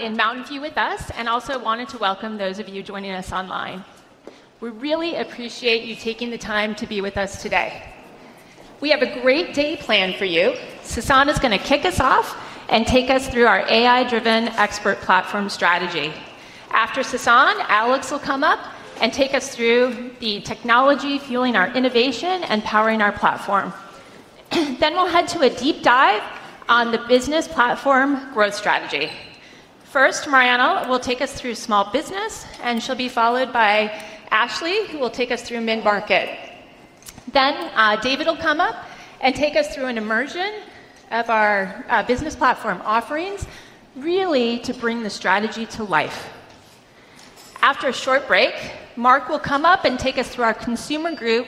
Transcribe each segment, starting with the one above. In Mountain View with us, and also wanted to welcome those of you joining us online. We really appreciate you taking the time to be with us today. We have a great day planned for you. Sasan is going to kick us off and take us through our AI-driven expert platform strategy. After Sasan, Alex will come up and take us through the technology fueling our innovation and powering our platform. Then we'll head to a deep dive on the business platform growth strategy. First, Marianna will take us through small business, and she'll be followed by Ashley, who will take us through mid-market. Then David will come up and take us through an immersion of our business platform offerings, really to bring the strategy to life. After a short break, Mark will come up and take us through our consumer group,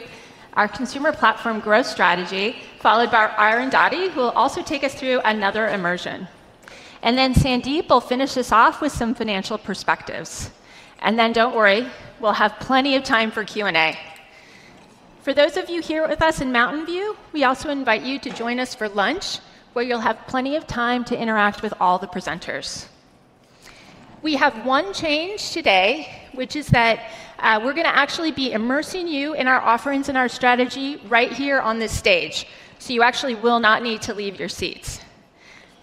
our consumer platform growth strategy, followed by Arundhati, who will also take us through another immersion. Sandeep will finish us off with some financial perspectives. Don't worry, we'll have plenty of time for Q&A. For those of you here with us in Mountain View, we also invite you to join us for lunch, where you'll have plenty of time to interact with all the presenters. We have one change today, which is that we're going to actually be immersing you in our offerings and our strategy right here on this stage. You actually will not need to leave your seats.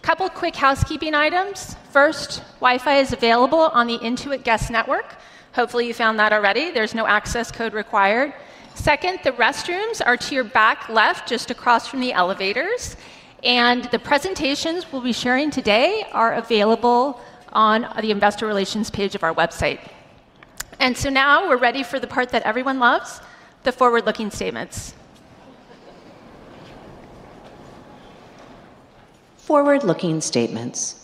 A couple of quick housekeeping items. First, Wi-Fi is available on the Intuit guest network. Hopefully, you found that already. There's no access code required. Second, the restrooms are to your back left, just across from the elevators. The presentations we'll be sharing today are available on the investor relations page of our website. Now we're ready for the part that everyone loves, the forward-looking statements. Forward-looking statements.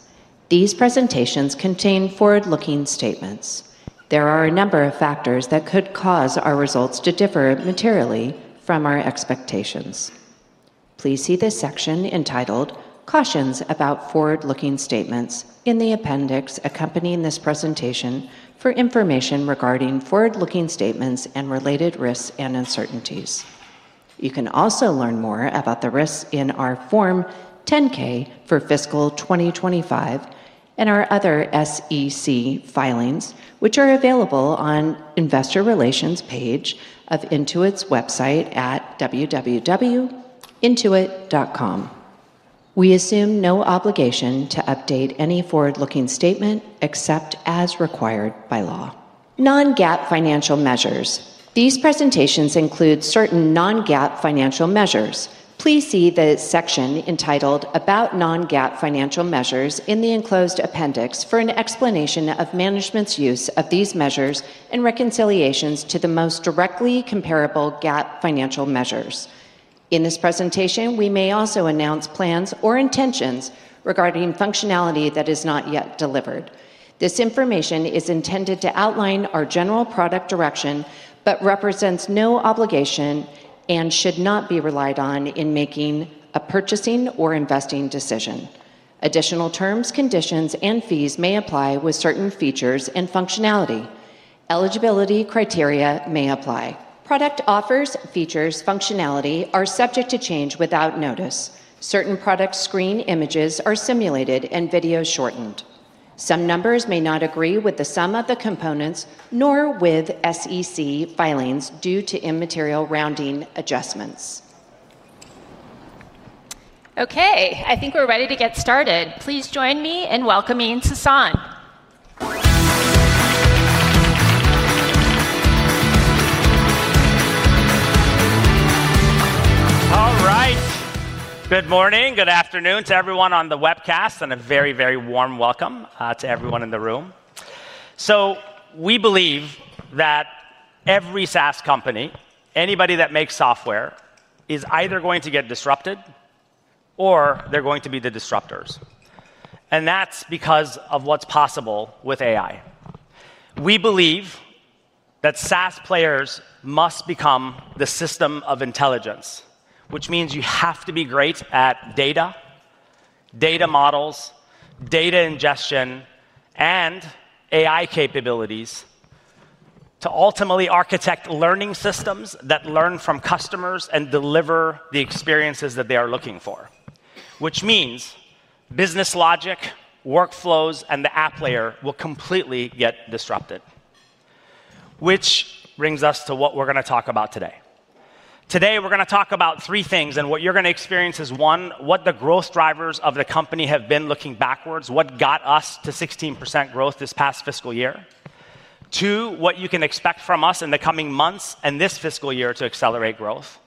These presentations contain forward-looking statements. There are a number of factors that could cause our results to differ materially from our expectations. Please see the section entitled Cautions about forward-looking statements in the Appendix accompanying this presentation for information regarding forward-looking statements and related risks and uncertainties. You can also learn more about the risks in our Form 10-K for fiscal 2025 and our other SEC filings, which are available on the Investor Relations page of Intuit's website at www.intuit.com. We assume no obligation to update any forward-looking statement except as required by law. Non-GAAP financial measures. These presentations include certain non-GAAP financial measures. Please see the section entitled About non-GAAP financial measures in the enclosed Appendix for an explanation of management's use of these measures and reconciliations to the most directly comparable GAAP financial measures. In this presentation, we may also announce plans or intentions regarding functionality that is not yet delivered. This information is intended to outline our general product direction, but represents no obligation and should not be relied on in making a purchasing or investing decision. Additional terms, conditions, and fees may apply with certain features and functionality. Eligibility criteria may apply. Product offers, features, and functionality are subject to change without notice. Certain product screen images are simulated and videos shortened. Some numbers may not agree with the sum of the components nor with SEC filings due to immaterial rounding adjustments. Okay, I think we're ready to get started. Please join me in welcoming Sasan. All right. Good morning. Good afternoon to everyone on the webcast and a very, very warm welcome to everyone in the room. We believe that every SaaS company, anybody that makes software, is either going to get disrupted or they're going to be the disruptors. That is because of what's possible with AI. We believe that SaaS players must become the system of intelligence, which means you have to be great at data, data models, data ingestion, and AI capabilities to ultimately architect learning systems that learn from customers and deliver the experiences that they are looking for. Which means business logic, workflows, and the app layer will completely get disrupted. Which brings us to what we're going to talk about today. Today, we're going to talk about three things, and what you're going to experience is, one, what the growth drivers of the company have been looking backwards, what got us to 16% growth this past fiscal year. Two, what you can expect from us in the coming months and this fiscal year to accelerate growth.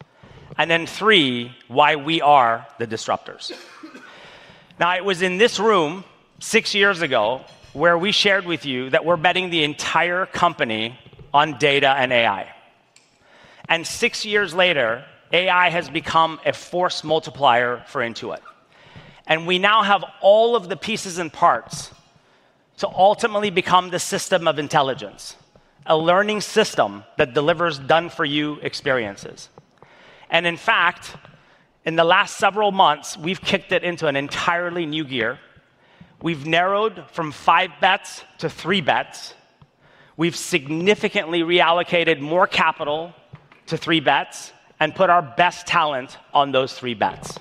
Three, why we are the disruptors. It was in this room six years ago where we shared with you that we're betting the entire company on data and AI. Six years later, AI has become a force multiplier for Intuit. We now have all of the pieces and parts to ultimately become the system of intelligence, a learning system that delivers done-for-you experiences. In fact, in the last several months, we've kicked it into an entirely new gear. We've narrowed from five bets to three bets. We've significantly reallocated more capital to three bets and put our best talent on those three bets.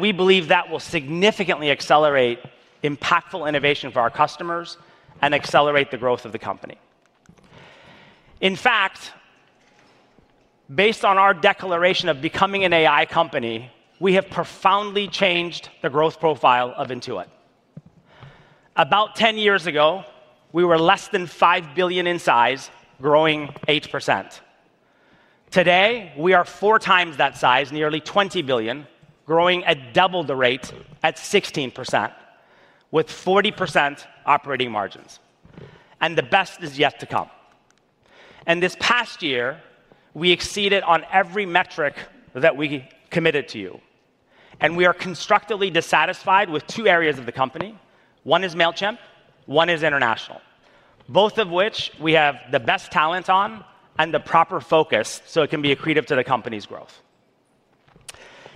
We believe that will significantly accelerate impactful innovation for our customers and accelerate the growth of the company. In fact, based on our declaration of becoming an AI company, we have profoundly changed the growth profile of Intuit. About 10 years ago, we were less than $5 billion in size, growing 8%. Today, we are 4x that size, nearly $20 billion, growing at double the rate at 16%, with 40% operating margins. The best is yet to come. This past year, we exceeded on every metric that we committed to you. We are constructively dissatisfied with two areas of the company. One is Mailchimp, one is international, both of which we have the best talent on and the proper focus so it can be accretive to the company's growth.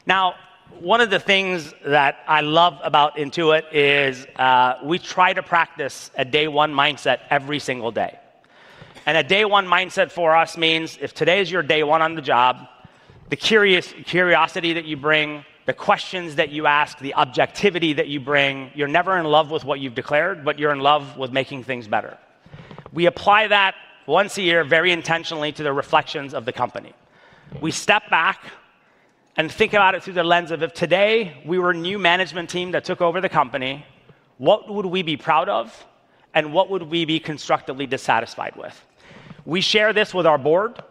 Now, one of the things that I love about Intuit is we try to practice a day-one mindset every single day. A day-one mindset for us means if today is your day one on the job, the curiosity that you bring, the questions that you ask, the objectivity that you bring, you're never in love with what you've declared, but you're in love with making things better. We apply that once a year, very intentionally, to the reflections of the company. We step back and think about it through the lens of if today we were a new management team that took over the company, what would we be proud of and what would we be constructively dissatisfied with? We share this with our board,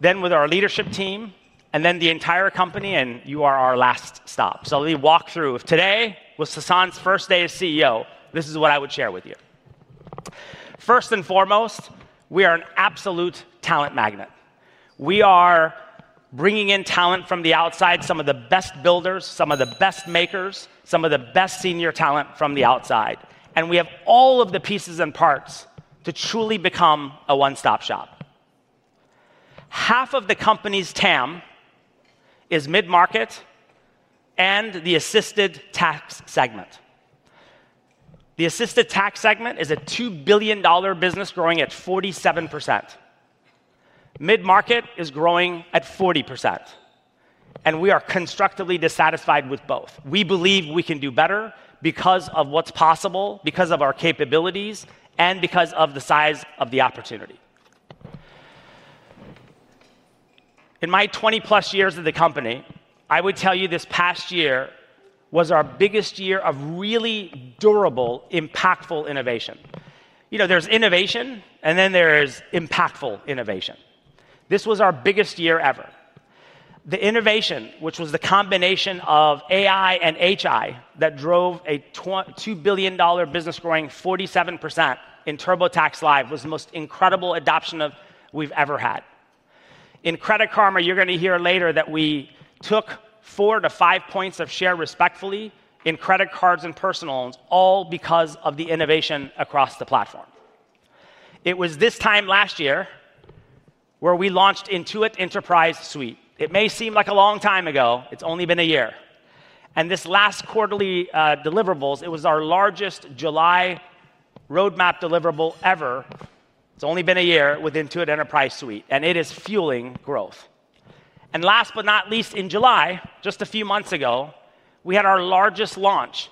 then with our leadership team, and then the entire company, and you are our last stop. Let me walk through. If today was Sasan's first day as CEO, this is what I would share with you. First and foremost, we are an absolute talent magnet. We are bringing in talent from the outside, some of the best builders, some of the best makers, some of the best senior talent from the outside. We have all of the pieces and parts to truly become a one-stop shop. Half of the company's TAM is mid-market and the assisted tax segment. The assisted tax segment is a $2 billion business growing at 47%. Mid-market is growing at 40%. We are constructively dissatisfied with both. We believe we can do better because of what's possible, because of our capabilities, and because of the size of the opportunity. In my 20+ years at the company, I would tell you this past year was our biggest year of really durable, impactful innovation. You know, there's innovation, and then there is impactful innovation. This was our biggest year ever. The innovation, which was the combination of AI and HI that drove a $2 billion business growing 47% in TurboTax Live, was the most incredible adoption we've ever had. In Credit Karma, you're going to hear later that we took four to five points of share respectfully in credit cards and personal loans, all because of the innovation across the platform. It was this time last year where we launched Intuit Enterprise Suite. It may seem like a long time ago. It's only been a year. In this last quarterly deliverables, it was our largest July roadmap deliverable ever. It's only been a year with Intuit Enterprise Suite, and it is fueling growth. Last but not least, in July, just a few months ago, we had our largest launch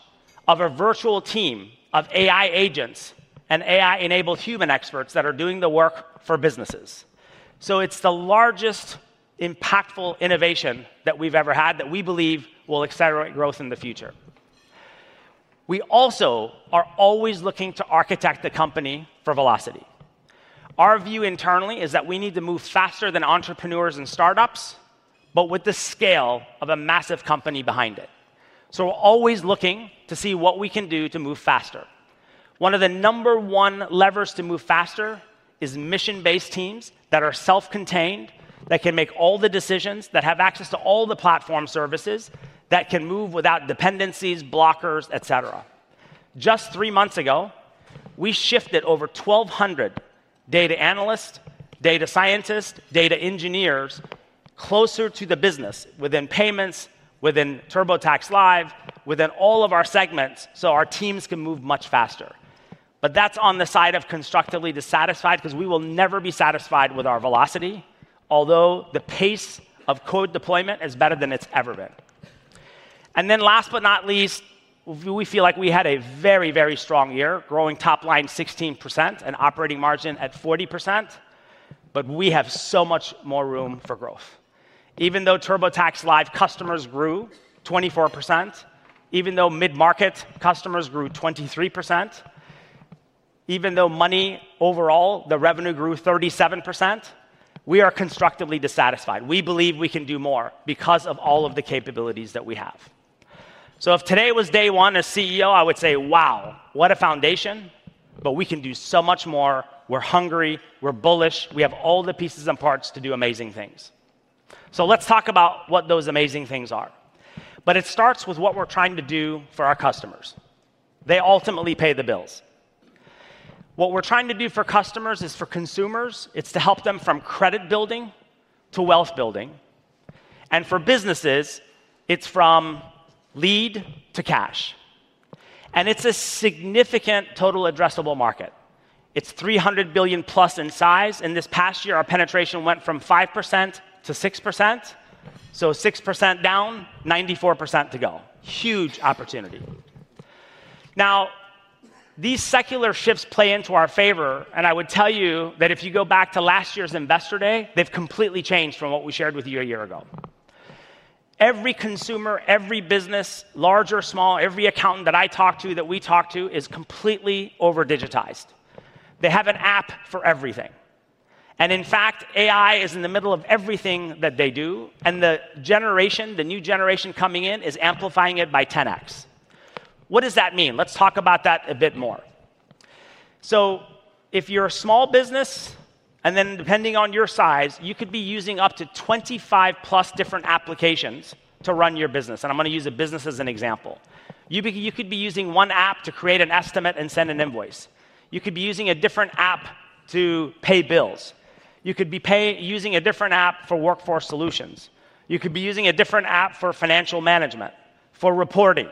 of a virtual team of AI agents and AI-enabled human experts that are doing the work for businesses. It is the largest impactful innovation that we've ever had that we believe will accelerate growth in the future. We also are always looking to architect the company for velocity. Our view internally is that we need to move faster than entrepreneurs and startups, but with the scale of a massive company behind it. We are always looking to see what we can do to move faster. One of the number one levers to move faster is mission-based teams that are self-contained, that can make all the decisions, that have access to all the platform services, that can move without dependencies, blockers, et cetera. Just three months ago, we shifted over 1,200 data analysts, data scientists, data engineers closer to the business within payments, within TurboTax Live, within all of our segments, so our teams can move much faster. That is on the side of constructively dissatisfied because we will never be satisfied with our velocity, although the pace of code deployment is better than it's ever been. Last but not least, we feel like we had a very, very strong year, growing top line 16% and operating margin at 40%. We have so much more room for growth. Even though TurboTax Live customers grew 24%, even though mid-market customers grew 23%, even though money overall, the revenue grew 37%, we are constructively dissatisfied. We believe we can do more because of all of the capabilities that we have. If today was day one as CEO, I would say, wow, what a foundation, but we can do so much more. We're hungry, we're bullish, we have all the pieces and parts to do amazing things. Let's talk about what those amazing things are. It starts with what we're trying to do for our customers. They ultimately pay the bills. What we're trying to do for customers is for consumers, it's to help them from credit building to wealth building. For businesses, it's from lead to cash. It is a significant total addressable market. It's $300+ billion in size. In this past year, our penetration went from 5%-6%. So 6% down, 94% to go. Huge opportunity. These secular shifts play into our favor, and I would tell you that if you go back to last year's Investor Day, they've completely changed from what we shared with you a year ago. Every consumer, every business, large or small, every accountant that I talk to, that we talk to, is completely over-digitized. They have an app for everything. In fact, AI is in the middle of everything that they do, and the new generation coming in is amplifying it by 10x. What does that mean? Let's talk about that a bit more. If you're a small business, and then depending on your size, you could be using up to 25+ different applications to run your business. I'm going to use a business as an example. You could be using one app to create an estimate and send an invoice. You could be using a different app to pay bills. You could be using a different app for workforce solutions. You could be using a different app for financial management, for reporting,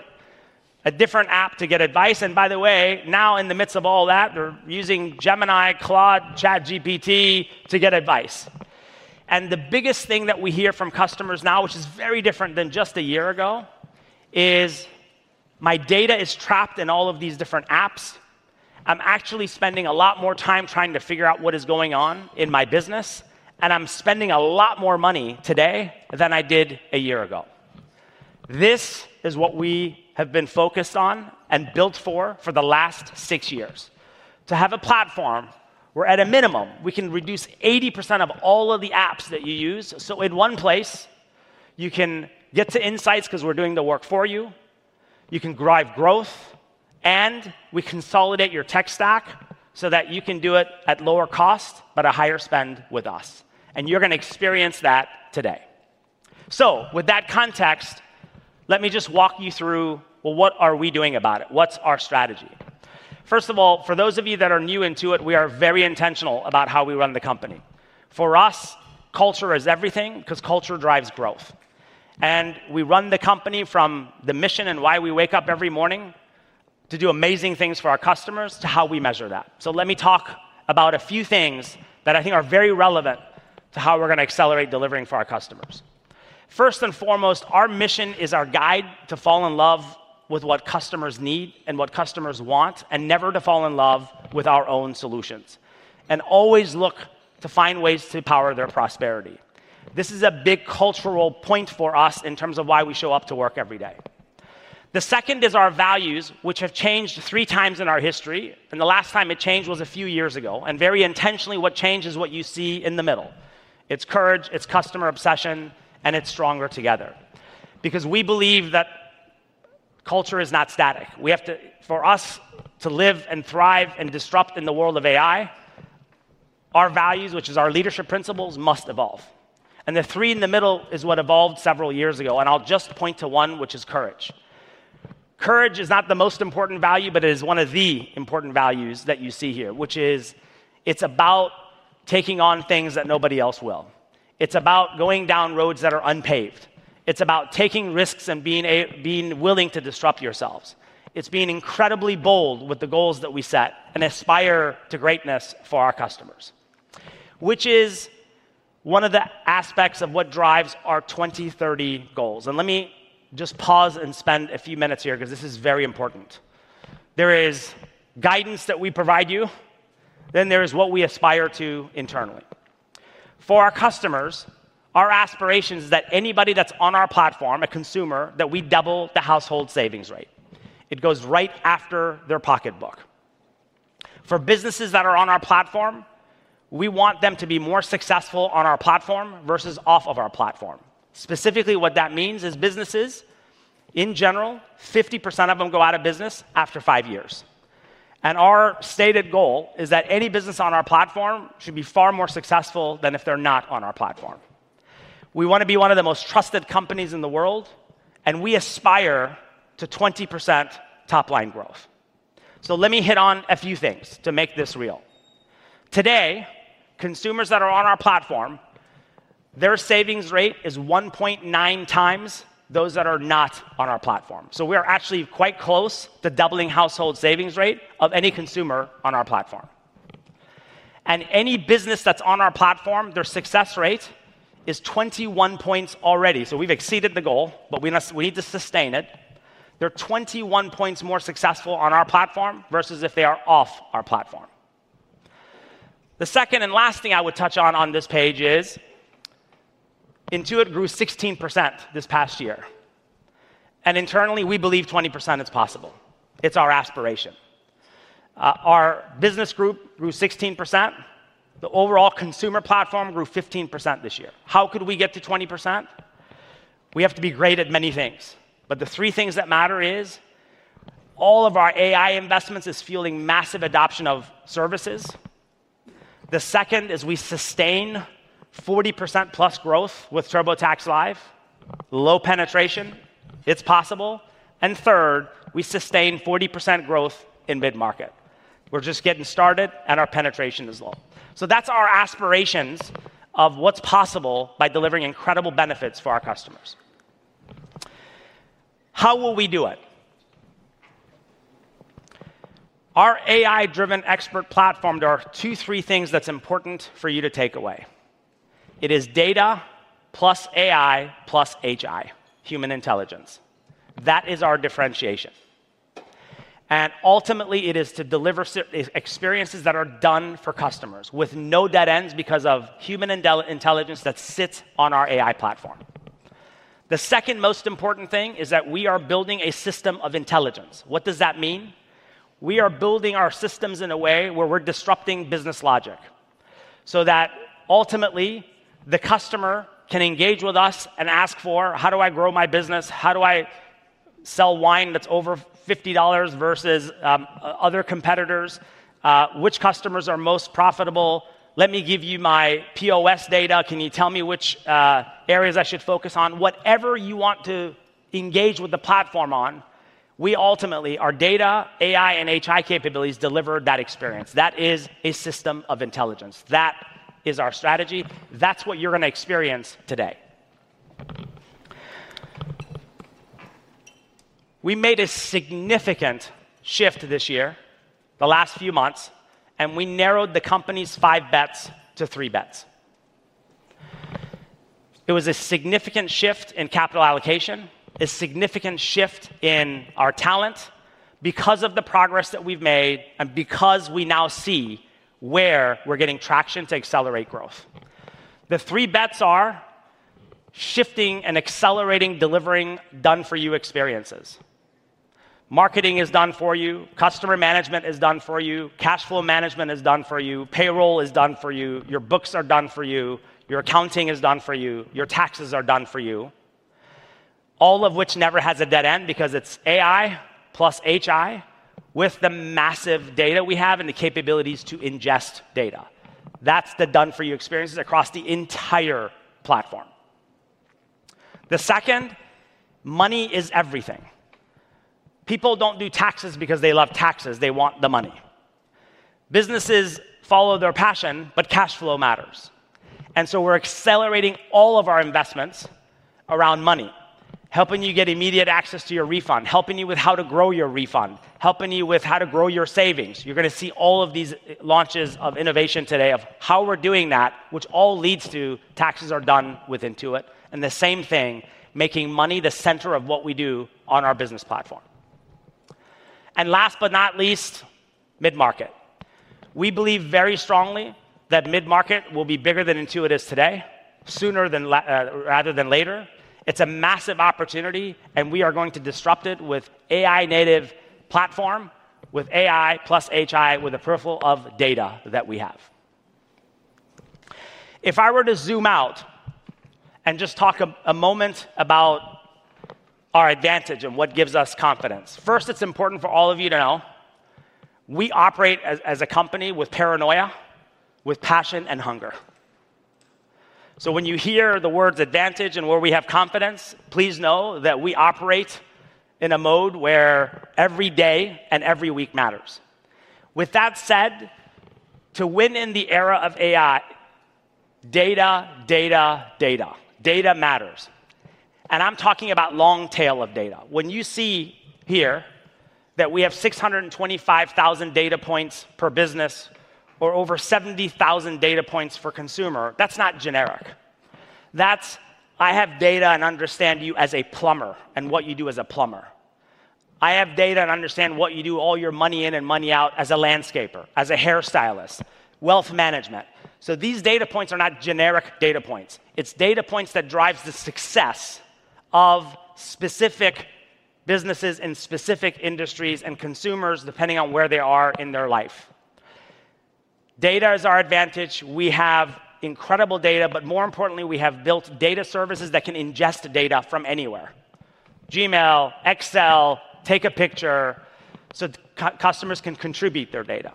a different app to get advice. By the way, now in the midst of all that, they're using Gemini, Claude, ChatGPT to get advice. The biggest thing that we hear from customers now, which is very different than just a year ago, is my data is trapped in all of these different apps. I'm actually spending a lot more time trying to figure out what is going on in my business, and I'm spending a lot more money today than I did a year ago. This is what we have been focused on and built for for the last six years. To have a platform where, at a minimum, we can reduce 80% of all of the apps that you use, so in one place, you can get to insights because we're doing the work for you. You can drive growth, and we consolidate your tech stack so that you can do it at lower cost, but a higher spend with us. You're going to experience that today. With that context, let me just walk you through what are we doing about it. What's our strategy? First of all, for those of you that are new to it, we are very intentional about how we run the company. For us, culture is everything because culture drives growth. We run the company from the mission and why we wake up every morning to do amazing things for our customers to how we measure that. Let me talk about a few things that I think are very relevant to how we're going to accelerate delivering for our customers. First and foremost, our mission is our guide to fall in love with what customers need and what customers want, and never to fall in love with our own solutions. Always look to find ways to power their prosperity. This is a big cultural point for us in terms of why we show up to work every day. The second is our values, which have changed three times in our history. The last time it changed was a few years ago. Very intentionally, what changed is what you see in the middle. It's courage, it's customer obsession, and it's stronger together. We believe that culture is not static. We have to, for us to live and thrive and disrupt in the world of AI, our values, which are our leadership principles, must evolve. The three in the middle is what evolved several years ago. I'll just point to one, which is courage. Courage is not the most important value, but it is one of the important values that you see here, which is it's about taking on things that nobody else will. It's about going down roads that are unpaved. It's about taking risks and being willing to disrupt yourselves. It's being incredibly bold with the goals that we set and aspire to greatness for our customers, which is one of the aspects of what drives our 2030 goals. Let me just pause and spend a few minutes here because this is very important. There is guidance that we provide you. Then there is what we aspire to internally. For our customers, our aspiration is that anybody that's on our platform, a consumer, that we double the household savings rate. It goes right after their pocketbook. For businesses that are on our platform, we want them to be more successful on our platform versus off of our platform. Specifically, what that means is businesses, in general, 50% of them go out of business after five years. Our stated goal is that any business on our platform should be far more successful than if they're not on our platform. We want to be one of the most trusted companies in the world, and we aspire to 20% top line growth. Let me hit on a few things to make this real. Today, consumers that are on our platform, their savings rate is 1.9x those that are not on our platform. We are actually quite close to doubling the household savings rate of any consumer on our platform. Any business that's on our platform, their success rate is 21 points already. We've exceeded the goal, but we need to sustain it. They're 21 points more successful on our platform versus if they are off our platform. The second and last thing I would touch on on this page is Intuit grew 16% this past year. Internally, we believe 20% is possible. It's our aspiration. Our business group grew 16%. The overall consumer platform grew 15% this year. How could we get to 20%? We have to be great at many things, but the three things that matter are all of our AI investments are fueling massive adoption of services. The second is we sustain 40%+ growth with TurboTax Live. Low penetration, it's possible. Third, we sustain 40% growth in mid-market. We're just getting started, and our penetration is low. That's our aspirations of what's possible by delivering incredible benefits for our customers. How will we do it? Our AI-driven expert platform, there are two, three things that are important for you to take away. It is data plus AI plus HI, human intelligence. That is our differentiation. Ultimately, it is to deliver experiences that are done for customers with no dead ends because of human intelligence that sits on our AI platform. The second most important thing is that we are building a system of intelligence. What does that mean? We are building our systems in a way where we're disrupting business logic so that ultimately the customer can engage with us and ask for, how do I grow my business? How do I sell wine that's over $50 versus other competitors? Which customers are most profitable? Let me give you my POS data. Can you tell me which areas I should focus on? Whatever you want to engage with the platform on, we ultimately, our data, AI, and HI capabilities deliver that experience. That is a system of intelligence. That is our strategy. That's what you're going to experience today. We made a significant shift this year, the last few months, and we narrowed the company's five bets to three bets. It was a significant shift in capital allocation, a significant shift in our talent because of the progress that we've made and because we now see where we're getting traction to accelerate growth. The three bets are shifting and accelerating delivering done-for-you experiences. Marketing is done for you. Customer management is done for you. Cash flow management is done for you. Payroll is done for you. Your books are done for you. Your accounting is done for you. Your taxes are done for you. All of which never has a dead end because it's AI plus HI with the massive data we have and the capabilities to ingest data. That's the done-for-you experience across the entire platform. The second, money is everything. People don't do taxes because they love taxes. They want the money. Businesses follow their passion, but cash flow matters. We are accelerating all of our investments around money, helping you get immediate access to your refund, helping you with how to grow your refund, helping you with how to grow your savings. You are going to see all of these launches of innovation today of how we are doing that, which all leads to taxes are done with Intuit. The same thing, making money the center of what we do on our business platform. Last but not least, mid-market. We believe very strongly that mid-market will be bigger than Intuit is today, sooner rather than later. It is a massive opportunity, and we are going to disrupt it with AI-native platform, with AI plus HI, with a peripheral of data that we have. If I were to zoom out and just talk a moment about our advantage and what gives us confidence. First, it is important for all of you to know we operate as a company with paranoia, with passion, and hunger. When you hear the words advantage and where we have confidence, please know that we operate in a mode where every day and every week matters. With that said, to win in the era of AI, data, data, data, data matters. I am talking about a long tail of data. When you see here that we have 625,000 data points per business or over 70,000 data points for consumer, that is not generic. That is I have data and understand you as a plumber and what you do as a plumber. I have data and understand what you do, all your money in and money out as a landscaper, as a hairstylist, wealth management. These data points are not generic data points. It is data points that drive the success of specific businesses in specific industries and consumers, depending on where they are in their life. Data is our advantage. We have incredible data, but more importantly, we have built data services that can ingest data from anywhere. Gmail, Excel, take a picture so customers can contribute their data.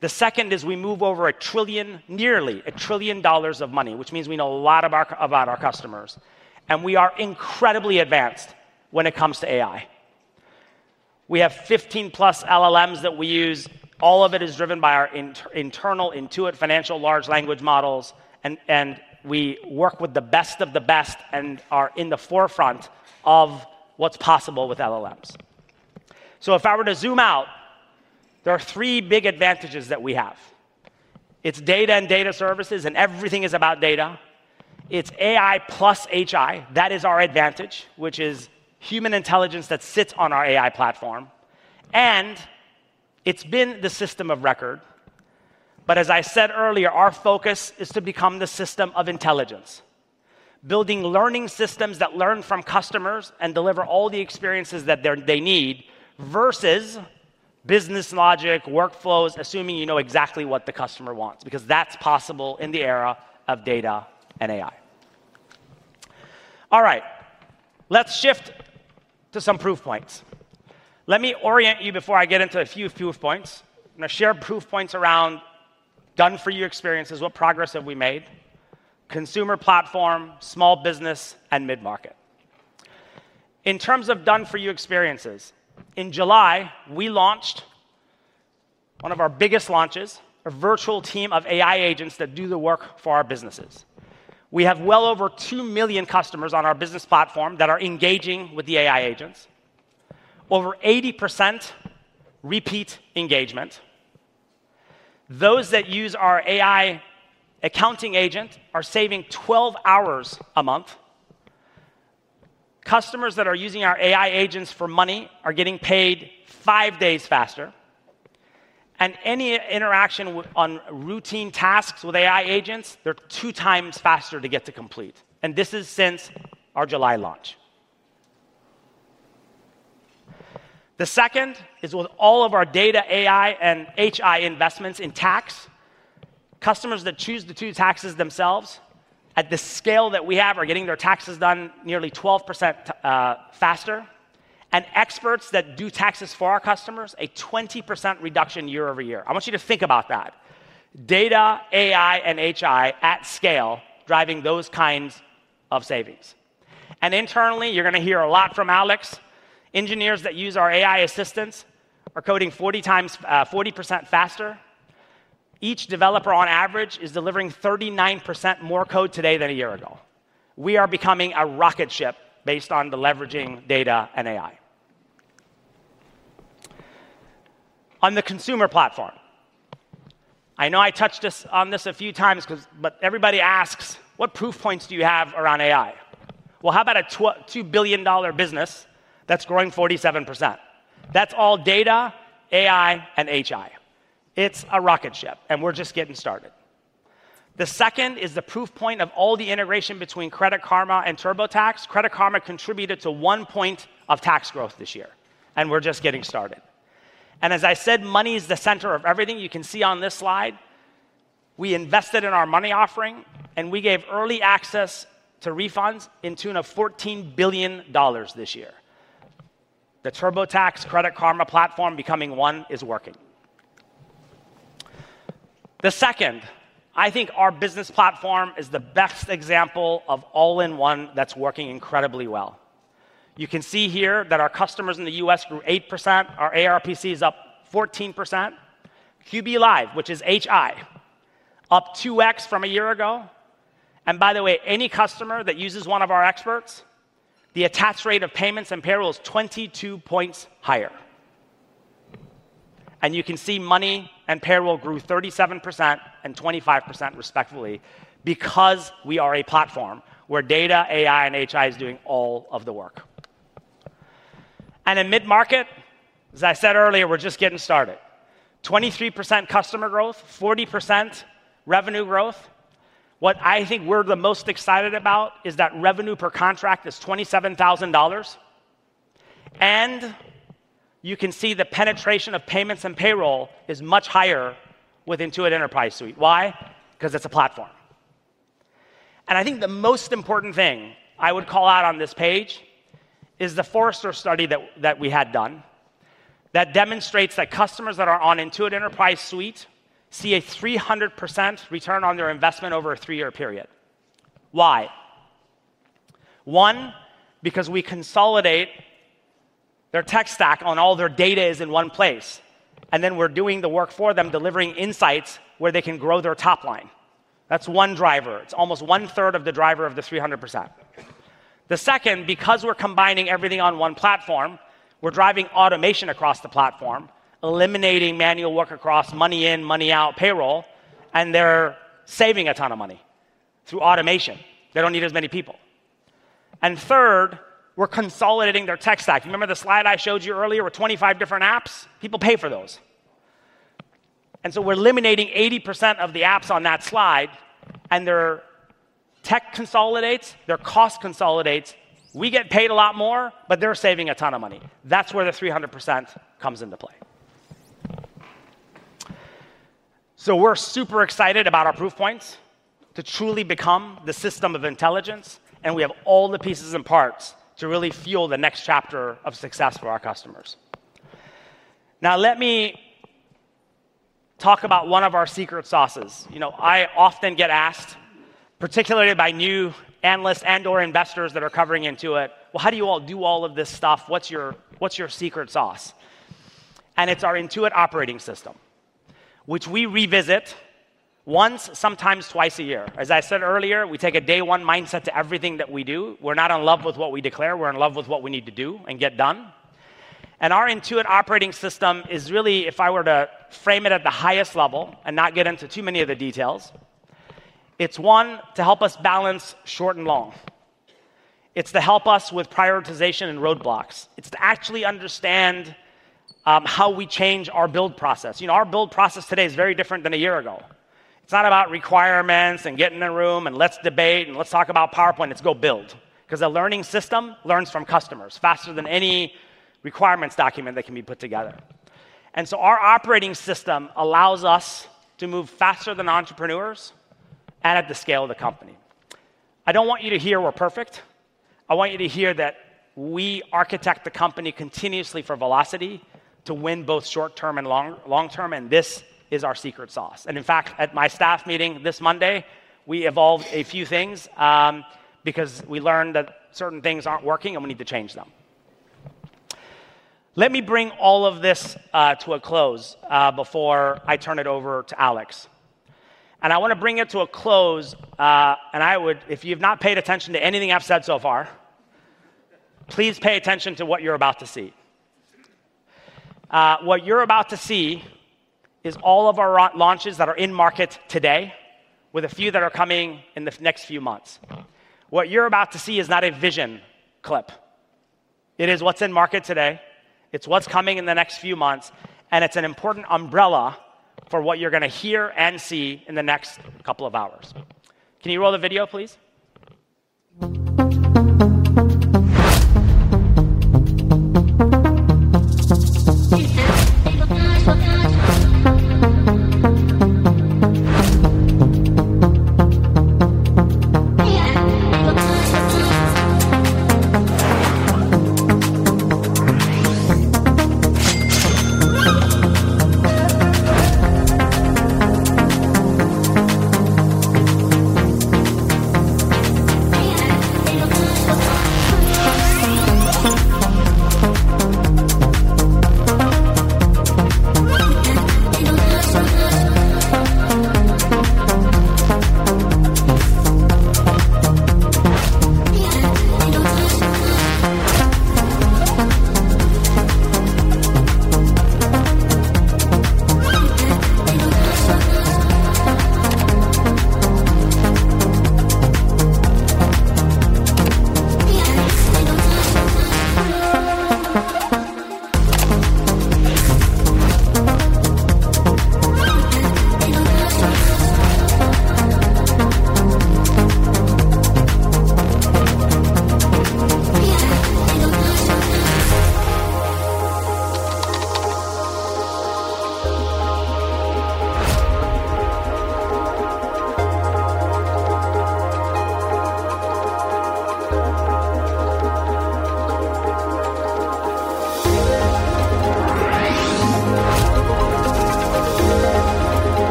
The second is we move over $1 trillion, nearly $1 trillion of money, which means we know a lot about our customers. We are incredibly advanced when it comes to AI. We have 15+ LLMs that we use. All of it is driven by our internal Intuit financial large language models. We work with the best of the best and are in the forefront of what is possible with LLMs. If I were to zoom out, there are three big advantages that we have. It is data and data services, and everything is about data. It is AI plus HI. That is our advantage, which is human intelligence that sits on our AI platform. It's been the system of record. As I said earlier, our focus is to become the system of intelligence, building learning systems that learn from customers and deliver all the experiences that they need versus business logic workflows, assuming you know exactly what the customer wants, because that's possible in the era of data and AI. Let's shift to some proof points. Let me orient you before I get into a few proof points. I'm going to share proof points around done-for-you experiences. What progress have we made? Consumer platform, small business, and mid-market. In terms of done-for-you experiences, in July, we launched one of our biggest launches, a virtual team of AI agents that do the work for our businesses. We have well over 2 million customers on our business platform that are engaging with the AI agents. Over 80% repeat engagement. Those that use our AI accounting agent are saving 12 hours a month. Customers that are using our AI agents for money are getting paid five days faster. Any interaction on routine tasks with AI agents, they're 2x faster to get to complete. This is since our July launch. The second is with all of our data, AI, and HI investments in tax. Customers that choose to do taxes themselves at the scale that we have are getting their taxes done nearly 12% faster. Experts that do taxes for our customers, a 20% reduction year-over-year. I want you to think about that. Data, AI, and HI at scale driving those kinds of savings. Internally, you're going to hear a lot from Alex. Engineers that use our AI assistants are coding 40% faster. Each developer, on average, is delivering 39% more code today than a year ago. We are becoming a rocket ship based on leveraging data and AI. On the consumer platform, I know I touched on this a few times, but everybody asks, what proof points do you have around AI? How about a $2 billion business that's growing 47%? That's all data, AI, and HI. It's a rocket ship, and we're just getting started. The second is the proof point of all the integration between Credit Karma and TurboTax. Credit Karma contributed to one point of tax growth this year, and we're just getting started. As I said, money is the center of everything. You can see on this slide, we invested in our money offering, and we gave early access to refunds in tune of $14 billion this year. The TurboTax Credit Karma platform becoming one is working. The second, I think our business platform is the best example of all-in-one that's working incredibly well. You can see here that our customers in the U.S. grew 8%. Our ARPC is up 14%. QB Live, which is HI, up 2x from a year ago. By the way, any customer that uses one of our experts, the attached rate of payments and payroll is 22 points higher. You can see money and payroll grew 37% and 25% respectively because we are a platform where data, AI, and HI is doing all of the work. In mid-market, as I said earlier, we're just getting started. 23% customer growth, 40% revenue growth. What I think we're the most excited about is that revenue per contract is $27,000. You can see the penetration of payments and payroll is much higher with Intuit Enterprise Suite. Why? Because it's a platform. I think the most important thing I would call out on this page is the Forrester study that we had done that demonstrates that customers that are on Intuit Enterprise Suite see a 300% return on their investment over a three-year period. Why? One, because we consolidate their tech stack on all their data in one place. Then we're doing the work for them, delivering insights where they can grow their top line. That's one driver. It's almost 1/3 of the driver of the 300%. The second, because we're combining everything on one platform, we're driving automation across the platform, eliminating manual work across money in, money out, payroll. They're saving a ton of money through automation. They don't need as many people. Third, we're consolidating their tech stack. You remember the slide I showed you earlier with 25 different apps? People pay for those. We're eliminating 80% of the apps on that slide, and their tech consolidates, their cost consolidates. We get paid a lot more, but they're saving a ton of money. That's where the 300% comes into play. We're super excited about our proof points to truly become the system of intelligence. We have all the pieces and parts to really fuel the next chapter of success for our customers. Now, let me talk about one of our secret sauces. I often get asked, particularly by new analysts and/or investors that are covering Intuit, how do you all do all of this stuff? What's your secret sauce? It's our Intuit operating system, which we revisit once, sometimes twice a year. As I said earlier, we take a day-one mindset to everything that we do. We're not in love with what we declare. We're in love with what we need to do and get done. Our Intuit operating system is really, if I were to frame it at the highest level and not get into too many of the details, it's one, to help us balance short and long. It's to help us with prioritization and roadblocks. It's to actually understand how we change our build process. You know, our build process today is very different than a year ago. It's not about requirements and getting in a room and let's debate and let's talk about PowerPoint. Let's go build. A learning system learns from customers faster than any requirements document that can be put together. Our operating system allows us to move faster than entrepreneurs and at the scale of the company. I don't want you to hear we're perfect. I want you to hear that we architect the company continuously for velocity to win both short-term and long-term. This is our secret sauce. In fact, at my staff meeting this Monday, we evolved a few things because we learned that certain things aren't working and we need to change them. Let me bring all of this to a close before I turn it over to Alex. I want to bring it to a close. If you've not paid attention to anything I've said so far, please pay attention to what you're about to see. What you're about to see is all of our launches that are in market today, with a few that are coming in the next few months. What you're about to see is not a vision clip. It is what's in market today. It's what's coming in the next few months. It's an important umbrella for what you're going to hear and see in the next couple of hours. Can you roll the video, please?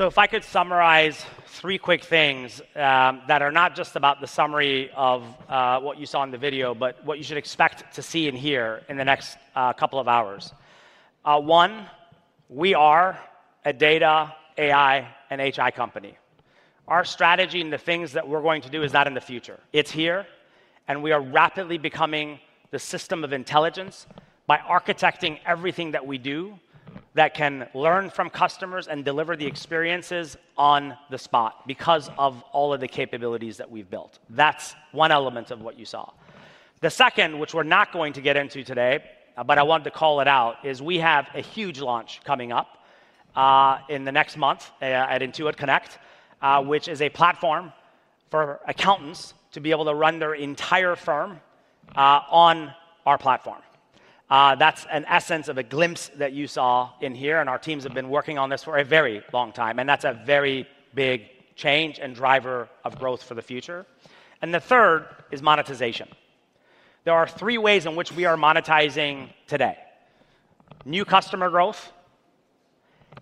If I could summarize three quick things that are not just about the summary of what you saw in the video, but what you should expect to see and hear in the next couple of hours. One, we are a data, AI, and HI company. Our strategy and the things that we're going to do is not in the future. It's here, and we are rapidly becoming the system of intelligence by architecting everything that we do that can learn from customers and deliver the experiences on the spot because of all of the capabilities that we've built. That's one element of what you saw. The second, which we're not going to get into today, but I wanted to call it out, is we have a huge launch coming up in the next month at Intuit Connect, which is a platform for accountants to be able to run their entire firm on our platform. That's in essence a glimpse that you saw in here, and our teams have been working on this for a very long time. That's a very big change and driver of growth for the future. The third is monetization. There are three ways in which we are monetizing today: new customer growth,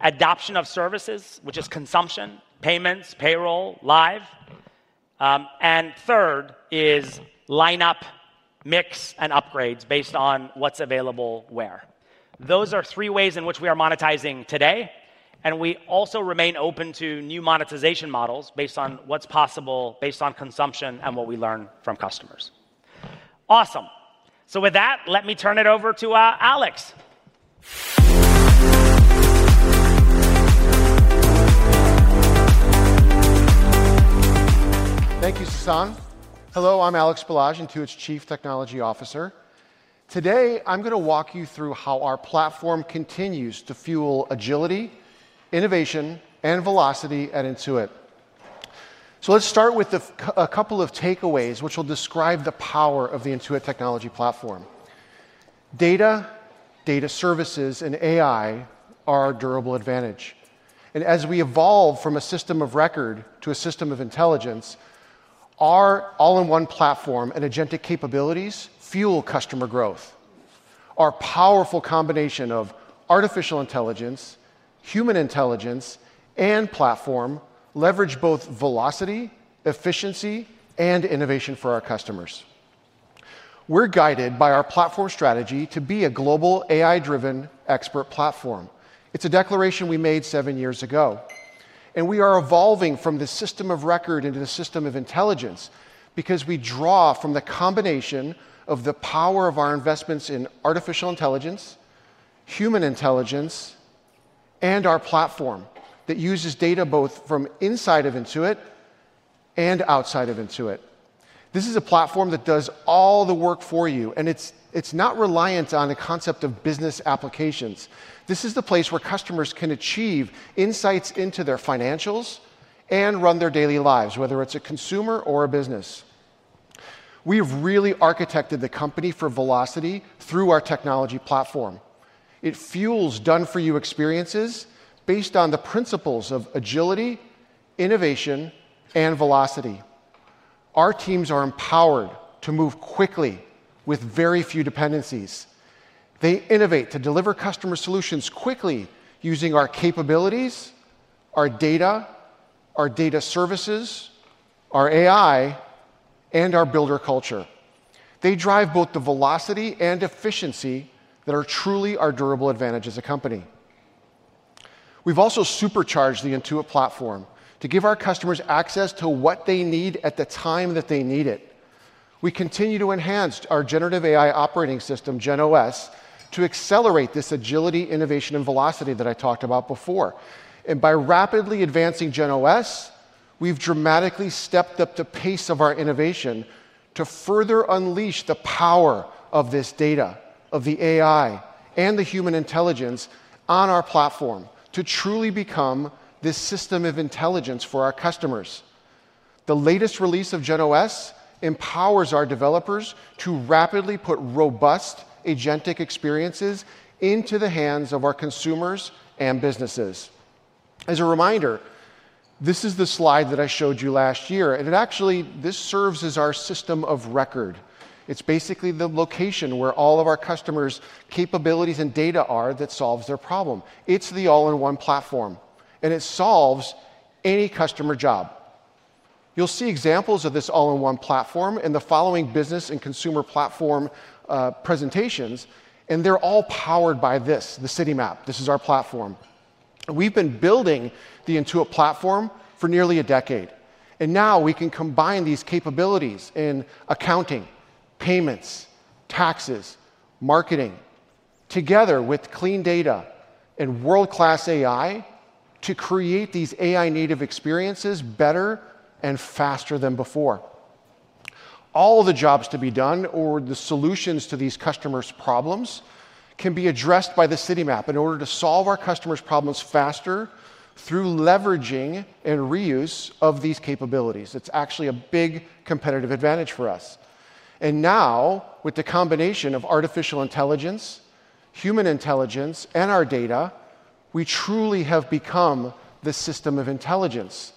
adoption of services, which is consumption, payments, payroll, live, and third is lineup, mix, and upgrades based on what's available where. Those are three ways in which we are monetizing today. We also remain open to new monetization models based on what's possible, based on consumption and what we learn from customers. Awesome. With that, let me turn it over to Alex. Thank you, Sasan. Hello, I'm Alex Balazs, Intuit's Chief Technology Officer. Today, I'm going to walk you through how our platform continues to fuel agility, innovation, and velocity at Intuit. Let's start with a couple of takeaways, which will describe the power of the Intuit technology platform. Data, data services, and AI are our durable advantage. As we evolve from a system of record to a system of intelligence, our all-in-one platform and agentic capabilities fuel customer growth. Our powerful combination of artificial intelligence, human intelligence, and platform leverage both velocity, efficiency, and innovation for our customers. We're guided by our platform strategy to be a global AI-driven expert platform. It's a declaration we made seven years ago. We are evolving from the system of record into the system of intelligence because we draw from the combination of the power of our investments in artificial intelligence, human intelligence, and our platform that uses data both from inside of Intuit and outside of Intuit. This is a platform that does all the work for you. It's not reliant on the concept of business applications. This is the place where customers can achieve insights into their financials and run their daily lives, whether it's a consumer or a business. We've really architected the company for velocity through our technology platform. It fuels done-for-you experiences based on the principles of agility, innovation, and velocity. Our teams are empowered to move quickly with very few dependencies. They innovate to deliver customer solutions quickly using our capabilities, our data, our data services, our AI, and our builder culture. They drive both the velocity and efficiency that are truly our durable advantage as a company. We've also supercharged the Intuit platform to give our customers access to what they need at the time that they need it. We continue to enhance our generative AI operating system, GenOS, to accelerate this agility, innovation, and velocity that I talked about before. By rapidly advancing GenOS, we've dramatically stepped up the pace of our innovation to further unleash the power of this data, of the AI, and the human intelligence on our platform to truly become this system of intelligence for our customers. The latest release of GenOS empowers our developers to rapidly put robust agentic experiences into the hands of our consumers and businesses. As a reminder, this is the slide that I showed you last year. It actually serves as our system of record. It's basically the location where all of our customers' capabilities and data are that solves their problem. It's the all-in-one platform, and it solves any customer job. You'll see examples of this all-in-one platform in the following business and consumer platform presentations, and they're all powered by this, the City Map. This is our platform. We've been building the Intuit platform for nearly a decade, and now we can combine these capabilities in accounting, payments, taxes, marketing, together with clean data and world-class AI to create these AI-native experiences better and faster than before. All the jobs to be done or the solutions to these customers' problems can be addressed by the City Map in order to solve our customers' problems faster through leveraging and reuse of these capabilities. It's actually a big competitive advantage for us. Now, with the combination of artificial intelligence, human intelligence, and our data, we truly have become the system of intelligence.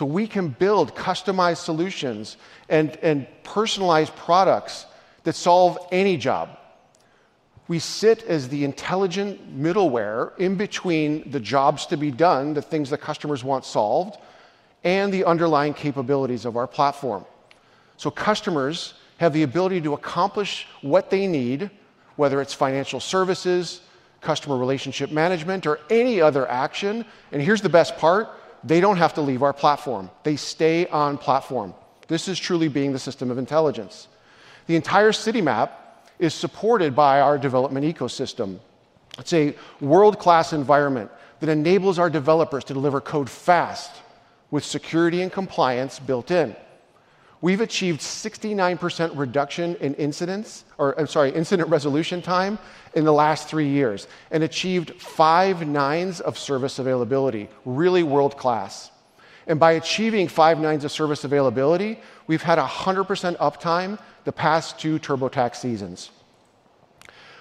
We can build customized solutions and personalized products that solve any job. We sit as the intelligent middleware in between the jobs to be done, the things that customers want solved, and the underlying capabilities of our platform. Customers have the ability to accomplish what they need, whether it's financial services, customer relationship management, or any other action. Here's the best part. They don't have to leave our platform. They stay on platform. This is truly being the system of intelligence. The entire City Map is supported by our development ecosystem. It's a world-class environment that enables our developers to deliver code fast with security and compliance built in. We've achieved a 69% reduction in incident resolution time in the last three years and achieved five nines of service availability, really world-class. By achieving five nines of service availability, we've had 100% uptime the past two TurboTax seasons.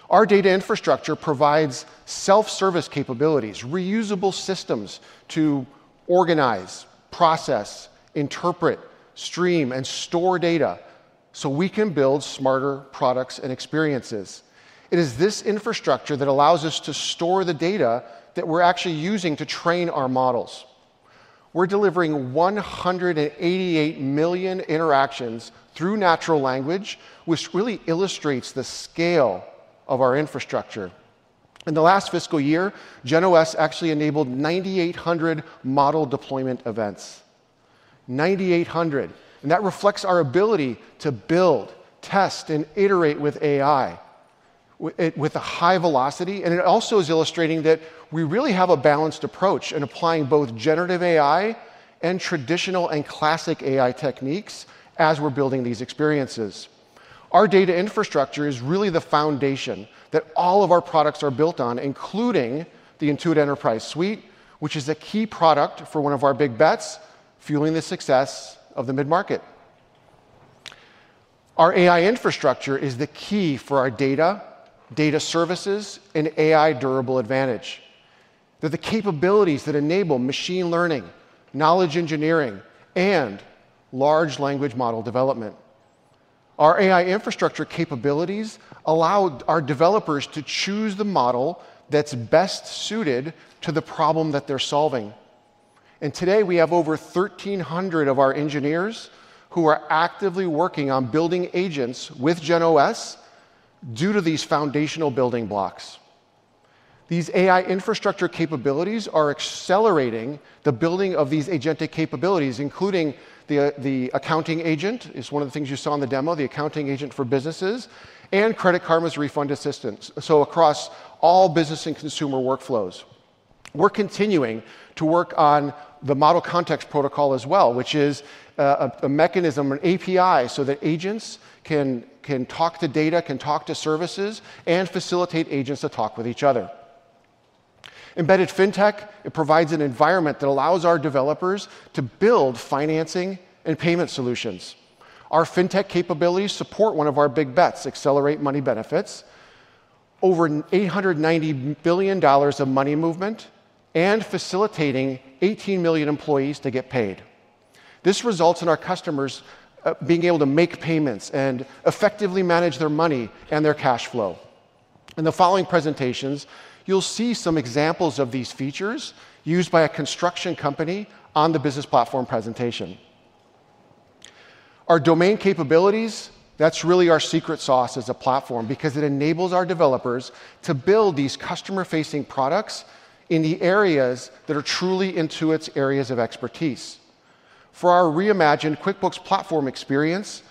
Our data infrastructure provides self-service capabilities, reusable systems to organize, process, interpret, stream, and store data so we can build smarter products and experiences. It is this infrastructure that allows us to store the data that we're actually using to train our models. We're delivering 188 million interactions through natural language, which really illustrates the scale of our infrastructure. In the last fiscal year, GenOS actually enabled 9,800 model deployment events. 9,800. That reflects our ability to build, test, and iterate with AI with a high velocity. It also is illustrating that we really have a balanced approach in applying both generative AI and traditional and classic AI techniques as we're building these experiences. Our data infrastructure is really the foundation that all of our products are built on, including the Intuit Enterprise Suite, which is a key product for one of our Big Bets, fueling the success of the mid-market. Our AI infrastructure is the key for our data, data services, and AI durable advantage. They're the capabilities that enable machine learning, knowledge engineering, and large language model development. Our AI infrastructure capabilities allow our developers to choose the model that's best suited to the problem that they're solving. Today, we have over 1,300 of our engineers who are actively working on building agents with GenOS due to these foundational building blocks. These AI infrastructure capabilities are accelerating the building of these agentic capabilities, including the accounting agent. It's one of the things you saw in the demo, the accounting agent for businesses and Credit Karma's refund assistance, across all business and consumer workflows. We're continuing to work on the Model Context Protocol as well, which is a mechanism, an API, so that agents can talk to data, can talk to services, and facilitate agents to talk with each other. Embedded fintech provides an environment that allows our developers to build financing and payment solutions. Our fintech capabilities support one of our Big Bets, accelerate money benefits, over $890 billion of money movement, and facilitating 18 million employees to get paid. This results in our customers being able to make payments and effectively manage their money and their cash flow. In the following presentations, you'll see some examples of these features used by a construction company on the business platform presentation. Our domain capabilities, that's really our secret sauce as a platform because it enables our developers to build these customer-facing products in the areas that are truly Intuit's areas of expertise. For our reimagined QuickBooks platform experience,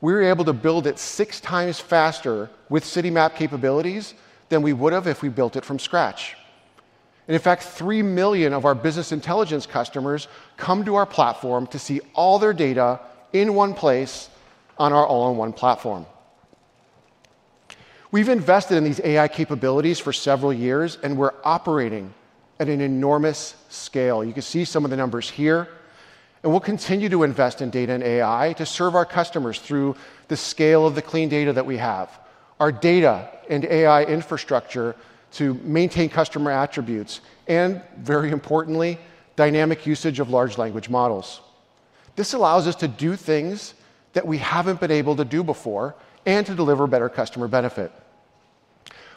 we were able to build it 6x faster with City Map capabilities than we would have if we built it from scratch. In fact, 3 million of our business intelligence customers come to our platform to see all their data in one place on our all-in-one platform. We've invested in these AI capabilities for several years, and we're operating at an enormous scale. You can see some of the numbers here. We'll continue to invest in data and AI to serve our customers through the scale of the clean data that we have, our data and AI infrastructure to maintain customer attributes, and, very importantly, dynamic usage of large language models. This allows us to do things that we haven't been able to do before and to deliver better customer benefit.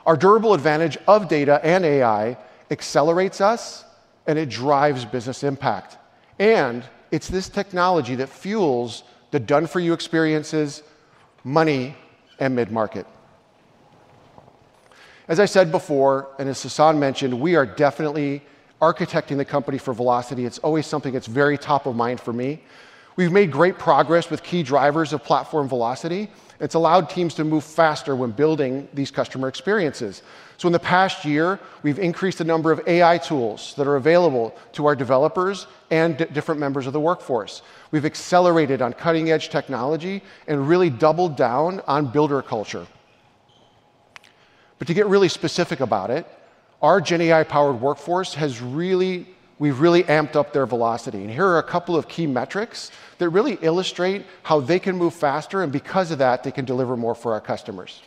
Our durable advantage of data and AI accelerates us, and it drives business impact. It's this technology that fuels the done-for-you experiences, money, and mid-market. As I said before, and as Sasan mentioned, we are definitely architecting the company for velocity. It's always something that's very top of mind for me. We've made great progress with key drivers of platform velocity. It's allowed teams to move faster when building these customer experiences. In the past year, we've increased the number of AI tools that are available to our developers and different members of the workforce. We've accelerated on cutting-edge technology and really doubled down on builder culture. To get really specific about it, our GenAI-powered workforce has really, we've really amped up their velocity. Here are a couple of key metrics that really illustrate how they can move faster, and because of that, they can deliver more for our customers.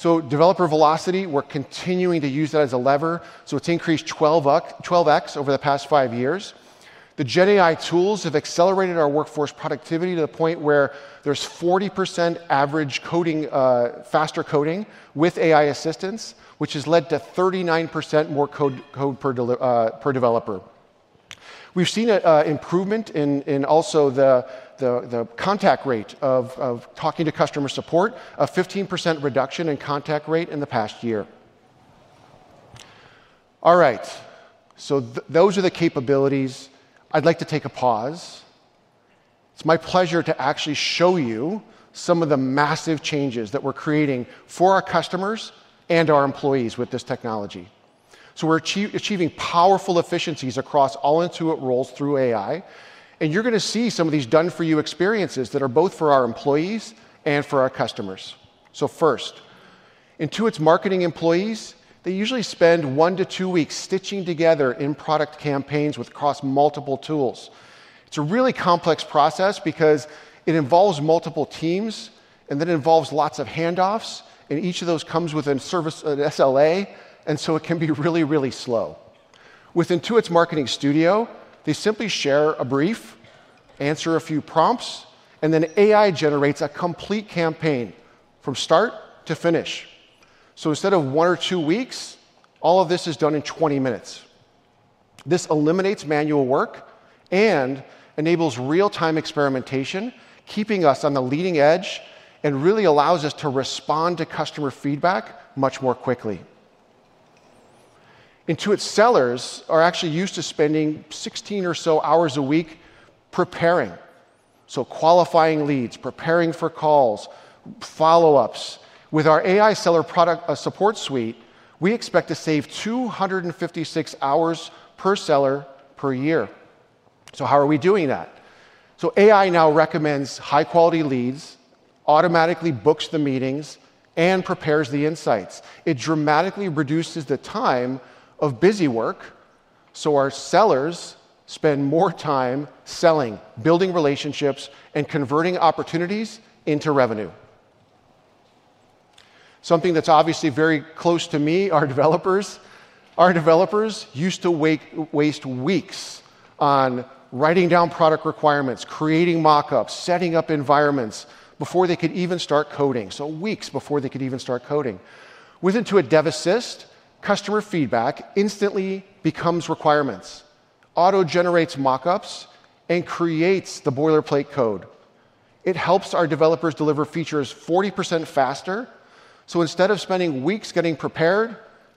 Developer velocity, we're continuing to use that as a lever. It's increased 12x over the past five years. The GenAI tools have accelerated our workforce productivity to the point where there's 40% average faster coding with AI assistance, which has led to 39% more code per developer. We've seen an improvement in also the contact rate of talking to customer support, a 15% reduction in contact rate in the past year. All right, those are the capabilities. I'd like to take a pause. It's my pleasure to actually show you some of the massive changes that we're creating for our customers and our employees with this technology. We're achieving powerful efficiencies across all Intuit roles through AI. You are going to see some of these done-for-you experiences that are both for our employees and for our customers. First, Intuit's marketing employees usually spend one to two weeks stitching together in-product campaigns across multiple tools. It is a really complex process because it involves multiple teams, and it involves lots of handoffs. Each of those comes with a service and SLA, so it can be really, really slow. With Intuit's marketing studio, they simply share a brief, answer a few prompts, and then AI generates a complete campaign from start to finish. Instead of one or two weeks, all of this is done in 20 minutes. This eliminates manual work and enables real-time experimentation, keeping us on the leading edge and really allows us to respond to customer feedback much more quickly. Intuit's sellers are actually used to spending 16 or so hours a week preparing, qualifying leads, preparing for calls, and follow-ups. With our AI seller product support suite, we expect to save 256 hours per seller per year. How are we doing that? AI now recommends high-quality leads, automatically books the meetings, and prepares the insights. It dramatically reduces the time of busy work, so our sellers spend more time selling, building relationships, and converting opportunities into revenue. Something that is obviously very close to me, our developers. Our developers used to waste weeks on writing down product requirements, creating mockups, and setting up environments before they could even start coding. Weeks before they could even start coding. With Intuit DevAssist, customer feedback instantly becomes requirements, auto-generates mockups, and creates the boilerplate code. It helps our developers deliver features 40% faster. Instead of spending weeks getting prepared,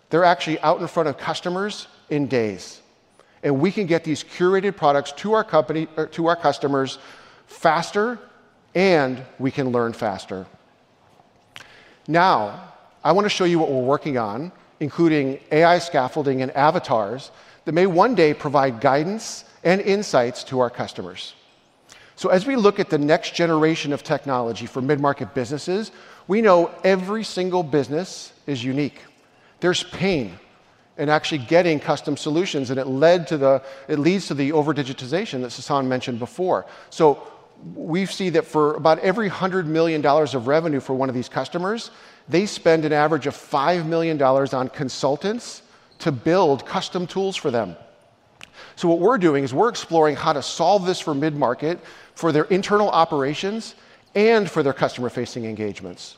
they are actually out in front of customers in days. We can get these curated products to our customers faster, and we can learn faster. Now, I want to show you what we are working on, including AI scaffolding and avatars that may one day provide guidance and insights to our customers. As we look at the next generation of technology for mid-market businesses, we know every single business is unique. There is pain in actually getting custom solutions, and it leads to the over-digitization that Sasan mentioned before. We see that for about every $100 million of revenue for one of these customers, they spend an average of $5 million on consultants to build custom tools for them. We are exploring how to solve this for mid-market, for their internal operations, and for their customer-facing engagements.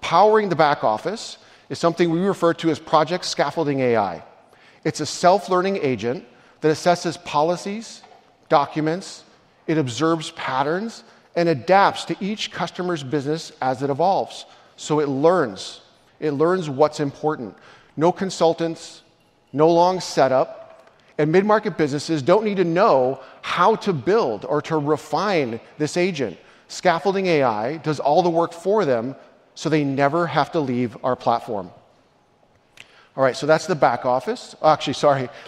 Powering the back office is something we refer to as Project Scaffolding AI. It is a self-learning agent that assesses policies, documents, observes patterns, and adapts to each customer's business as it evolves. It learns what is important. No consultants, no long setup, and mid-market businesses do not need to know how to build or to refine this agent. Scaffolding AI does all the work for them so they never have to leave our platform. That is the back office. Let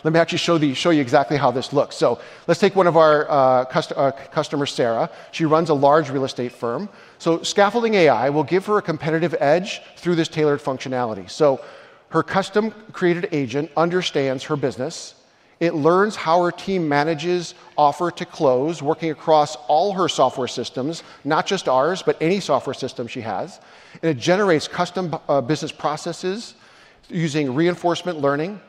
me actually show you exactly how this looks. Let's take one of our customers, Sarah. She runs a large real estate firm. Scaffolding AI will give her a competitive edge through this tailored functionality. Her custom-created agent understands her business. It learns how her team manages offer to close, working across all her software systems, not just ours, but any software system she has. It generates custom business processes using reinforcement learning,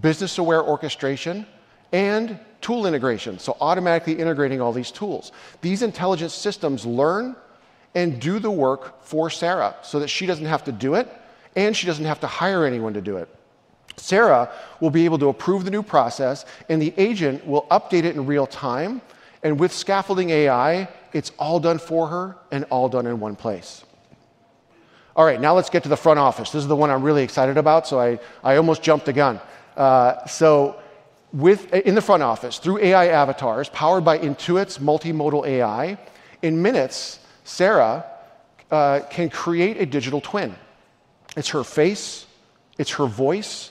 business-aware orchestration, and tool integration, automatically integrating all these tools. These intelligent systems learn and do the work for Sarah so that she does not have to do it, and she does not have to hire anyone to do it. Sarah will be able to approve the new process, and the agent will update it in real time. With Scaffolding AI, it is all done for her and all done in one place. Now let's get to the front office. This is the one I am really excited about, I almost jumped the gun. In the front office, through AI avatars powered by Intuit's multimodal AI, in minutes, Sarah can create a digital twin. It is her face, it is her voice,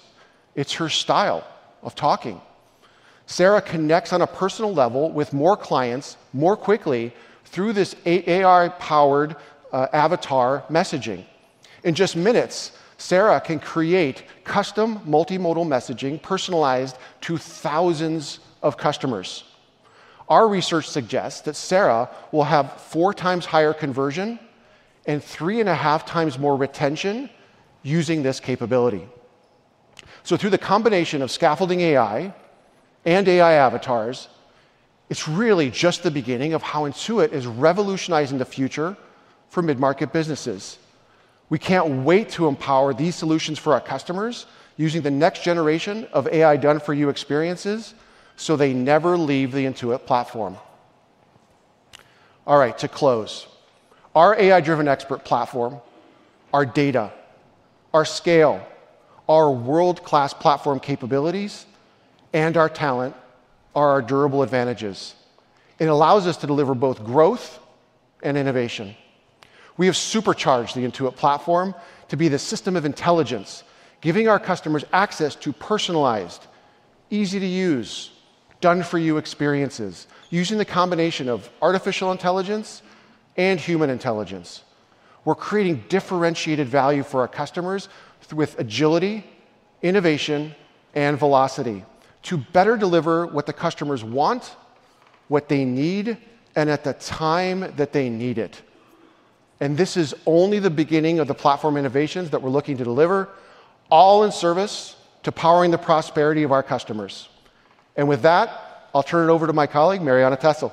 it is her style of talking. Sarah connects on a personal level with more clients more quickly through this AI-powered avatar messaging. In just minutes, Sarah can create custom multimodal messaging personalized to thousands of customers. Our research suggests that Sarah will have 4x higher conversion and 3.5x more retention using this capability. Through the combination of Scaffolding AI and AI avatars, it's really just the beginning of how Intuit is revolutionizing the future for mid-market businesses. We can't wait to empower these solutions for our customers using the next generation of AI done-for-you experiences so they never leave the Intuit platform. To close, our AI-driven expert platform, our data, our scale, our world-class platform capabilities, and our talent are our durable advantages. It allows us to deliver both growth and innovation. We have supercharged the Intuit platform to be the system of intelligence, giving our customers access to personalized, easy-to-use, done-for-you experiences using the combination of artificial intelligence and human intelligence. We're creating differentiated value for our customers with agility, innovation, and velocity to better deliver what the customers want, what they need, and at the time that they need it. This is only the beginning of the platform innovations that we're looking to deliver, all in service to powering the prosperity of our customers. With that, I'll turn it over to my colleague, Marianna Tessel.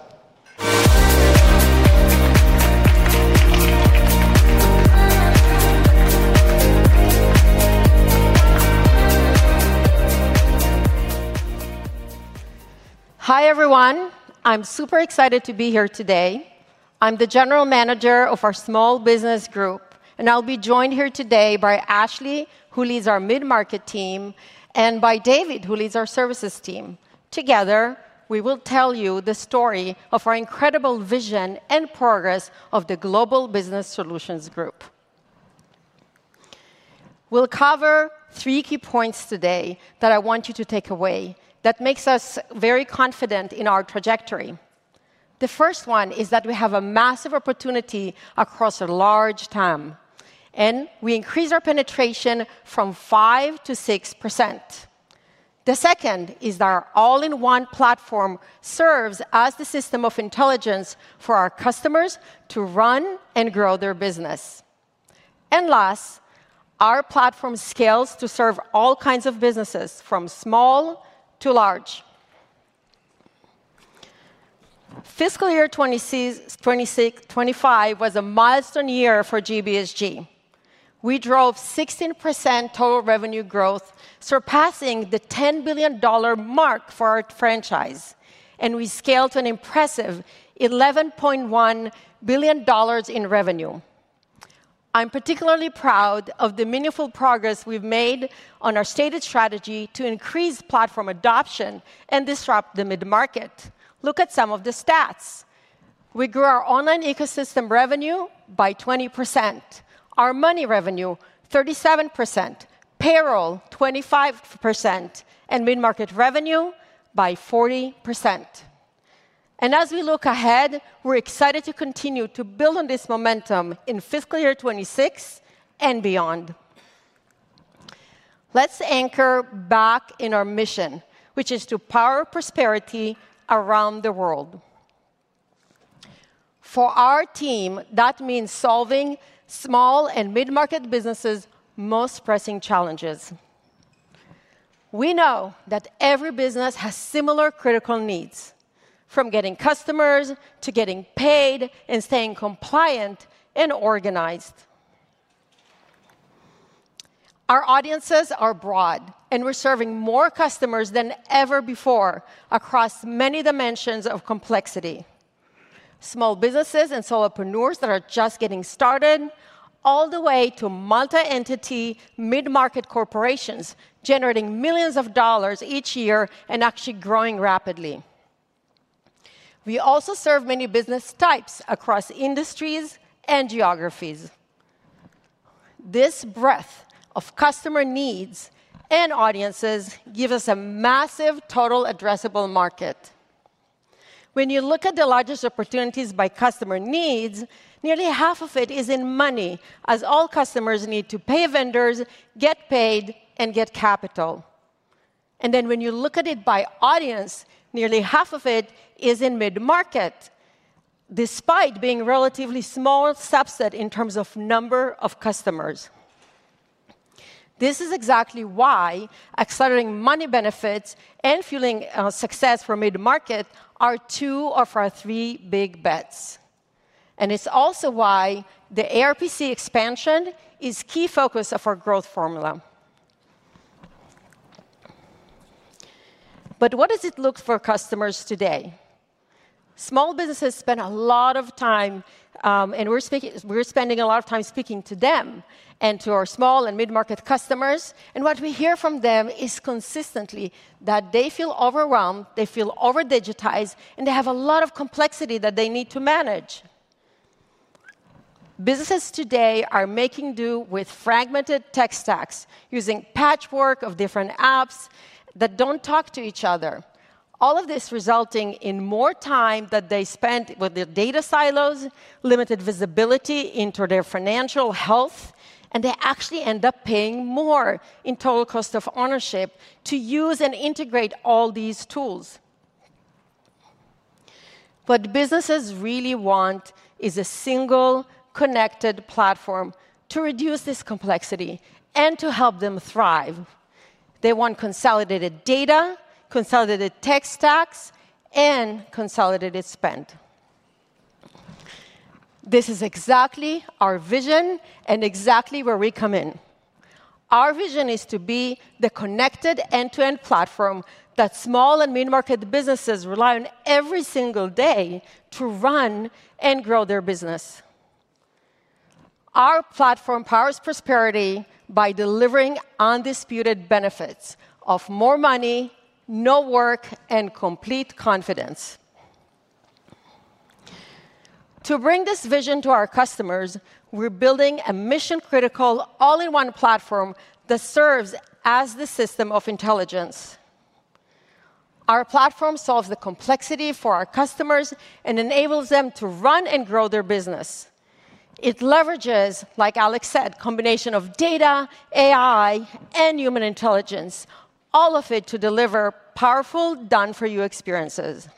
Hi, everyone. I'm super excited to be here today. I'm the General Manager of our Small Business Group, and I'll be joined here today by Ashley, who leads our Mid-Market team, and by David, who leads our Services team. Together, we will tell you the story of our incredible vision and progress of the Global Business Solutions Group. We'll cover three key points today that I want you to take away that make us very confident in our trajectory. The first one is that we have a massive opportunity across a large TAM, and we increase our penetration from 5% to 6%. The second is that our all-in-one platform serves as the system of intelligence for our customers to run and grow their business. Last, our platform scales to serve all kinds of businesses from small to large. Fiscal year 2025 was a milestone year for GBSG. We drove 16% total revenue growth, surpassing the $10 billion mark for our franchise. We scaled to an impressive $11.1 billion in revenue. I'm particularly proud of the meaningful progress we've made on our stated strategy to increase platform adoption and disrupt the mid-market. Look at some of the stats. We grew our online ecosystem revenue by 20%, our money revenue 37%, payroll 25%, and mid-market revenue by 40%. As we look ahead, we're excited to continue to build on this momentum in fiscal year 2026 and beyond. Let's anchor back in our mission, which is to power prosperity around the world. For our team, that means solving small and mid-market businesses' most pressing challenges. We know that every business has similar critical needs, from getting customers to getting paid and staying compliant and organized. Our audiences are broad, and we're serving more customers than ever before across many dimensions of complexity, small businesses and solopreneurs that are just getting started, all the way to multi-entity mid-market corporations generating millions of dollars each year and actually growing rapidly. We also serve many business types across industries and geographies. This breadth of customer needs and audiences gives us a massive total addressable market. When you look at the largest opportunities by customer needs, nearly half of it is in money, as all customers need to pay vendors, get paid, and get capital. When you look at it by audience, nearly half of it is in mid-market, despite being a relatively small subset in terms of number of customers. This is exactly why accelerating money benefits and fueling success for mid-market are two of our three Big Bets. It is also why the ARPC expansion is a key focus of our growth formula. What does it look for customers today? Small businesses spend a lot of time, and we're spending a lot of time speaking to them and to our small and mid-market customers. What we hear from them is consistently that they feel overwhelmed, they feel over-digitized, and they have a lot of complexity that they need to manage. Businesses today are making do with fragmented tech stacks using a patchwork of different apps that don't talk to each other. All of this is resulting in more time that they spend with their data silos, limited visibility into their financial health, and they actually end up paying more in total cost of ownership to use and integrate all these tools. What businesses really want is a single connected platform to reduce this complexity and to help them thrive. They want consolidated data, consolidated tech stacks, and consolidated spend. This is exactly our vision and exactly where we come in. Our vision is to be the connected end-to-end platform that small and mid-market businesses rely on every single day to run and grow their business. Our platform powers prosperity by delivering undisputed benefits of more money, no work, and complete confidence. To bring this vision to our customers, we're building a mission-critical all-in-one platform that serves as the system of intelligence. Our platform solves the complexity for our customers and enables them to run and grow their business. It leverages, like Alex said, a combination of data, AI, and human intelligence, all of it to deliver powerful done-for-you experiences.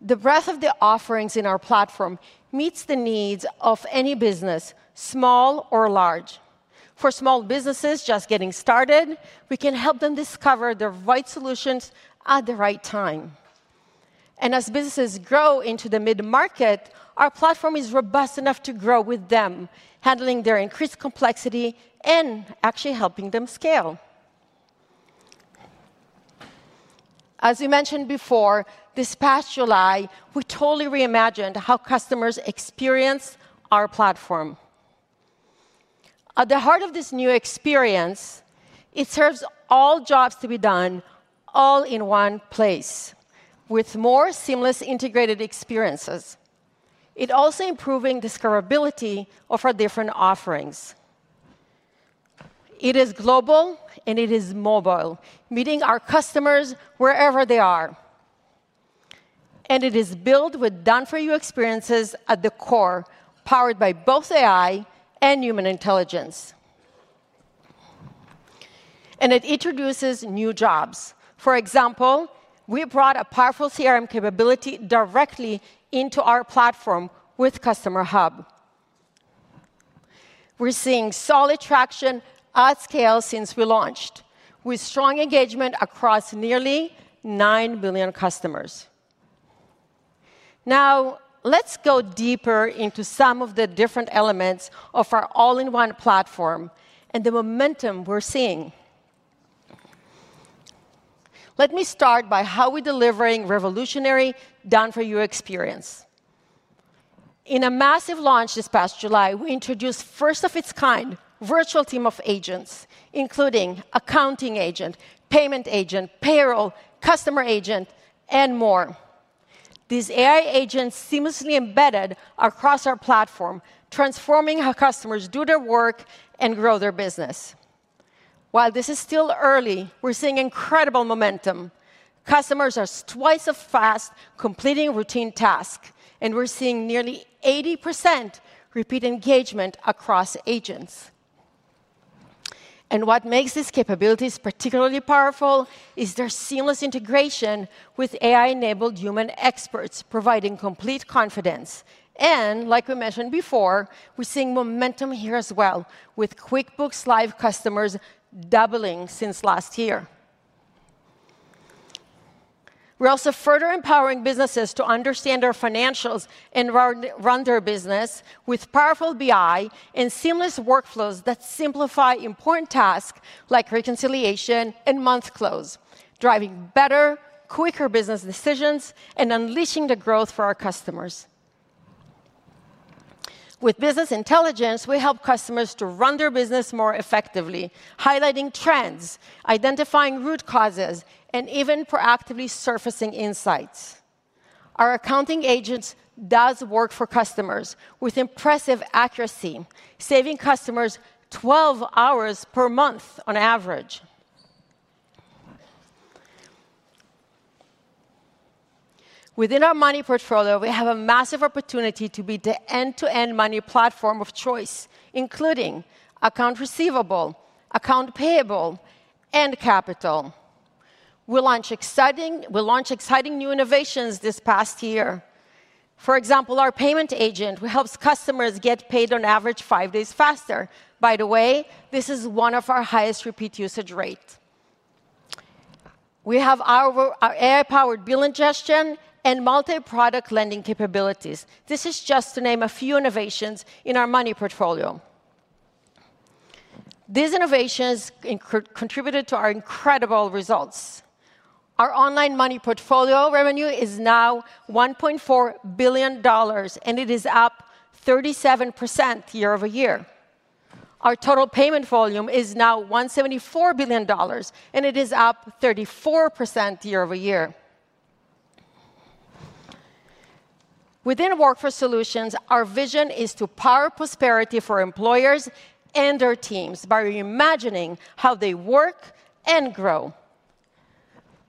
The breadth of the offerings in our platform meets the needs of any business, small or large. For small businesses just getting started, we can help them discover the right solutions at the right time. As businesses grow into the mid-market, our platform is robust enough to grow with them, handling their increased complexity and actually helping them scale. As we mentioned before, this past July, we totally reimagined how customers experience our platform. At the heart of this new experience, it serves all jobs to be done all in one place with more seamless integrated experiences. It also improves discoverability of our different offerings. It is global, and it is mobile, meeting our customers wherever they are. It is built with done-for-you experiences at the core, powered by both AI and human intelligence. It introduces new jobs. For example, we brought a powerful CRM capability directly into our platform with Customer Hub. We are seeing solid traction at scale since we launched, with strong engagement across nearly 9 million customers. Now, let's go deeper into some of the different elements of our all-in-one platform and the momentum we're seeing. Let me start by how we're delivering a revolutionary done-for-you experience. In a massive launch this past July, we introduced first-of-its-kind virtual team of agents, including accounting agent, payment agent, payroll, customer agent, and more. These AI agents are seamlessly embedded across our platform, transforming how customers do their work and grow their business. While this is still early, we're seeing incredible momentum. Customers are twice as fast completing routine tasks, and we're seeing nearly 80% repeat engagement across agents. What makes these capabilities particularly powerful is their seamless integration with AI-enabled human experts, providing complete confidence. Like we mentioned before, we're seeing momentum here as well, with QuickBooks Live customers doubling since last year. We are also further empowering businesses to understand their financials and run their business with powerful BI and seamless workflows that simplify important tasks like reconciliation and month close, driving better, quicker business decisions and unleashing the growth for our customers. With business intelligence, we help customers to run their business more effectively, highlighting trends, identifying root causes, and even proactively surfacing insights. Our accounting agent does work for customers with impressive accuracy, saving customers 12 hours per month on average. Within our money portfolio, we have a massive opportunity to be the end-to-end money platform of choice, including accounts receivable, accounts payable, and capital. We launched exciting new innovations this past year. For example, our payment agent, which helps customers get paid on average five days faster. By the way, this is one of our highest repeat usage rates. We have our AI-powered bill ingestion and multi-product lending capabilities. This is just to name a few innovations in our money portfolio. These innovations contributed to our incredible results. Our online money portfolio revenue. Now $1.4 billion, and it is up 37% year-over-year. Our total payment volume is now $174 billion, and it is up 34% year-over-year. Within workforce solutions, our vision is to power prosperity for employers and their teams by reimagining how they work and grow.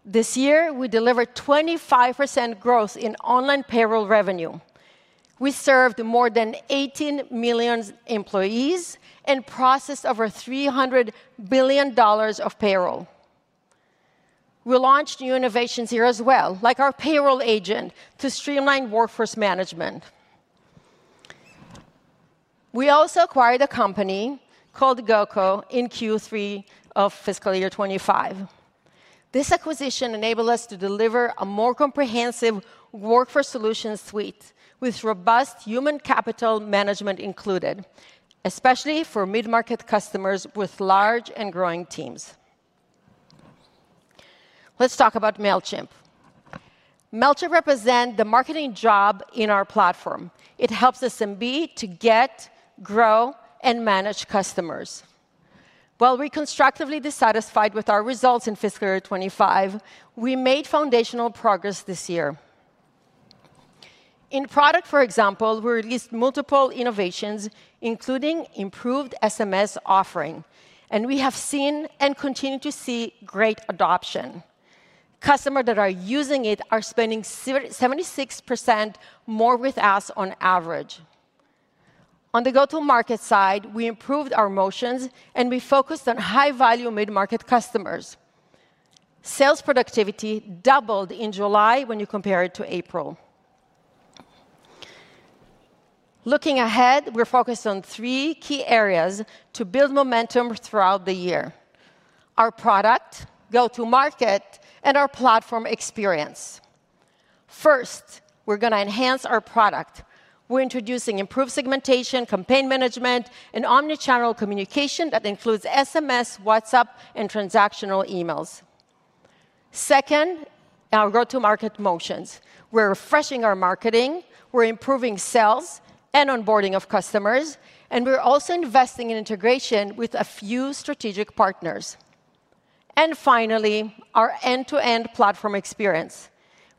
This year, we delivered 25% growth in online payroll revenue. We served more than 18 million employees and processed over $300 billion of payroll. We launched new innovations here as well, like our payroll agent to streamline workforce management. We also acquired a company called GoCo in Q3 of fiscal year 2025. This acquisition enabled us to deliver a more comprehensive workforce solutions suite with robust human capital management included, especially for mid-market customers with large and growing teams. Let's talk about Mailchimp. Mailchimp represents the marketing job in our platform. It helps SMB to get, grow, and manage customers. While we're constructively dissatisfied with our results in fiscal year 2025, we made foundational progress this year. In product, for example, we released multiple innovations, including improved SMS offering, and we have seen and continue to see great adoption. Customers that are using it are spending 76% more with us on average. On the go-to-market side, we improved our motions, and we focused on high-value mid-market customers. Sales productivity doubled in July when you compare it to April. Looking ahead, we're focused on three key areas to build momentum throughout the year: our product, go-to-market, and our platform experience. First, we're going to enhance our product. We're introducing improved segmentation, campaign management, and omnichannel communication that includes SMS, WhatsApp, and transactional emails. Second, our go-to-market motions. We're refreshing our marketing, we're improving sales and onboarding of customers, and we're also investing in integration with a few strategic partners. Finally, our end-to-end platform experience.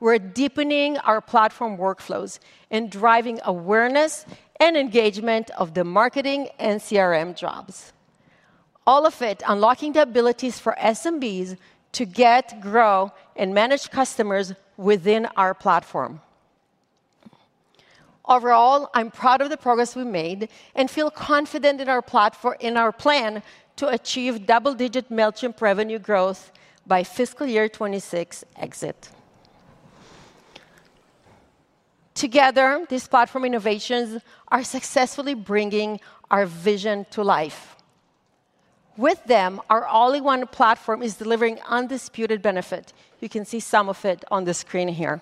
We're deepening our platform workflows and driving awareness and engagement of the marketing and CRM jobs. All of it unlocking the abilities for SMBs to get, grow, and manage customers within our platform. Overall, I'm proud of the progress we made and feel confident in our plan to achieve double-digit Mailchimp revenue growth by fiscal year 2026 exit. Together, these platform innovations are successfully bringing our vision to life. With them, our all-in-one platform is delivering undisputed benefit. You can see some of it on the screen here.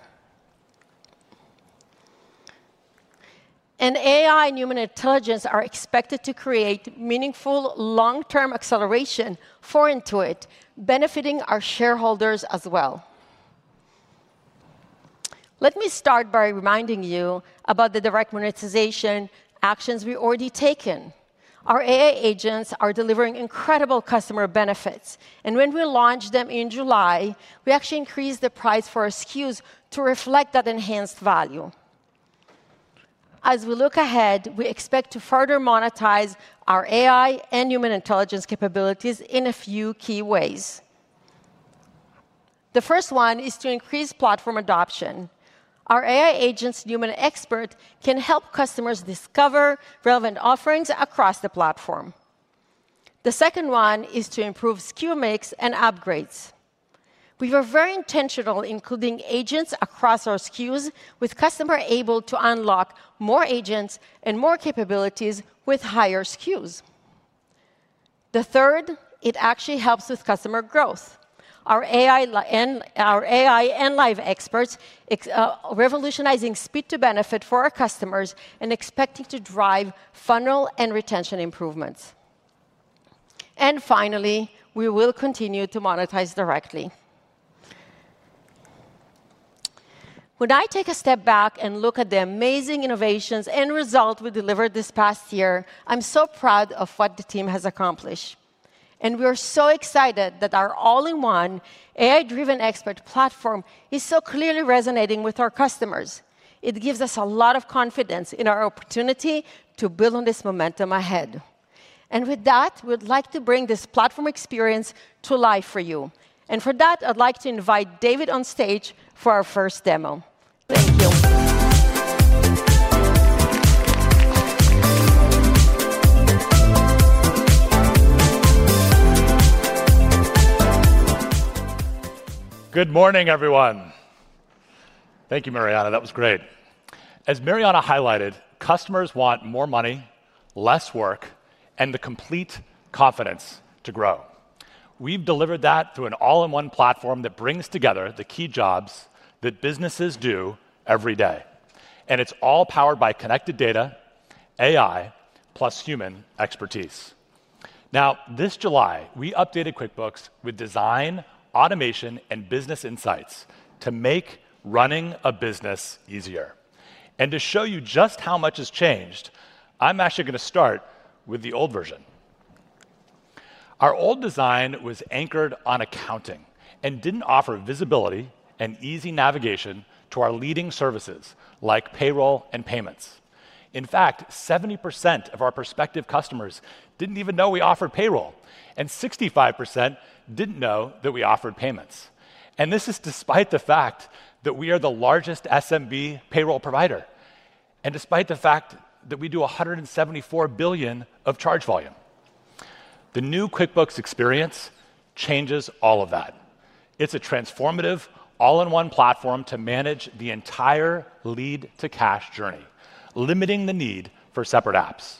AI and human intelligence are expected to create meaningful long-term acceleration for Intuit, benefiting our shareholders as well. Let me start by reminding you about the direct monetization actions we've already taken. Our AI agents are delivering incredible customer benefits, and when we launched them in July, we actually increased the price for our SKUs to reflect that enhanced value. As we look ahead, we expect to further monetize our AI and human intelligence capabilities in a few key ways. The first one is to increase platform adoption. Our AI agents' human expert can help customers discover relevant offerings across the platform. The second one is to improve SKU mix and upgrades. We were very intentional in including agents across our SKUs, with customers able to unlock more agents and more capabilities with higher SKUs. The third, it actually helps with customer growth. Our AI and live experts are revolutionizing speed to benefit for our customers and expect it to drive funnel and retention improvements. Finally, we will continue to monetize directly. When I take a step back and look at the amazing innovations and results we delivered this past year, I'm so proud of what the team has accomplished. We are so excited that our all-in-one AI-driven expert platform is so clearly resonating with our customers. It gives us a lot of confidence in our opportunity to build on this momentum ahead. With that, we'd like to bring this platform experience to life for you. For that, I'd like to invite David on stage for our first demo. Thank you. Good morning, everyone. Thank you, Marianna. That was great. As Marianna highlighted, customers want more money, less work, and the complete confidence to grow. We've delivered that through an all-in-one platform that brings together the key jobs that businesses do every day. It's all powered by connected data, AI, plus human expertise. This July, we updated QuickBooks with design, automation, and business insights to make running a business easier. To show you just how much has changed, I'm actually going to start with the old version. Our old design was anchored on accounting and didn't offer visibility and easy navigation to our leading services like payroll and payments. In fact, 70% of our prospective customers didn't even know we offered payroll, and 65% didn't know that we offered payments. This is despite the fact that we are the largest SMB payroll provider, and despite the fact that we do $174 billion of charge volume. The new QuickBooks experience changes all of that. It's a transformative all-in-one platform to manage the entire lead-to-cash journey, limiting the need for separate apps.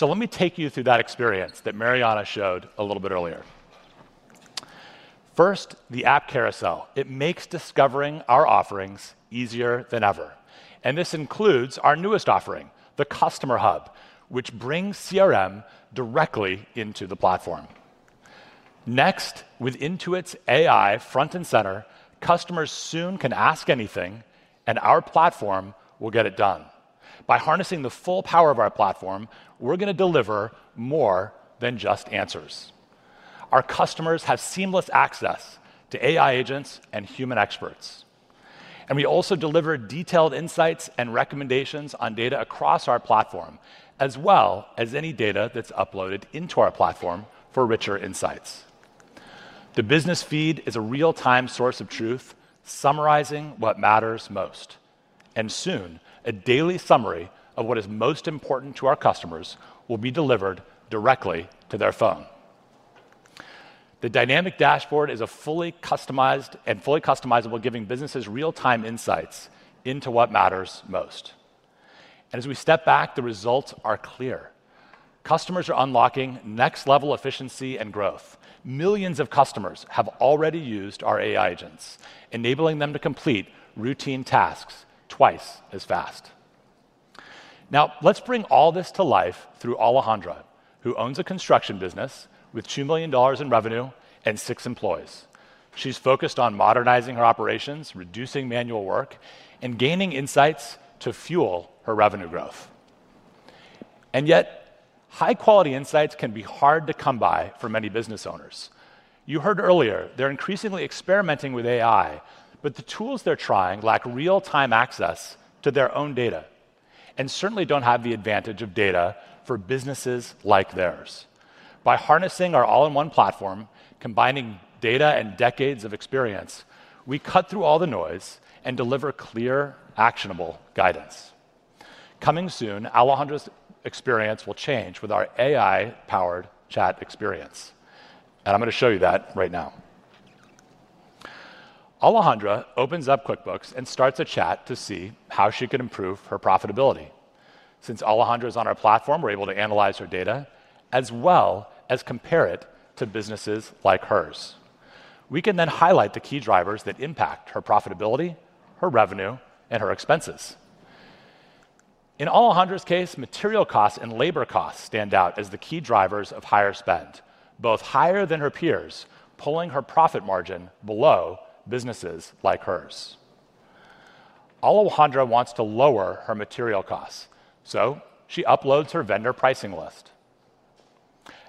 Let me take you through that experience that Marianna showed a little bit earlier. First, the app carousel. It makes discovering our offerings easier than ever. This includes our newest offering, the Customer Hub, which brings CRM directly into the platform. Next, with Intuit's AI front and center, customers soon can ask anything, and our platform will get it done. By harnessing the full power of our platform, we're going to deliver more than just answers. Our customers have seamless access to AI agents and human experts. We also deliver detailed insights and recommendations on data across our platform, as well as any data that's uploaded into our platform for richer insights. The business feed is a real-time source of truth, summarizing what matters most. Soon, a daily summary of what is most important to our customers will be delivered directly to their phone. The dynamic dashboard is fully customized and fully customizable, giving businesses real-time insights into what matters most. As we step back, the results are clear. Customers are unlocking next-level efficiency and growth. Millions of customers have already used our AI agents, enabling them to complete routine tasks twice as fast. Let's bring all this to life through Alejandra, who owns a construction business with $2 million in revenue and six employees. She’s focused on modernizing her operations, reducing manual work, and gaining insights to fuel her revenue growth. Yet, high-quality insights can be hard to come by for many business owners. You heard earlier, they’re increasingly experimenting with AI, but the tools they’re trying lack real-time access to their own data and certainly don’t have the advantage of data for businesses like theirs. By harnessing our all-in-one platform, combining data and decades of experience, we cut through all the noise and deliver clear, actionable guidance. Coming soon, Alejandra’s experience will change with our AI-powered chat experience. I’m going to show you that right now. Alejandra opens up QuickBooks and starts a chat to see how she can improve her profitability. Since Alejandra is on our platform, we’re able to analyze her data as well as compare it to businesses like hers. We can then highlight the key drivers that impact her profitability, her revenue, and her expenses. In Alejandra’s case, material costs and labor costs stand out as the key drivers of higher spend, both higher than her peers, pulling her profit margin below businesses like hers. Alejandra wants to lower her material costs, so she uploads her vendor pricing list.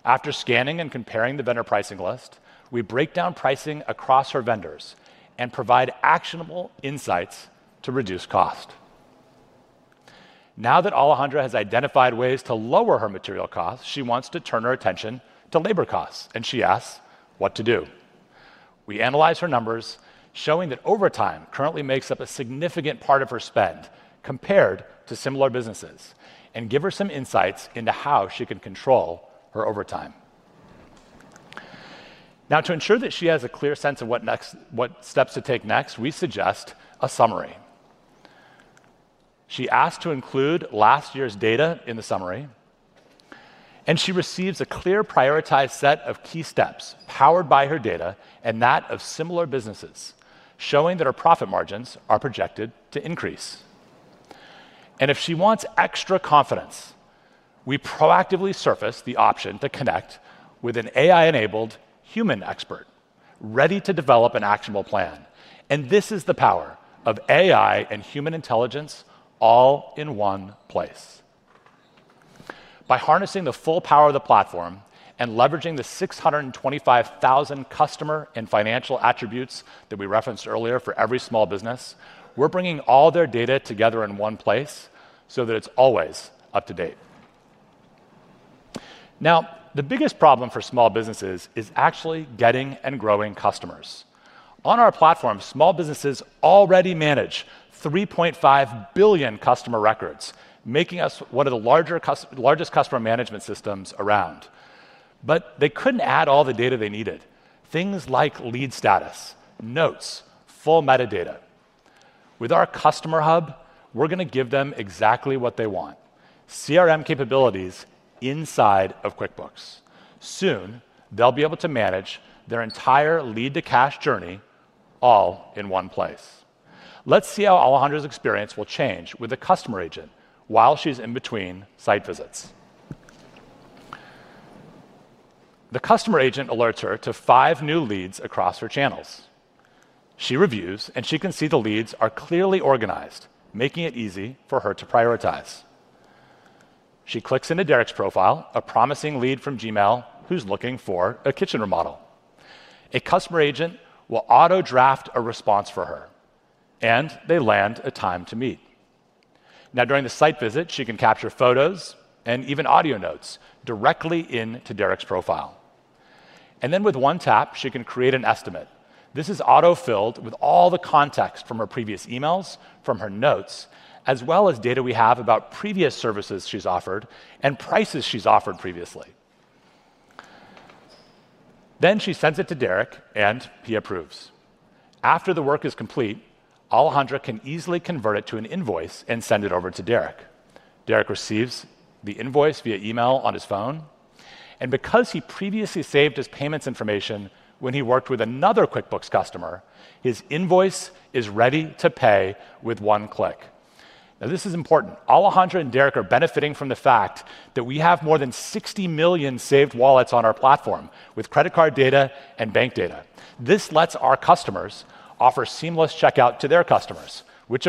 After scanning and comparing the vendor pricing list, we break down pricing across her vendors and provide actionable insights to reduce cost. Now that Alejandra has identified ways to lower her material costs, she wants to turn her attention to labor costs, and she asks what to do. We analyze her numbers, showing that overtime currently makes up a significant part of her spend compared to similar businesses, and give her some insights into how she can control her overtime. To ensure that she has a clear sense of what steps to take next, we suggest a summary. She asked to include last year’s data in the summary, and she receives a clear prioritized set of key steps powered by her data and that of similar businesses, showing that her profit margins are projected to increase. If she wants extra confidence, we proactively surface the option to connect with an AI-enabled human expert, ready to develop an actionable plan. This is the power of AI and human intelligence all in one place. By harnessing the full power of the platform and leveraging the 625,000 customer and financial attributes that we referenced earlier for every small business, we're bringing all their data together in one place so that it's always up to date. The biggest problem for small businesses is actually getting and growing customers. On our platform, small businesses already manage 3.5 billion customer records, making us one of the largest customer management systems around. They couldn't add all the data they needed, things like lead status, notes, full metadata. With our Customer Hub, we're going to give them exactly what they want: CRM capabilities inside of QuickBooks. Soon, they'll be able to manage their entire lead-to-cash journey all in one place. Let's see how Alejandra's experience will change with a customer agent while she's in between site visits. The customer agent alerts her to five new leads across her channels. She reviews, and she can see the leads are clearly organized, making it easy for her to prioritize. She clicks into Derek's profile, a promising lead from Gmail who's looking for a kitchen remodel. A customer agent will auto-draft a response for her, and they land a time to meet. During the site visit, she can capture photos and even audio notes directly into Derek's profile. With one tap, she can create an estimate. This is auto-filled with all the context from her previous emails, from her notes, as well as data we have about previous services she's offered and prices she's offered previously. She sends it to Derek, and he approves. After the work is complete, Alejandra can easily convert it to an invoice and send it over to Derek. Derek receives the invoice via email on his phone. Because he previously saved his payments information when he worked with another QuickBooks customer, his invoice is ready to pay with one click. This is important. Alejandra and Derek are benefiting from the fact that we have more than 60 million saved wallets on our platform with credit card data and bank data. This lets our customers offer seamless checkout to their customers, which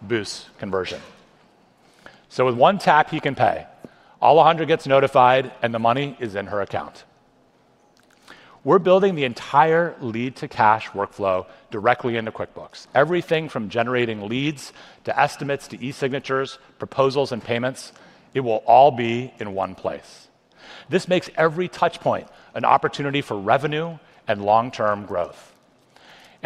boosts conversion. With one tap, he can pay. Alejandra gets notified, and the money is in her account. We're building the entire lead-to-cash workflow directly into QuickBooks. Everything from generating leads to estimates to e-signatures, proposals, and payments, it will all be in one place. This makes every touchpoint an opportunity for revenue and long-term growth.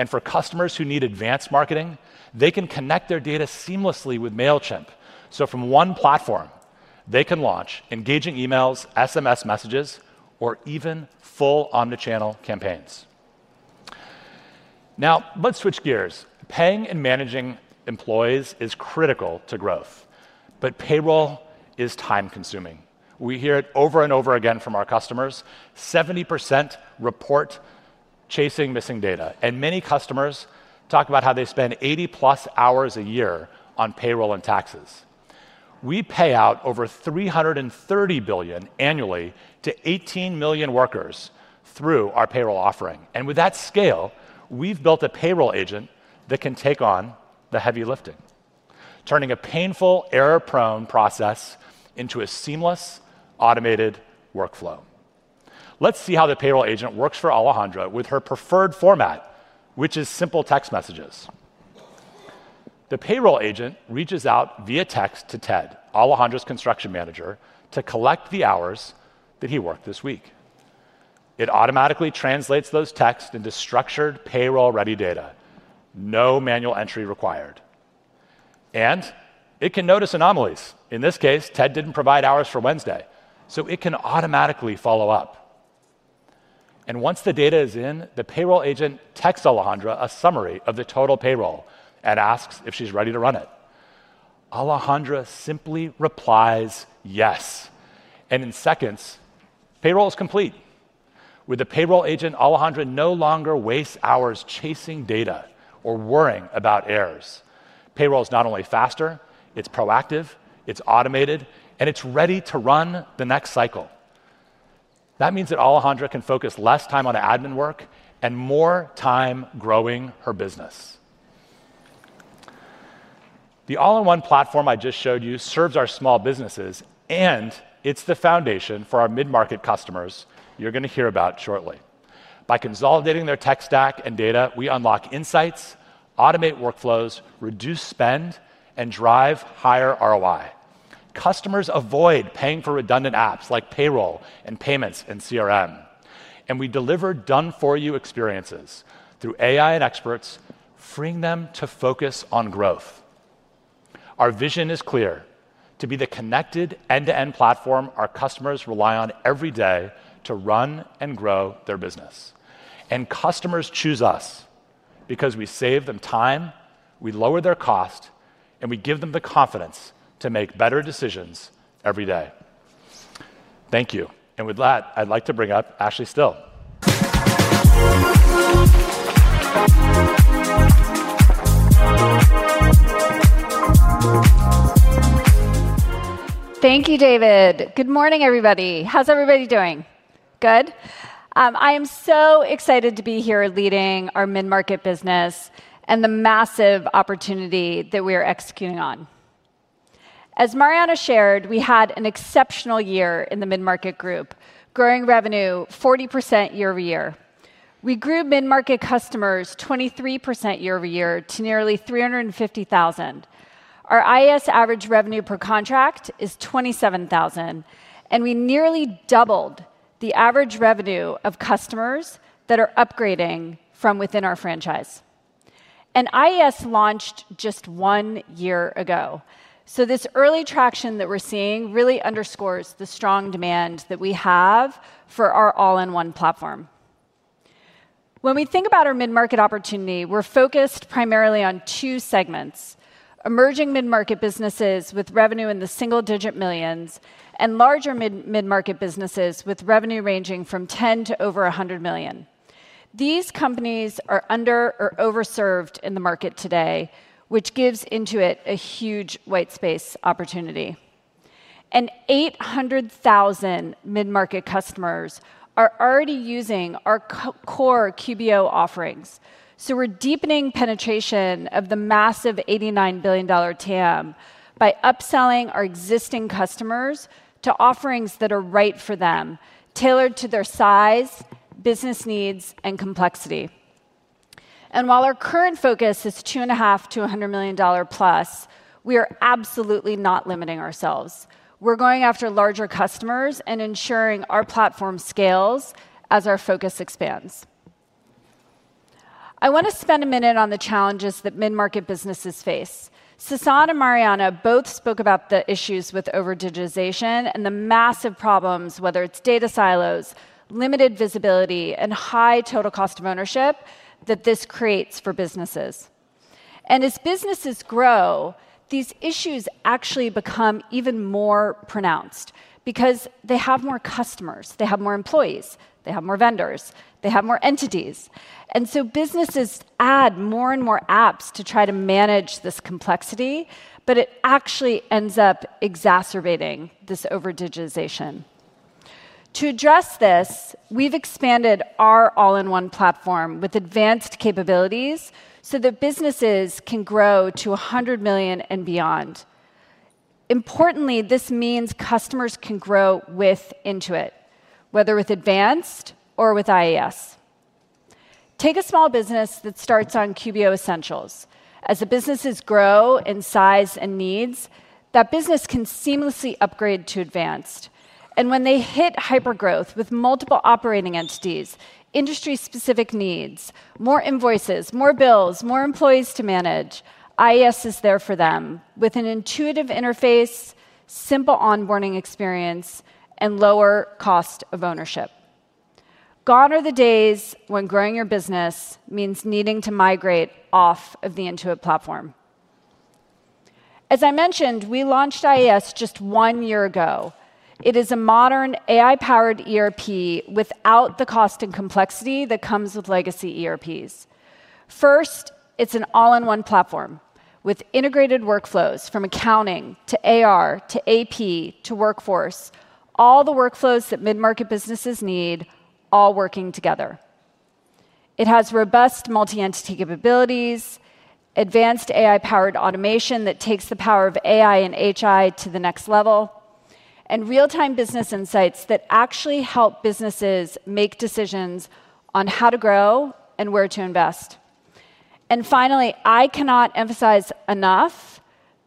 For customers who need advanced marketing, they can connect their data seamlessly with Mailchimp. From one platform, they can launch engaging emails, SMS messages, or even full omnichannel campaigns. Now, let's switch gears. Paying and managing employees is critical to growth, but payroll is time-consuming. We hear it over and over again from our customers. 70% report chasing missing data, and many customers talk about how they spend 80+ hours a year on payroll and taxes. We pay out over $330 billion annually to 18 million workers through our payroll offering. With that scale, we've built a payroll agent that can take on the heavy lifting, turning a painful, error-prone process into a seamless, automated workflow. Let's see how the payroll agent works for Alejandra with her preferred format, which is simple text messages. The payroll agent reaches out via text to Ted, Alejandra's construction manager, to collect the hours that he worked this week. It automatically translates those texts into structured, payroll-ready data. No manual entry required. It can notice anomalies. In this case, Ted didn't provide hours for Wednesday, so it can automatically follow up. Once the data is in, the payroll agent texts Alejandra a summary of the total payroll and asks if she's ready to run it. Alejandra simply replies yes. In seconds, payroll is complete. With the payroll agent, Alejandra no longer wastes hours chasing data or worrying about errors. Payroll is not only faster, it's proactive, it's automated, and it's ready to run the next cycle. That means that Alejandra can focus less time on admin work and more time growing her business. The all-in-one platform I just showed you serves our small businesses, and it's the foundation for our mid-market customers you're going to hear about shortly. By consolidating their tech stack and data, we unlock insights, automate workflows, reduce spend, and drive higher ROI. Customers avoid paying for redundant apps like payroll and payments and CRM. We deliver done-for-you experiences through AI and experts, freeing them to focus on growth. Our vision is clear: to be the connected end-to-end platform our customers rely on every day to run and grow their business. Customers choose us because we save them time, we lower their cost, and we give them the confidence to make better decisions every day. Thank you. With that, I'd like to bring up Ashley Still. Thank you, David. Good morning, everybody. How's everybody doing? Good. I am so excited to be here leading our mid-market business and the massive opportunity that we are executing on. As Marianna shared, we had an exceptional year in the mid-market group, growing revenue 40% year-over-year. We grew mid-market customers 23% year-over-year to nearly 350,000. Our IES average revenue per contract is $27,000, and we nearly doubled the average revenue of customers that are upgrading from within our franchise. IES launched just one year ago. This early traction that we're seeing really underscores the strong demand that we have for our all-in-one platform. When we think about our mid-market opportunity, we're focused primarily on two segments: emerging mid-market businesses with revenue in the single-digit millions and larger mid-market businesses with revenue ranging from $10 million to over $100 million. These companies are under or overserved in the market today, which gives Intuit a huge white space opportunity. 800,000 mid-market customers are already using our core QBO offerings. We're deepening penetration of the massive $89 billion TAM by upselling our existing customers to offerings that are right for them, tailored to their size, business needs, and complexity. While our current focus is $2.5 million-$100+ million, we are absolutely not limiting ourselves. We're going after larger customers and ensuring our platform scales as our focus expands. I want to spend a minute on the challenges that mid-market businesses face. Sasan and Marianna both spoke about the issues with overdigitization and the massive problems, whether it's data silos, limited visibility, and high total cost of ownership that this creates for businesses. As businesses grow, these issues actually become even more pronounced because they have more customers, they have more employees, they have more vendors, they have more entities. Businesses add more and more apps to try to manage this complexity, but it actually ends up exacerbating this overdigitization. To address this, we've expanded our all-in-one platform with advanced capabilities so that businesses can grow to $100 million and beyond. Importantly, this means customers can grow with Intuit, whether with advanced or with IES. Take a small business that starts on QBO Essentials. As the businesses grow in size and needs, that business can seamlessly upgrade to advanced. When they hit hypergrowth with multiple operating entities, industry-specific needs, more invoices, more bills, more employees to manage, IES is there for them with an intuitive interface, simple onboarding experience, and lower cost of ownership. Gone are the days when growing your business means needing to migrate off of the Intuit platform. As I mentioned, we launched IES just one year ago. It is a modern AI-powered ERP without the cost and complexity that comes with legacy ERPs. First, it's an all-in-one platform with integrated workflows from accounting to AR to AP to workforce, all the workflows that mid-market businesses need, all working together. It has robust multi-entity capabilities, advanced AI-powered automation that takes the power of AI and HI to the next level, and real-time business insights that actually help businesses make decisions on how to grow and where to invest. I cannot emphasize enough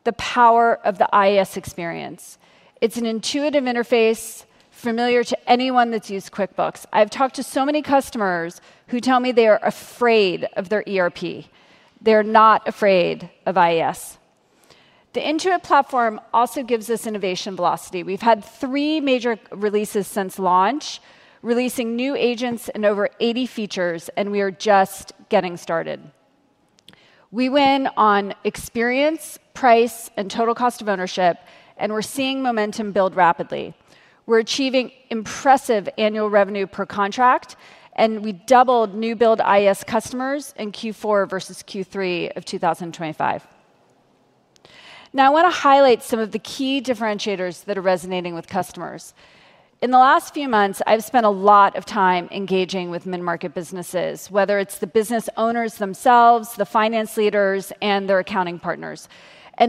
the power of the IES experience. It's an intuitive interface familiar to anyone that's used QuickBooks. I've talked to so many customers who tell me they are afraid of their ERP. They're not afraid of IES. The Intuit platform also gives us innovation velocity. We've had three major releases since launch, releasing new agents and over 80 features, and we are just getting started. We win on experience, price, and total cost of ownership, and we're seeing momentum build rapidly. We're achieving impressive annual revenue per contract, and we doubled new build IES customers in Q4 versus Q3 of 2025. I want to highlight some of the key differentiators that are resonating with customers. In the last few months, I've spent a lot of time engaging with mid-market businesses, whether it's the business owners themselves, the finance leaders, and their accounting partners.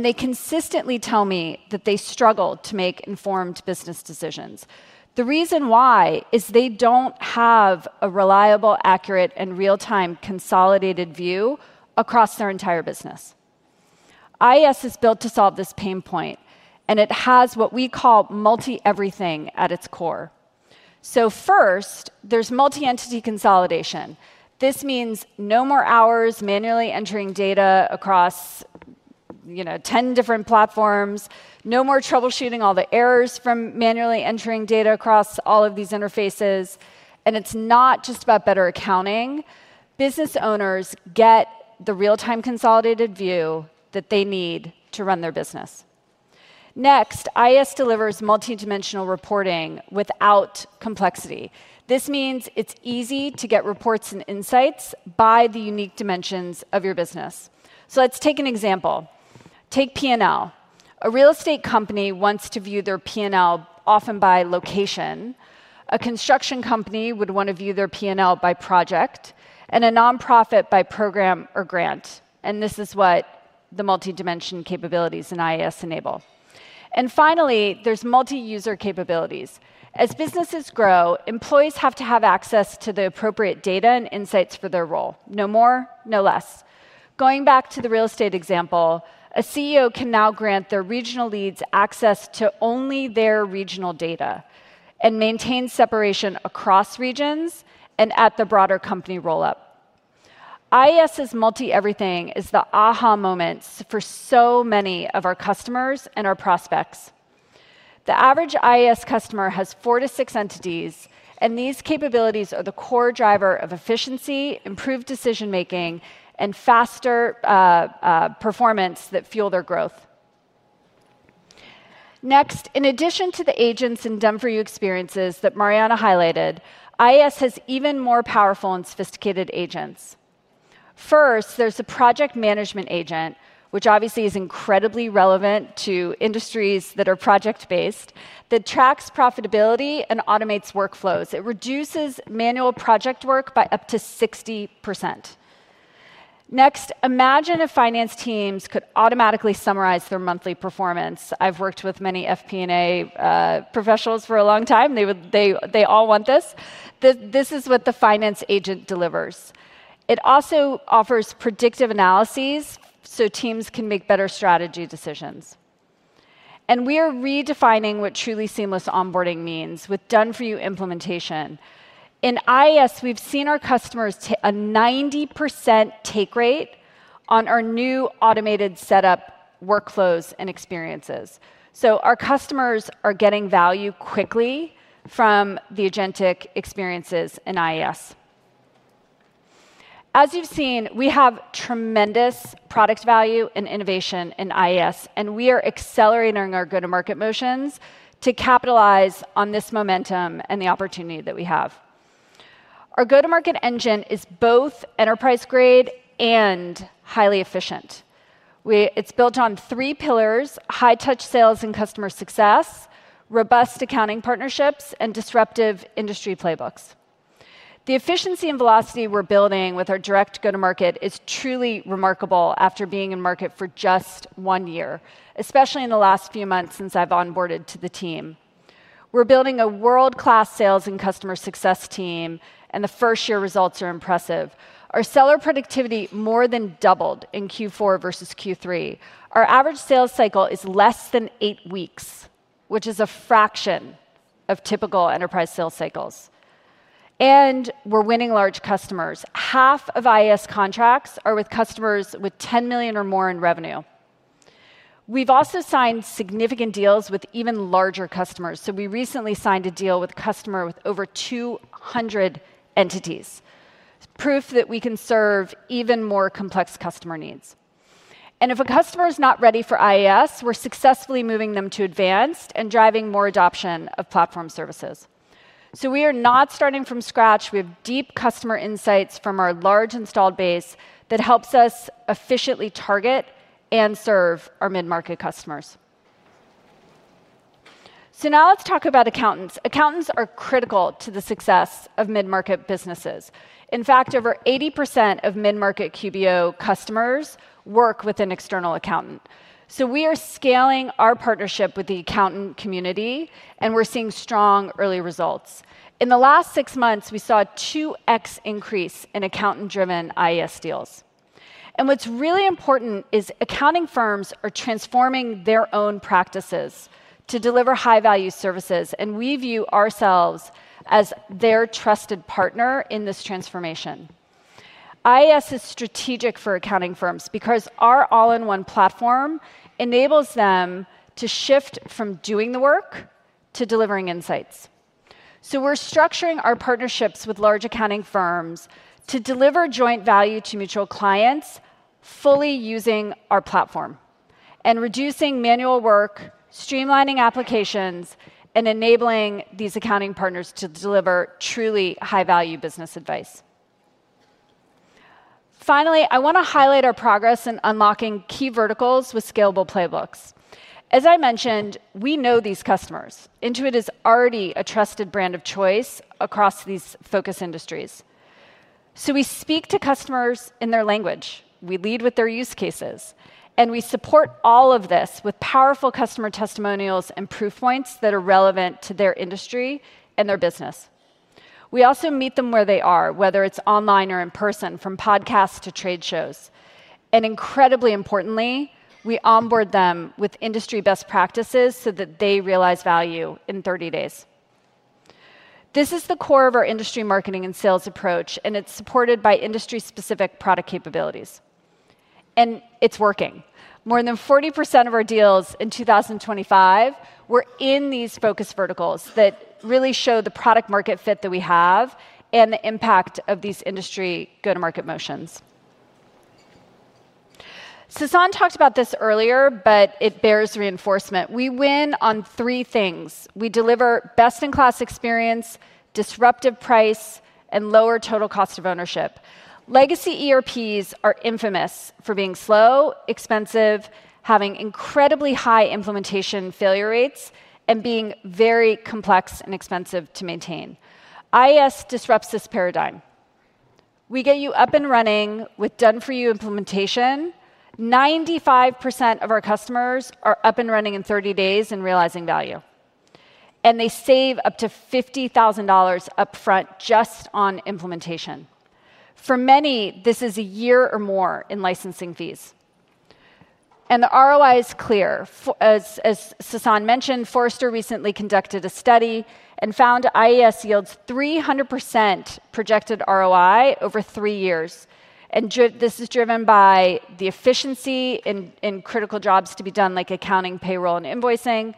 They consistently tell me that they struggle to make informed business decisions. The reason why is they don't have a reliable, accurate, and real-time consolidated view across their entire business. IES is built to solve this pain point, and it has what we call multi-everything at its core. First, there's multi-entity consolidation. This means no more hours manually entering data across 10 different platforms, no more troubleshooting all the errors from manually entering data across all of these interfaces. It's not just about better accounting. Business owners get the real-time consolidated view that they need to run their business. Next, IES delivers multi-dimensional reporting without complexity. This means it's easy to get reports and insights by the unique dimensions of your business. Let's take an example. Take P&L. A real estate company wants to view their P&L often by location. A construction company would want to view their P&L by project, and a nonprofit by program or grant. This is what the multi-dimension capabilities in IES enable. Finally, there's multi-user capabilities. As businesses grow, employees have to have access to the appropriate data and insights for their role. No more, no less. Going back to the real estate example, a CEO can now grant their regional leads access to only their regional data and maintain separation across regions and at the broader company rollup. IES's multi-everything is the aha moment for so many of our customers and our prospects. The average IES customer has four to six entities, and these capabilities are the core driver of efficiency, improved decision-making, and faster performance that fuel their growth. Next, in addition to the agents and done-for-you experiences that Marianna highlighted, IES has even more powerful and sophisticated agents. First, there's a project management agent, which obviously is incredibly relevant to industries that are project-based, that tracks profitability and automates workflows. It reduces manual project work by up to 60%. Next, imagine if finance teams could automatically summarize their monthly performance. I've worked with many FP&A professionals for a long time. They all want this. This is what the finance agent delivers. It also offers predictive analyses so teams can make better strategy decisions. We are redefining what truly seamless onboarding means with done-for-you implementation. In IES, we've seen our customers take a 90% take rate on our new automated setup workflows and experiences. Our customers are getting value quickly from the agentic experiences in IES. As you've seen, we have tremendous product value and innovation in IES, and we are accelerating our go-to-market motions to capitalize on this momentum and the opportunity that we have. Our go-to-market engine is both enterprise-grade and highly efficient. It's built on three pillars: high-touch sales and customer success, robust accounting partnerships, and disruptive industry playbooks. The efficiency and velocity we're building with our direct go-to-market is truly remarkable after being in market for just one year, especially in the last few months since I've onboarded to the team. We're building a world-class sales and customer success team, and the first-year results are impressive. Our seller productivity more than doubled in Q4 versus Q3. Our average sales cycle is less than eight weeks, which is a fraction of typical enterprise sales cycles. We're winning large customers. Half of IES contracts are with customers with $10 million or more in revenue. We've also signed significant deals with even larger customers. We recently signed a deal with a customer with over 200 entities. It's proof that we can serve even more complex customer needs. If a customer is not ready for IES, we're successfully moving them to advanced and driving more adoption of platform services. We are not starting from scratch. We have deep customer insights from our large installed base that helps us efficiently target and serve our mid-market customers. Now let's talk about accountants. Accountants are critical to the success of mid-market businesses. In fact, over 80% of mid-market QBO customers work with an external accountant. We are scaling our partnership with the accountant community, and we're seeing strong early results. In the last six months, we saw a 2x increase in accountant-driven IES deals. What's really important is accounting firms are transforming their own practices to deliver high-value services, and we view ourselves as their trusted partner in this transformation. IES is strategic for accounting firms because our all-in-one platform enables them to shift from doing the work to delivering insights. We're structuring our partnerships with large accounting firms to deliver joint value to mutual clients, fully using our platform and reducing manual work, streamlining applications, and enabling these accounting partners to deliver truly high-value business advice. Finally, I want to highlight our progress in unlocking key verticals with scalable playbooks. As I mentioned, we know these customers. Intuit is already a trusted brand of choice across these focus industries. We speak to customers in their language. We lead with their use cases, and we support all of this with powerful customer testimonials and proof points that are relevant to their industry and their business. We also meet them where they are, whether it's online or in person, from podcasts to trade shows. Incredibly importantly, we onboard them with industry best practices so that they realize value in 30 days. This is the core of our industry marketing and sales approach, and it's supported by industry-specific product capabilities. It's working. More than 40% of our deals in 2025 were in these focus verticals that really show the product-market fit that we have and the impact of these industry go-to-market motions. Sasan talked about this earlier, but it bears reinforcement. We win on three things. We deliver best-in-class experience, disruptive price, and lower total cost of ownership. Legacy ERPs are infamous for being slow, expensive, having incredibly high implementation failure rates, and being very complex and expensive to maintain. IES disrupts this paradigm. We get you up and running with done-for-you implementation. 95% of our customers are up and running in 30 days and realizing value. They save up to $50,000 upfront just on implementation. For many, this is a year or more in licensing fees. The ROI is clear. As Sasan mentioned, Forrester recently conducted a study and found IES yields 300% projected ROI over three years. This is driven by the efficiency in critical jobs to be done like accounting, payroll, and invoicing,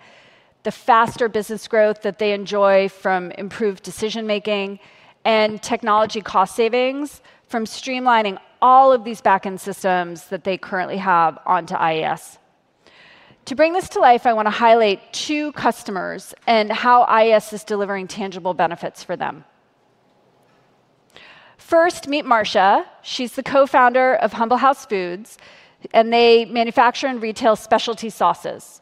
the faster business growth that they enjoy from improved decision-making, and technology cost savings from streamlining all of these backend systems that they currently have onto IES. To bring this to life, I want to highlight two customers and how IS is delivering tangible benefits for them. First, meet Marsha. She's the co-founder of Humble House Foods, and they manufacture and retail specialty sauces.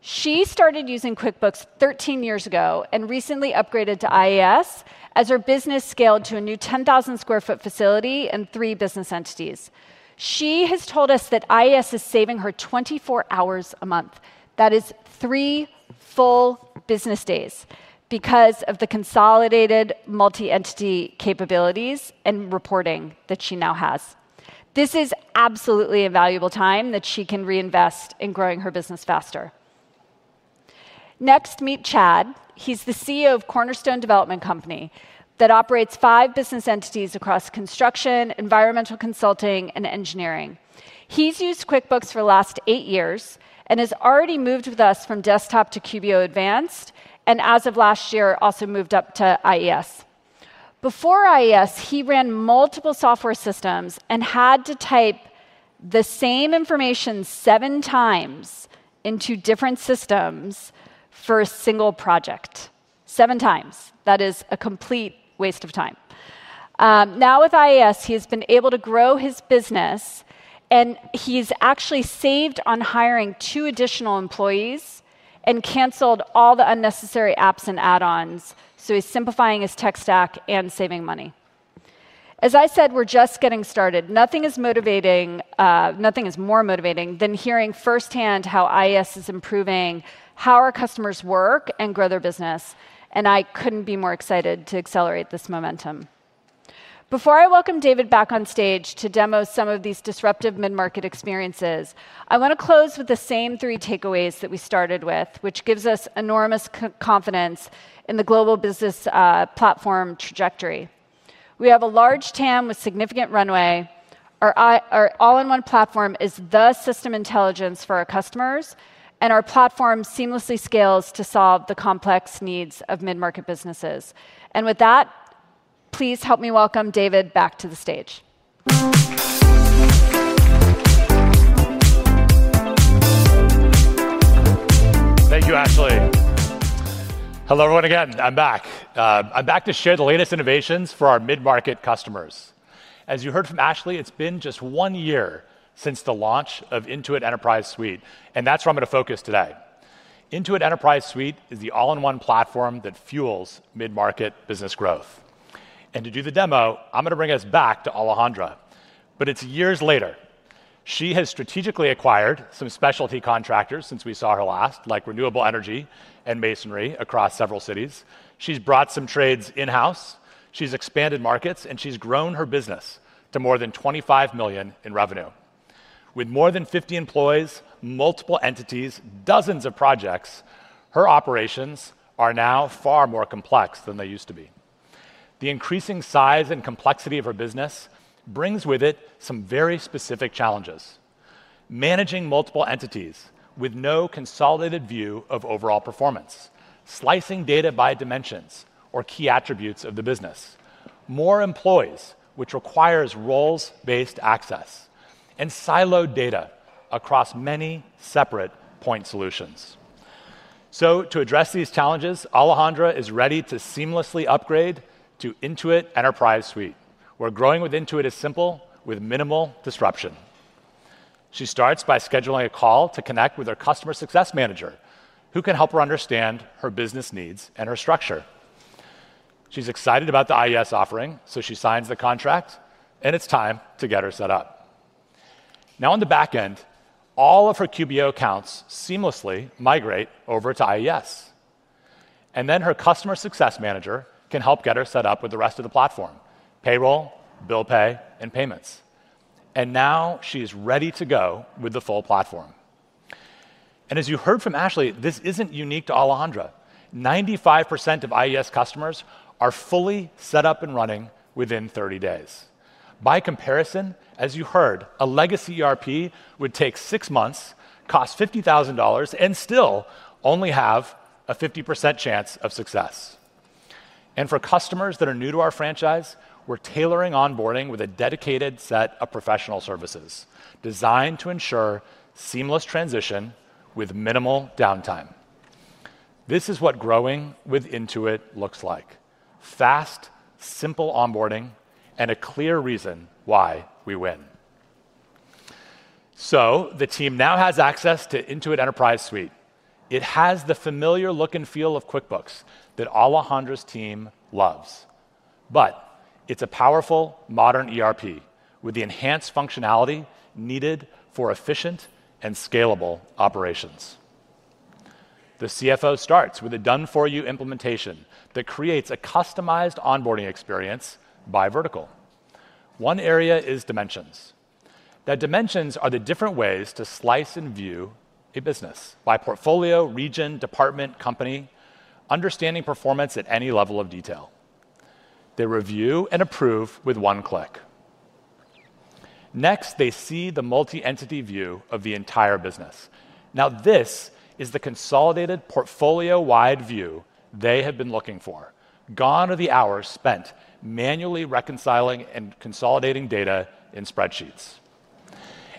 She started using QuickBooks 13 years ago and recently upgraded to IES as her business scaled to a new 10,000 sq ft facility and three business entities. She has told us that IES is saving her 24 hours a month. That is three full business days because of the consolidated multi-entity capabilities and reporting that she now has. This is absolutely a valuable time that she can reinvest in growing her business faster. Next, meet Chad. He's the CEO of Cornerstone Development Company that operates five business entities across construction, environmental consulting, and engineering. He's used QuickBooks for the last eight years and has already moved with us from Desktop to QBO Advanced, and as of last year, also moved up to IES. Before IES, he ran multiple software systems and had to type the same information seven times into different systems for a single project. Seven times. That is a complete waste of time. Now with IES, he has been able to grow his business, and he's actually saved on hiring two additional employees and canceled all the unnecessary apps and add-ons, so he's simplifying his tech stack and saving money. As I said, we're just getting started. Nothing is more motivating than hearing firsthand how IES is improving how our customers work and grow their business. I couldn't be more excited to accelerate this momentum. Before I welcome David back on stage to demo some of these disruptive mid-market experiences, I want to close with the same three takeaways that we started with, which gives us enormous confidence in the global business platform trajectory. We have a large TAM with significant runway. Our all-in-one platform is the system of intelligence for our customers, and our platform seamlessly scales to solve the complex needs of mid-market businesses. With that, please help me welcome David back to the stage. Thank you, Ashley. Hello everyone again. I'm back. I'm back to share the latest innovations for our mid-market customers. As you heard from Ashley, it's been just one year since the launch of Intuit Enterprise Suite, and that's where I'm going to focus today. Intuit Enterprise Suite is the all-in-one platform that fuels mid-market business growth. To do the demo, I'm going to bring us back to Alejandra. It's years later. She has strategically acquired some specialty contractors since we saw her last, like renewable energy and masonry across several cities. She's brought some trades in-house. She's expanded markets, and she's grown her business to more than $25 million in revenue. With more than 50 employees, multiple entities, and dozens of projects, her operations are now far more complex than they used to be. The increasing size and complexity of her business brings with it some very specific challenges: managing multiple entities with no consolidated view of overall performance, slicing data by dimensions or key attributes of the business, more employees, which requires roles-based access, and siloed data across many separate point solutions. To address these challenges, Alejandra is ready to seamlessly upgrade to Intuit Enterprise Suite, where growing with Intuit is simple with minimal disruption. She starts by scheduling a call to connect with her customer success manager, who can help her understand her business needs and her structure. She's excited about the IES offering, so she signs the contract, and it's time to get her set up. On the back end, all of her QBO accounts seamlessly migrate over to IES. Her customer success manager can help get her set up with the rest of the platform: payroll, bill pay, and payments. Now she's ready to go with the full platform. As you heard from Ashley, this isn't unique to Alejandra. 95% of IES customers are fully set up and running within 30 days. By comparison, as you heard, a legacy ERP would take six months, cost $50,000, and still only have a 50% chance of success. For customers that are new to our franchise, we're tailoring onboarding with a dedicated set of professional services designed to ensure seamless transition with minimal downtime. This is what growing with Intuit looks like: fast, simple onboarding, and a clear reason why we win. The team now has access to Intuit Enterprise Suite. It has the familiar look and feel of QuickBooks that Alejandra's team loves. It's a powerful, modern ERP with the enhanced functionality needed for efficient and scalable operations. The CFO starts with a done-for-you implementation that creates a customized onboarding experience by vertical. One area is dimensions. The dimensions are the different ways to slice and view a business by portfolio, region, department, company, understanding performance at any level of detail. They review and approve with one click. Next, they see the multi-entity view of the entire business. This is the consolidated portfolio-wide view they have been looking for, gone are the hours spent manually reconciling and consolidating data in spreadsheets.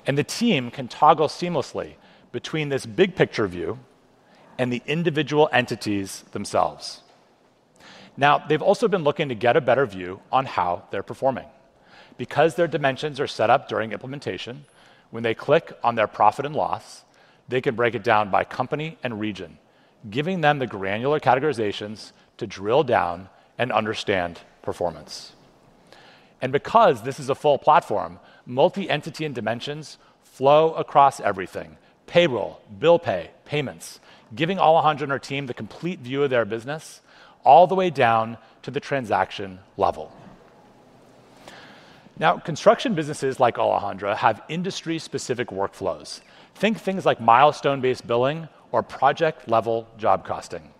The team can toggle seamlessly between this big-picture view and the individual entities themselves. They've also been looking to get a better view on how they're performing. Because their dimensions are set up during implementation, when they click on their profit and loss, they can break it down by company and region, giving them the granular categorizations to drill down and understand performance. Because this is a full platform, multi-entity and dimensions flow across everything: payroll, bill pay, payments, giving Alejandra and her team the complete view of their business all the way down to the transaction level. Construction businesses like Alejandra have industry-specific workflows. Think things like milestone-based billing or project-level job costing.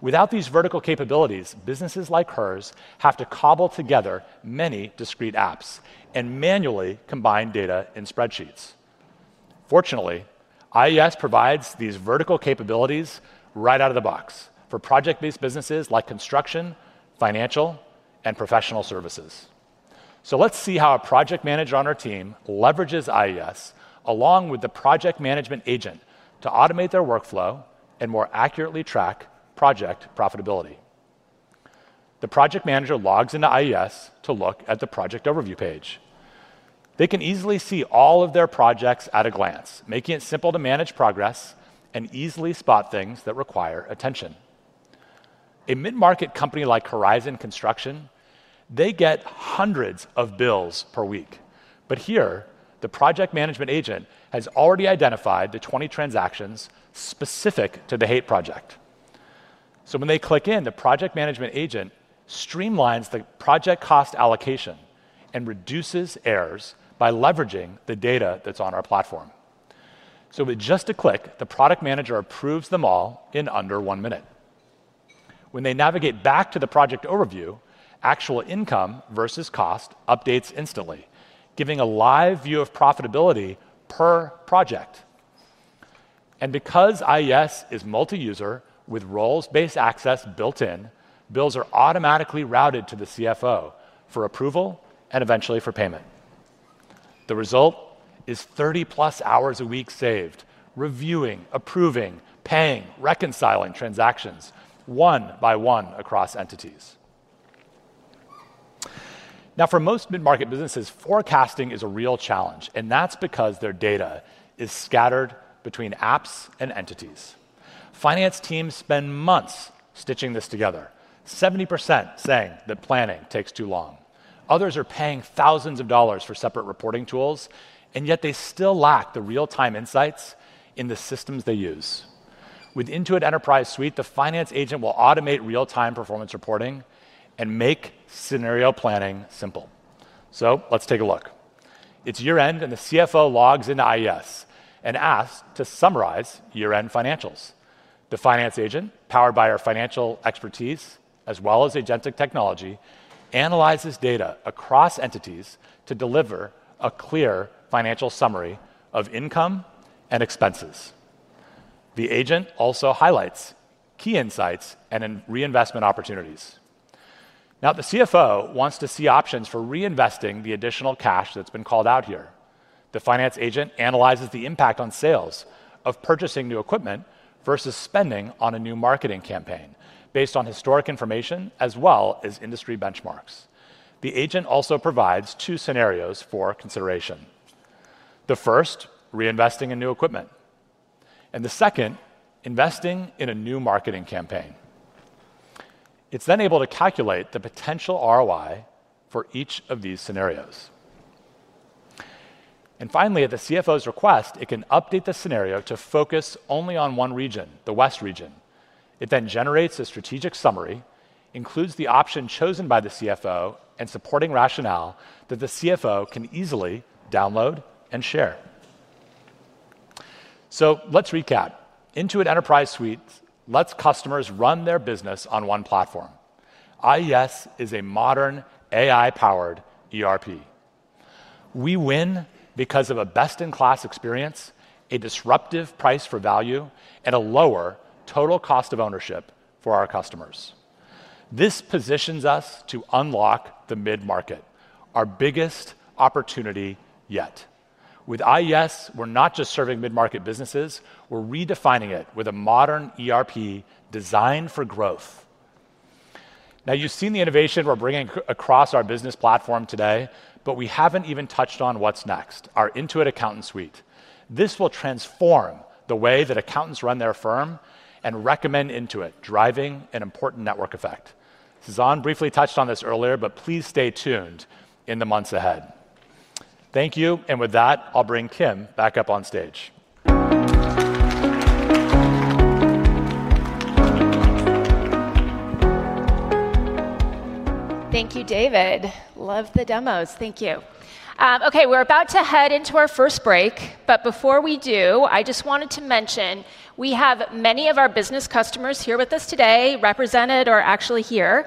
Without these vertical capabilities, businesses like hers have to cobble together many discrete apps and manually combine data and spreadsheets. Fortunately, IES provides these vertical capabilities right out of the box for project-based businesses like construction, financial, and professional services. Let's see how a project manager on our team leverages IES along with the project management agent to automate their workflow and more accurately track project profitability. The project manager logs into IES to look at the project overview page. They can easily see all of their projects at a glance, making it simple to manage progress and easily spot things that require attention. A mid-market company like Horizon Construction gets hundreds of bills per week. Here, the project management agent has already identified the 20 transactions specific to the Haight project. When they click in, the project management agent streamlines the project cost allocation and reduces errors by leveraging the data that's on our platform. With just a click, the product manager approves them all in under one minute. When they navigate back to the project overview, actual income versus cost updates instantly, giving a live view of profitability per project. Because IES is multi-user with roles-based access built in, bills are automatically routed to the CFO for approval and eventually for payment. The result is 30+ hours a week saved reviewing, approving, paying, reconciling transactions one by one across entities. For most mid-market businesses, forecasting is a real challenge, and that's because their data is scattered between apps and entities. Finance teams spend months stitching this together, 70% saying that planning takes too long. Others are paying thousands of dollars for separate reporting tools, yet they still lack the real-time insights in the systems they use. With Intuit Enterprise Suite, the finance agent will automate real-time performance reporting and make scenario planning simple. Let's take a look. It's year-end, and the CFO logs into IES and asks to summarize year-end financials. The finance agent, powered by our financial expertise as well as agentic technology, analyzes data across entities to deliver a clear financial summary of income and expenses. The agent also highlights key insights and reinvestment opportunities. The CFO wants to see options for reinvesting the additional cash that's been called out here. The finance agent analyzes the impact on sales of purchasing new equipment versus spending. Charles was listening to it. My intuition would be the equivalent of 30,000 years at those scales, which my intuitions may be useless of what you can accomplish. It helps to find out what's in the black box and what's responding. I think all of us so far until we pro. Finally, at the CFO's request, it can update the scenario to focus only on one region, the West region. It then generates a strategic summary, includes the option chosen by the CFO, and supporting rationale that the CFO can easily download and share. Let's recap. Intuit Enterprise Suite lets customers run their business on one platform. IES is a modern AI-powered ERP. We win because of a best-in-class experience, a disruptive price for value, and a lower total cost of ownership for our customers. This positions us to unlock the mid-market, our biggest opportunity yet. With IES, we're not just serving mid-market businesses. We're redefining it with a modern ERP designed for growth. Now, you've seen the innovation we're bringing across our business platform today, but we haven't even touched on what's next, our Intuit Accountant Suite. This will transform the way that accountants run their firm and recommend Intuit, driving an important network effect. Sasan briefly touched on this earlier, but please stay tuned in the months ahead. Thank you. With that, I'll bring Kim back up on stage. Thank you, David. Love the demos. Thank you. OK, we're about to head into our first break. Before we do, I just wanted to mention we have many of our business customers here with us today represented or actually here,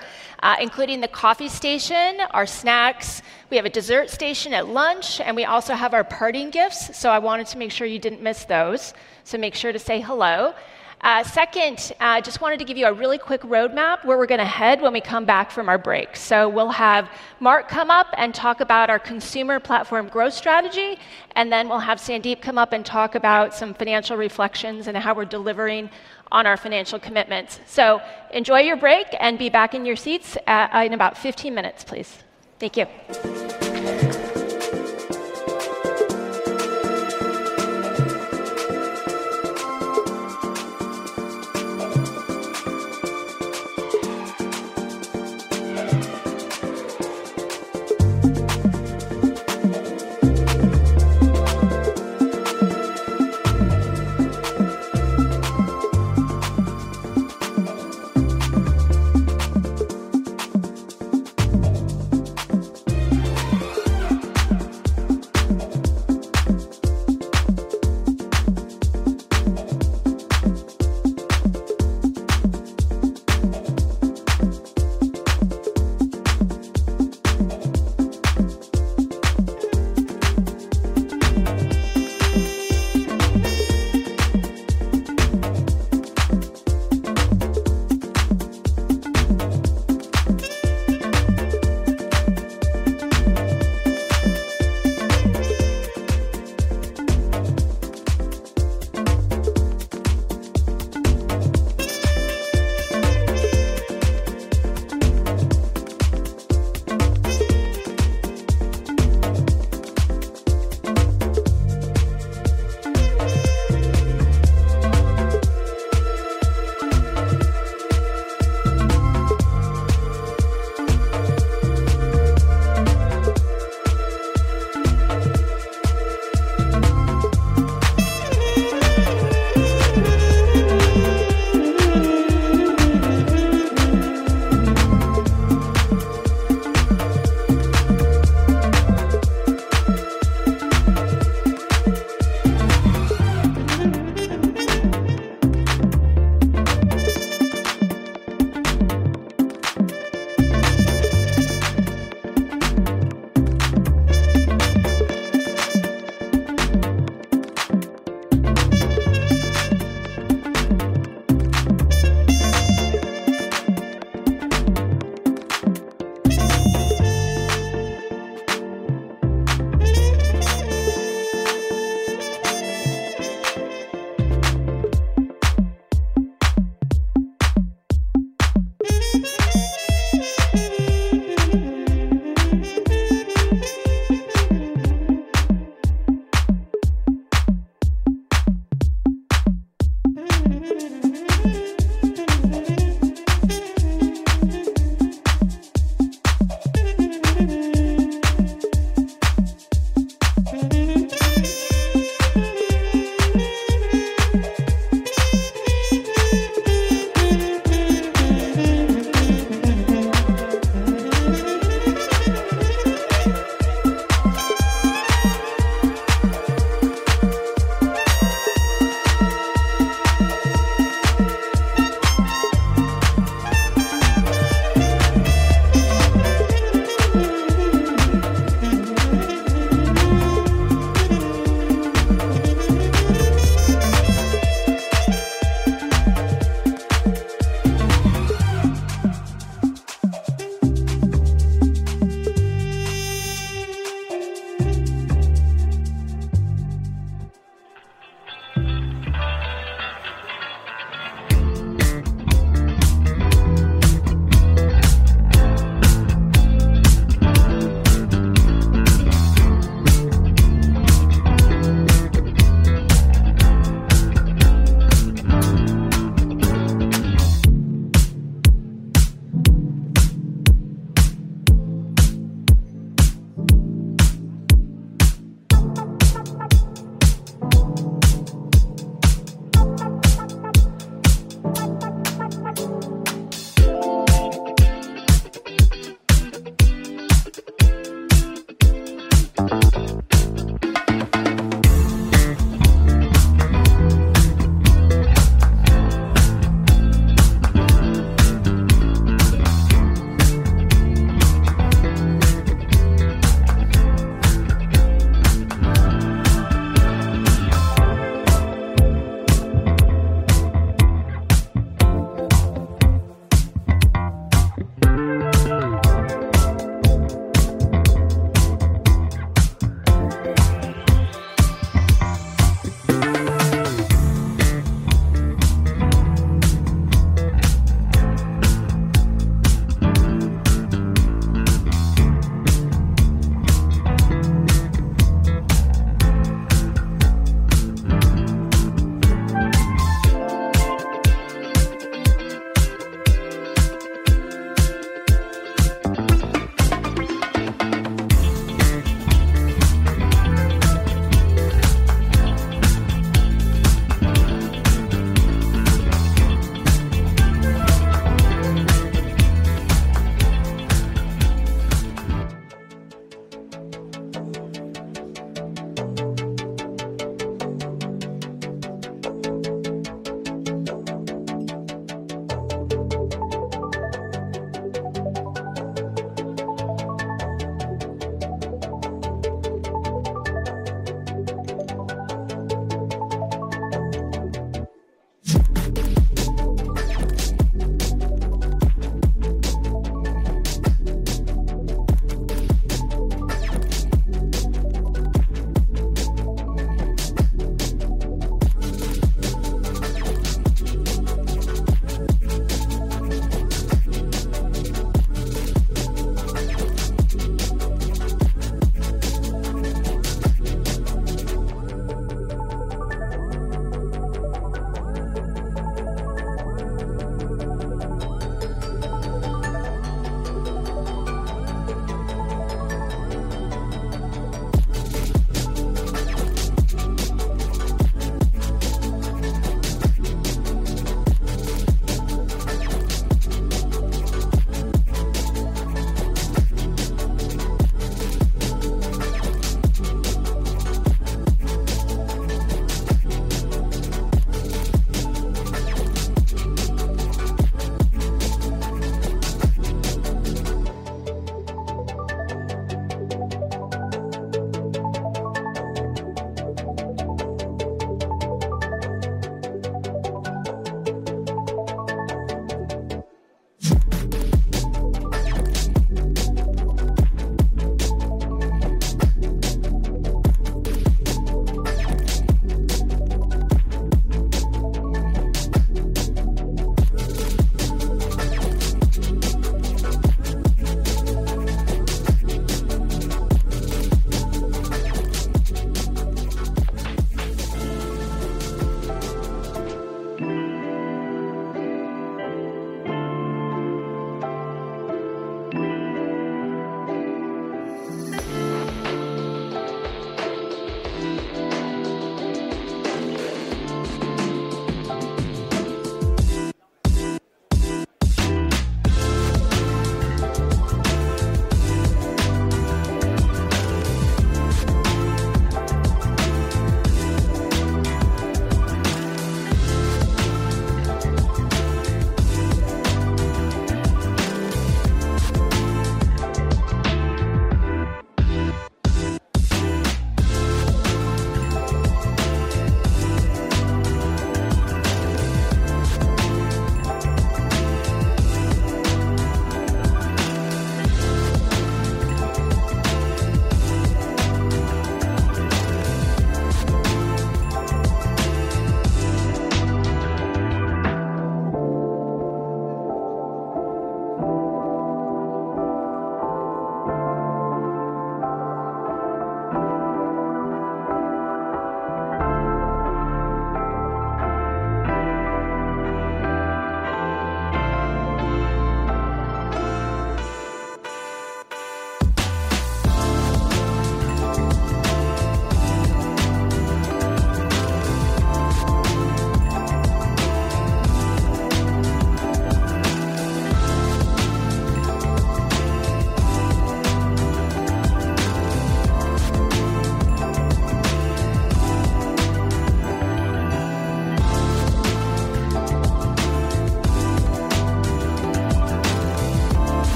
including the coffee station, our snacks. We have a dessert station at lunch, and we also have our parting gifts. I wanted to make sure you didn't miss those. Make sure to say hello. I just wanted to give you a really quick roadmap where we're going to head when we come back from our break. We'll have Mark come up and talk about our consumer platform growth strategy. Then we'll have Sandeep come up and talk about some financial reflections and how we're delivering on our financial commitments. Enjoy your break and be back in your seats in about 15 minutes, please. Thank you.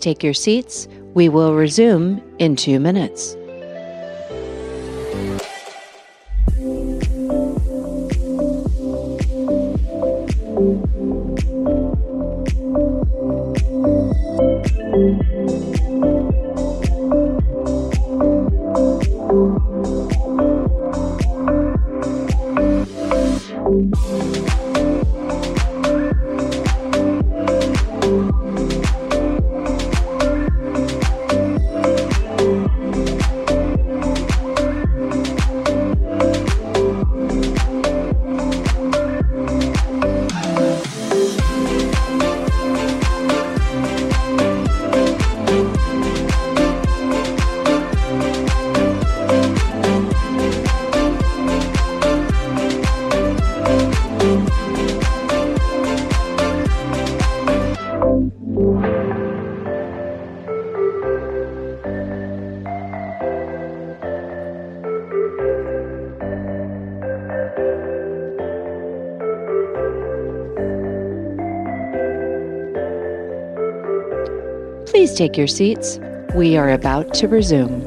Please take your seats. We will resume in two minutes. Please take your seats. We are about to resume.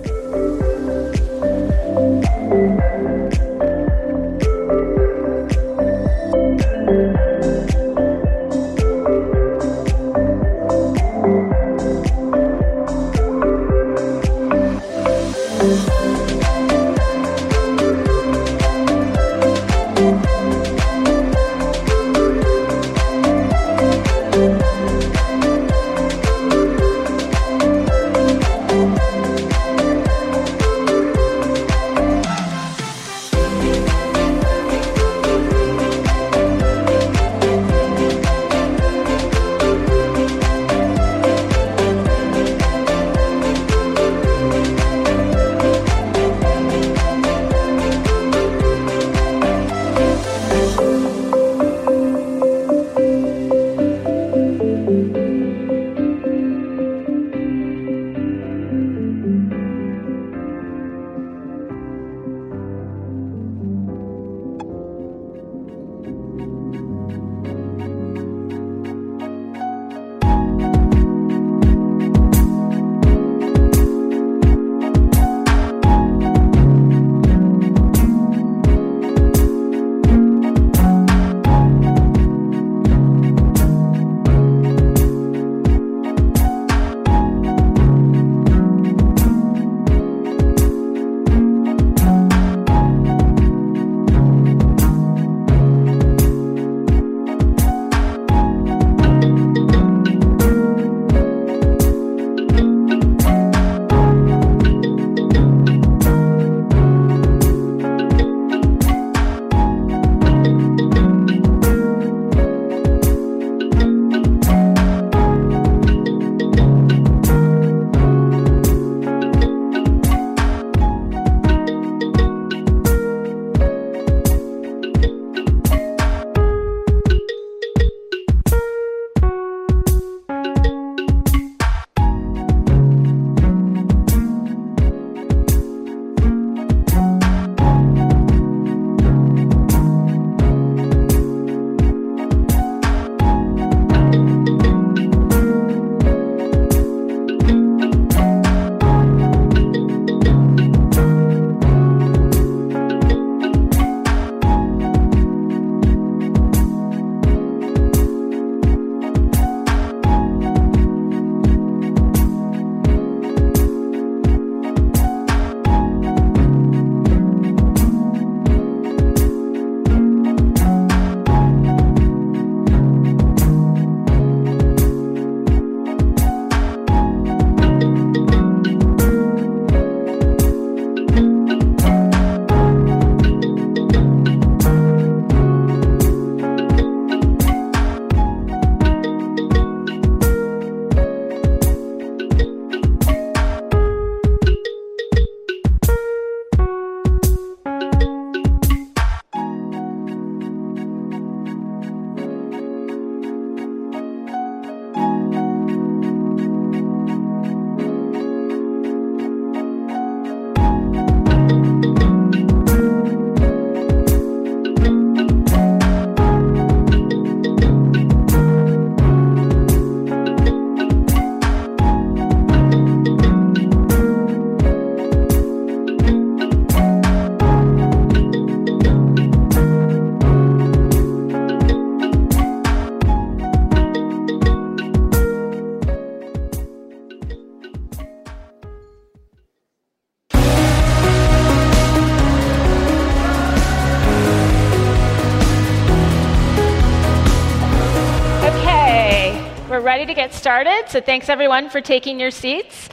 OK. We're ready to get started. Thanks, everyone, for taking your seats.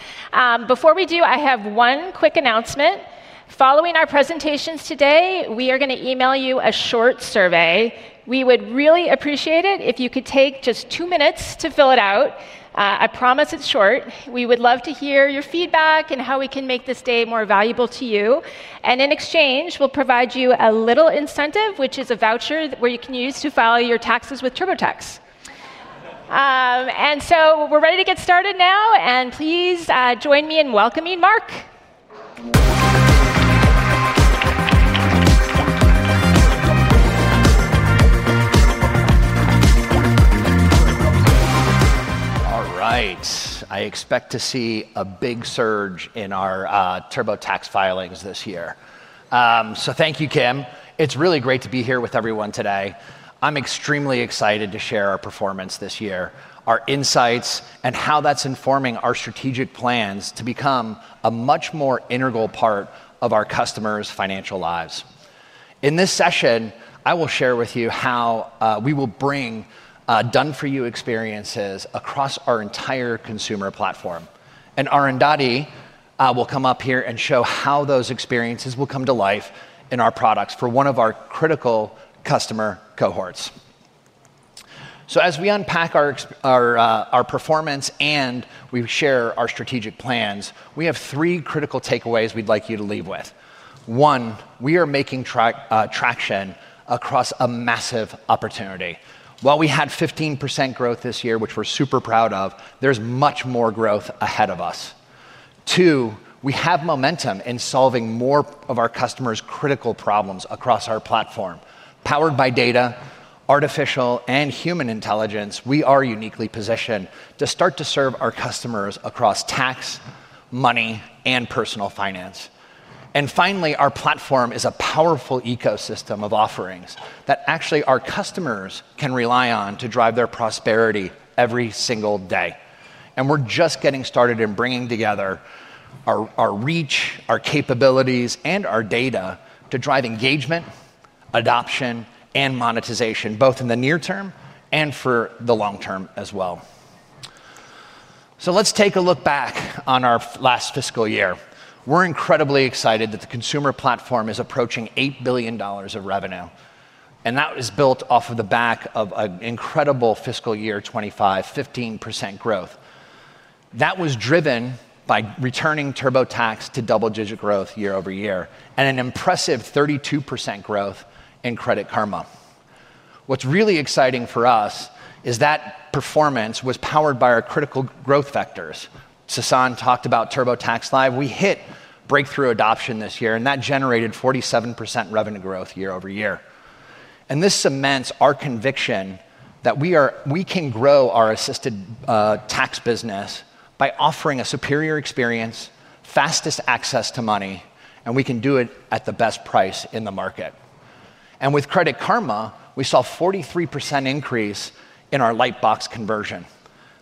Before we do, I have one quick announcement. Following our presentations today, we are going to email you a short survey. We would really appreciate it if you could take just two minutes to fill it out. I promise it's short. We would love to hear your feedback and how we can make this day more valuable to you. In exchange, we'll provide you a little incentive, which is a voucher you can use to file your taxes with TurboTax. We're ready to get started now. Please join me in welcoming Mark. All right. I expect to see a big surge in our TurboTax filings this year. Thank you, Kim. It's really great to be here with everyone today. I'm extremely excited. to share our performance this year, our insights, and how that's informing our strategic plans to become a much more integral part of our customers' financial lives. In this session, I will share with you how we will bring done-for-you experiences across our entire consumer platform. Arundhati will come up here and show how those experiences will come to life in our products for one of our critical customer cohorts. As we unpack our performance and we share our strategic plans, we have three critical takeaways we'd like you to leave with. One, we are making traction across a massive opportunity. While we had 15% growth this year, which we're super proud of, there's much more growth ahead of us. Two, we have momentum in solving more of our customers' critical problems across our platform. Powered by data, artificial, and human intelligence, we are uniquely positioned to start to serve our customers across tax, money, and personal finance. Finally, our platform is a powerful ecosystem of offerings that actually our customers can rely on to drive their prosperity every single day. We're just getting started in bringing together our reach, our capabilities, and our data to drive engagement, adoption, and monetization, both in the near term and for the long term as well. Let's take a look back on our last fiscal year. We're incredibly excited that the consumer platform is approaching $8 billion of revenue. That was built off of the back of an incredible fiscal year 2025, 15% growth. That was driven by returning TurboTax to double-digit growth year-over-year and an impressive 32% growth in Credit Karma. What's really exciting for us is that performance was powered by our critical growth vectors. Sasan talked about TurboTax Live. We hit breakthrough adoption this year, and that generated 47% revenue growth year-over-year. This cements our conviction that we can grow our assisted tax business by offering a superior experience, fastest access to money, and we can do it at the best price in the market. With Credit Karma, we saw a 43% increase in our Lightbox conversion,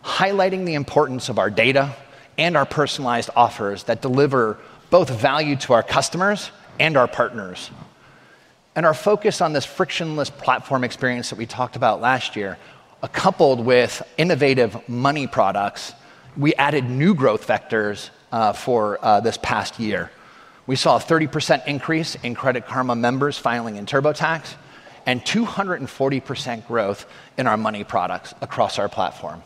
highlighting the importance of our data and our personalized offers that deliver both value to our customers and our partners. Our focus on this frictionless platform experience that we talked about last year, coupled with innovative money products, we added new growth vectors for this past year. We saw a 30% increase in Credit Karma members filing in TurboTax and 240% growth in our money products across our platform.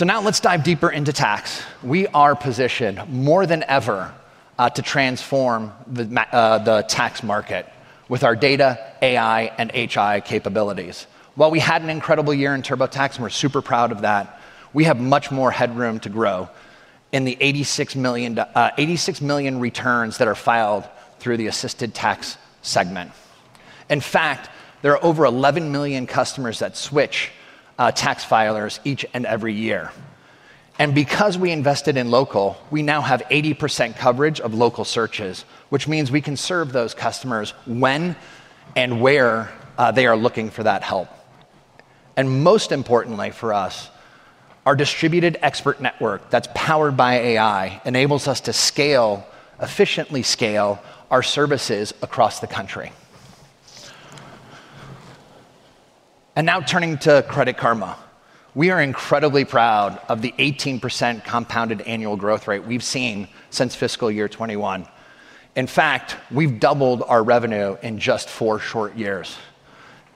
Now let's dive deeper into tax. We are positioned more than ever to transform the tax market with our data, AI, and HI capabilities. While we had an incredible year in TurboTax, and we're super proud of that, we have much more headroom to grow in the 86 million returns that are filed through the assisted tax segment. In fact, there are over 11 million customers that switch tax filers each and every year. Because we invested in local, we now have 80% coverage of local searches, which means we can serve those customers when and where they are looking for that help. Most importantly for us, our distributed expert network that's powered by AI enables us to efficiently scale our services across the country. Now turning to Credit Karma, we are incredibly proud of the 18% compounded annual growth rate we've seen since fiscal year 2021. In fact, we've doubled our revenue in just four short years.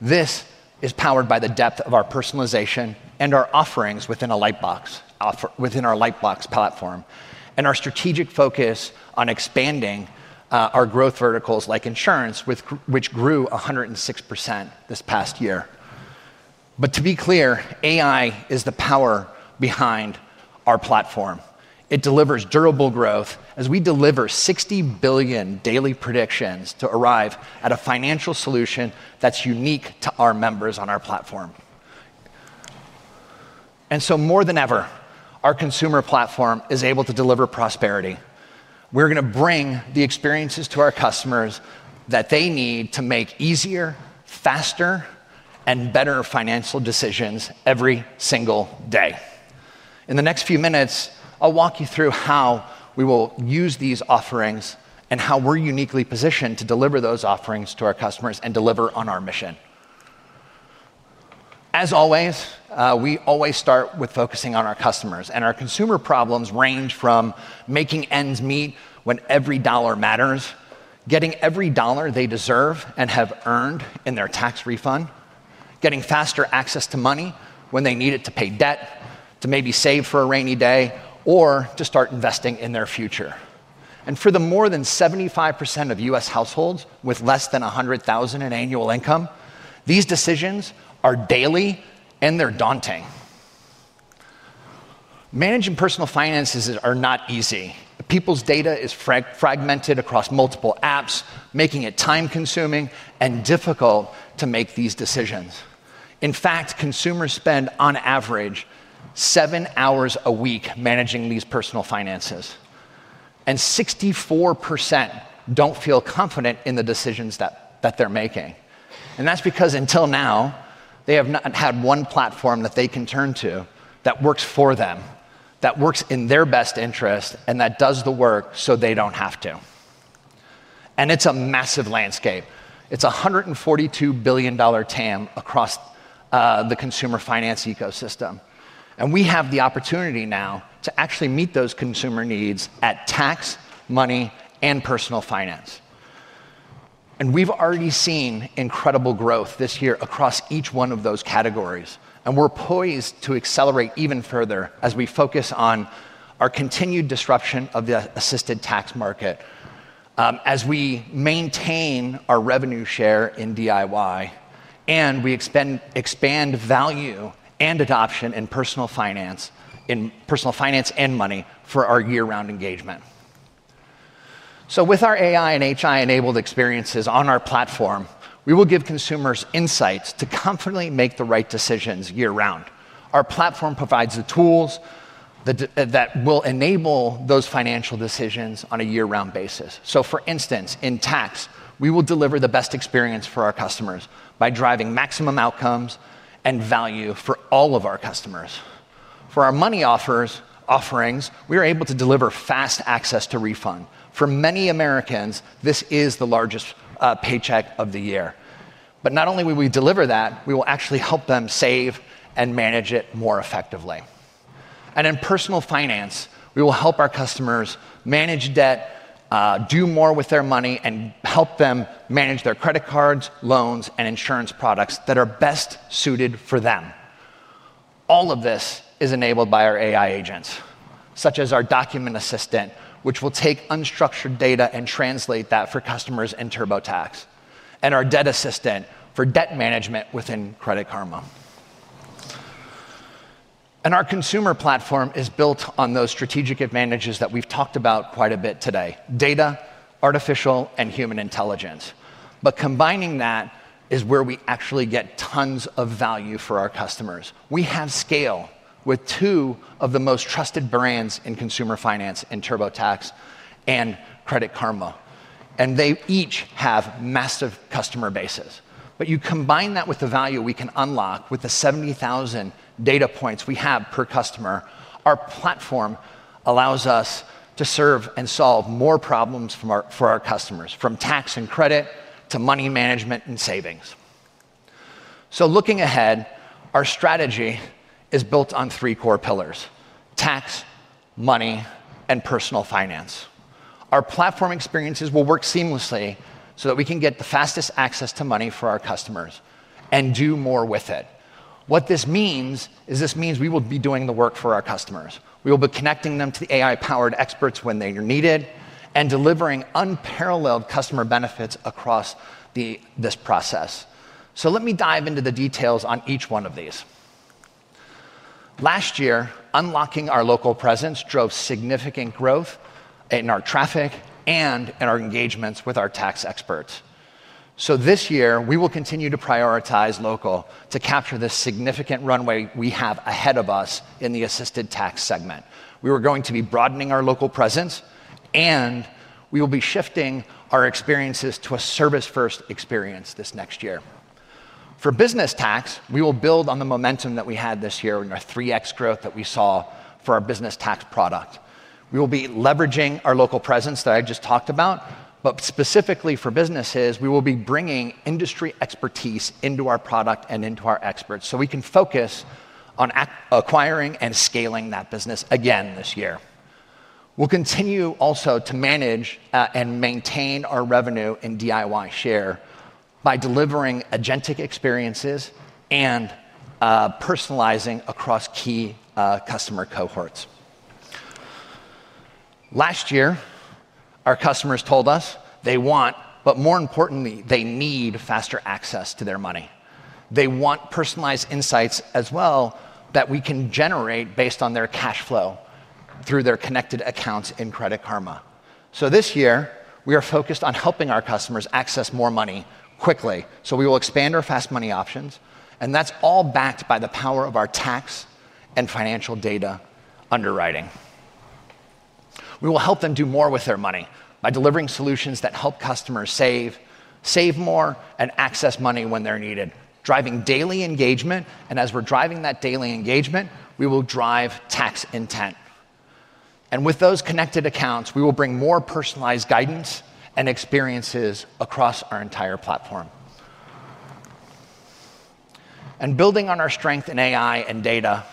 This is powered by the depth of our personalization and our offerings within our Lightbox platform and our strategic focus on expanding our growth verticals like insurance, which grew 106% this past year. To be clear, AI is the power behind our platform. It delivers durable growth as we deliver 60 billion daily predictions to arrive at a financial solution that's unique to our members on our platform. More than ever, our consumer platform is able to deliver prosperity. We're going to bring the experiences to our customers that they need to make easier, faster, and better financial decisions every single day. In the next few minutes, I'll walk you through how we will use these offerings and how we're uniquely positioned to deliver those offerings to our customers and deliver on our mission. As always, we always start with focusing on our customers. Our consumer problems range from making ends meet when every dollar matters, getting every dollar they deserve and have earned in their tax refund, getting faster access to money when they need it to pay debt, to maybe save for a rainy day, or to start investing in their future. For the more than 75% of U.S. households with less than $100,000 in annual income, these decisions are daily, and they're daunting. Managing personal finances is not easy. People's data is fragmented across multiple apps, making it time-consuming and difficult to make these decisions. In fact, consumers spend on average seven hours a week managing these personal finances. 64% don't feel confident in the decisions that they're making. That's because until now, they have not had one platform that they can turn to that works for them, that works in their best interest, and that does the work so they don't have to. It's a massive landscape. It's a $142 billion TAM across the consumer finance ecosystem. We have the opportunity now to actually meet those consumer needs at tax, money, and personal finance. We've already seen incredible growth this year across each one of those categories. We're poised to accelerate even further as we focus on our continued disruption of the assisted tax market as we maintain our revenue share in DIY, and we expand value and adoption in personal finance and money for our year-round engagement. With our AI and HI-enabled experiences on our platform, we will give consumers insights to confidently make the right decisions year-round. Our platform provides the tools that will enable those financial decisions on a year-round basis. For instance, in tax, we will deliver the best experience for our customers by driving maximum outcomes and value for all of our customers. For our money offerings, we are able to deliver fast access to refund. For many Americans, this is the largest paycheck of the year. Not only will we deliver that, we will actually help them save and manage it more effectively. In personal finance, we will help our customers manage debt, do more with their money, and help them manage their credit cards, loans, and insurance products that are best suited for them. All of this is enabled by our AI agents, such as our document assistant, which will take unstructured data and translate that for customers in TurboTax, and our debt assistant for debt management within Credit Karma. Our consumer platform is built on those strategic advantages that we've talked about quite a bit today: data, artificial, and human intelligence. Combining that is where we actually get tons of value for our customers. We have scale with two of the most trusted brands in consumer finance in TurboTax and Credit Karma. They each have massive customer bases. You combine that with the value we can unlock with the 70,000 data points we have per customer. Our platform allows us to serve and solve more problems for our customers, from tax and credit to money management and savings. Looking ahead, our strategy is built on three core pillars: tax, money, and personal finance. Our platform experiences will work seamlessly so that we can get the fastest access to money for our customers and do more with it. What this means is we will be doing the work for our customers. We will be connecting them to the AI-powered experts when they are needed and delivering unparalleled customer benefits across this process. Let me dive into the details on each one of these. Last year, unlocking our local presence drove significant growth in our traffic and in our engagements with our tax experts. This year, we will continue to prioritize local to capture this significant runway we have ahead of us in the assisted tax segment. We are going to be broadening our local presence, and we will be shifting our experiences to a service-first experience this next year. For business tax, we will build on the momentum that we had this year in our 3x growth that we saw for our business tax product. We will be leveraging our local presence that I just talked about. Specifically for businesses, we will be bringing industry expertise into our product and into our experts so we can focus on acquiring and scaling that business again this year. We'll continue also to manage and maintain our revenue in DIY share by delivering agentic experiences and personalizing across key customer cohorts. Last year, our customers told us they want, but more importantly, they need faster access to their money. They want personalized insights as well that we can generate based on their cash flow through their connected accounts in Credit Karma. This year, we are focused on helping our customers access more money quickly. We will expand our fast money options. That's all backed by the power of our tax and financial data underwriting. We will help them do more with their money by delivering solutions that help customers save, save more, and access money when they're needed, driving daily engagement. As we're driving that daily engagement, we will drive tax intent. With those connected accounts, we will bring more personalized guidance and experiences across our entire platform. Building on our strength in AI and data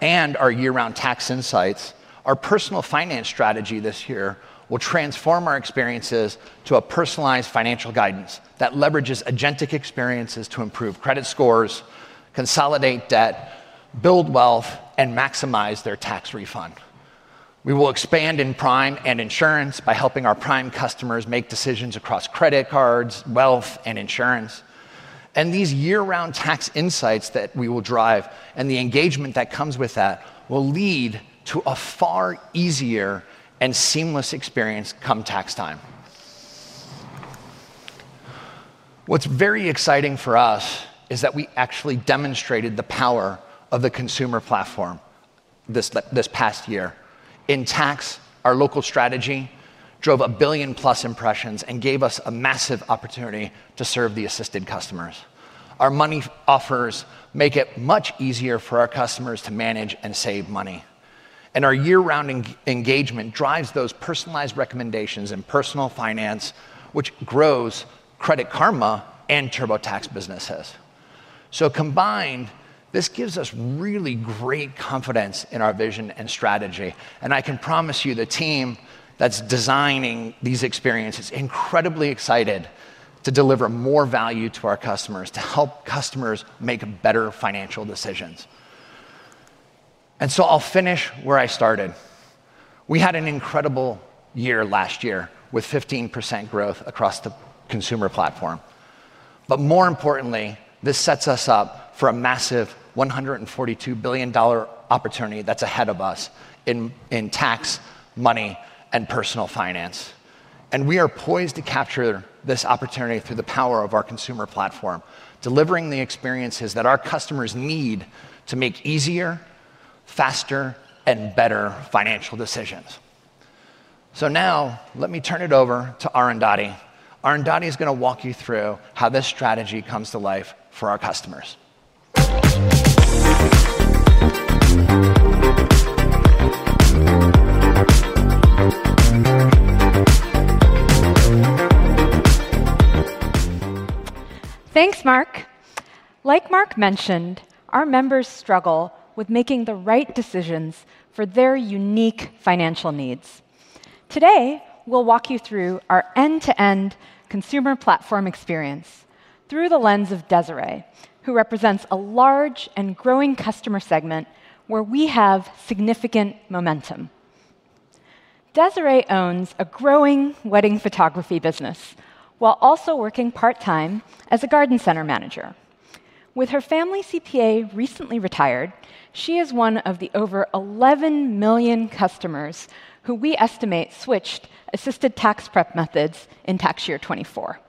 and our year-round tax insights, our personal finance strategy this year will transform our experiences to a personalized financial guidance that leverages agentic experiences to improve credit scores, consolidate debt, build wealth, and maximize their tax refund. We will expand in prime and insurance by helping our prime customers make decisions across credit cards, wealth, and insurance. These year-round tax insights that we will drive and the engagement that comes with that will lead to a far easier and seamless experience come tax time. What is very exciting for us is that we actually demonstrated the power of the consumer platform this past year. In tax, our local strategy drove a billion-plus impressions and gave us a massive opportunity to serve the assisted customers. Our money offers make it much easier for our customers to manage and save money. Our year-round engagement drives those personalized recommendations in personal finance, which grows Credit Karma and TurboTax businesses. Combined, this gives us really great confidence in our vision and strategy. I can promise you the team that is designing these experiences is incredibly excited to deliver more value to our customers to help customers make better financial decisions. I will finish where I started. We had an incredible year last year with 15% growth across the consumer platform. More importantly, this sets us up for a massive $142 billion opportunity that is ahead of us in tax, money, and personal finance. We are poised to capture this opportunity through the power of our consumer platform, delivering the experiences that our customers need to make easier, faster, and better financial decisions. Now let me turn it over to Arundhati. Arundhati is going to walk you through how this strategy comes to life for our customers. Thanks, Mark. Like Mark mentioned, our members struggle with making the right decisions for their unique financial needs. Today, we'll walk you through our end-to-end consumer platform experience through the lens of Desiree, who represents a large and growing customer segment where we have significant momentum. Desiree owns a growing wedding photography business while also working part-time as a garden center manager. With her family CPA recently retired, she is one of the over 11 million customers who we estimate switched assisted tax prep methods in tax year 2024.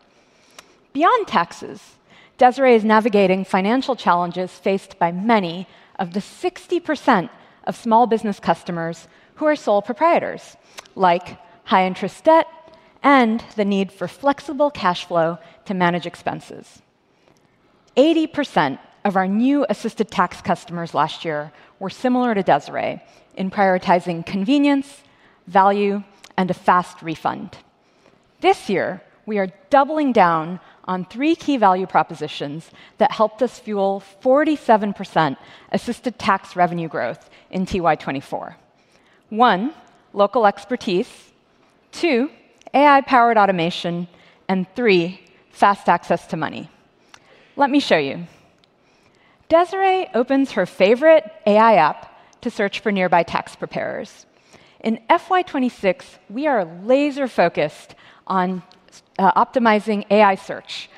Beyond taxes, Desiree is navigating financial challenges faced by many of the 60% of small business customers who are sole proprietors, like high-interest debt and the need for flexible cash flow to manage expenses. 80% of our new assisted tax customers last year were similar to Desiree in prioritizing convenience, value, and a fast refund. This year, we are doubling down on three key value propositions that helped us fuel 47% assisted tax revenue growth in TY 2024: one, local expertise; two, AI-powered automation; and three, fast access to money. Let me show you. Desiree opens her favorite AI app to search for nearby tax preparers. In FY 2026, we are laser-focused on optimizing AI search,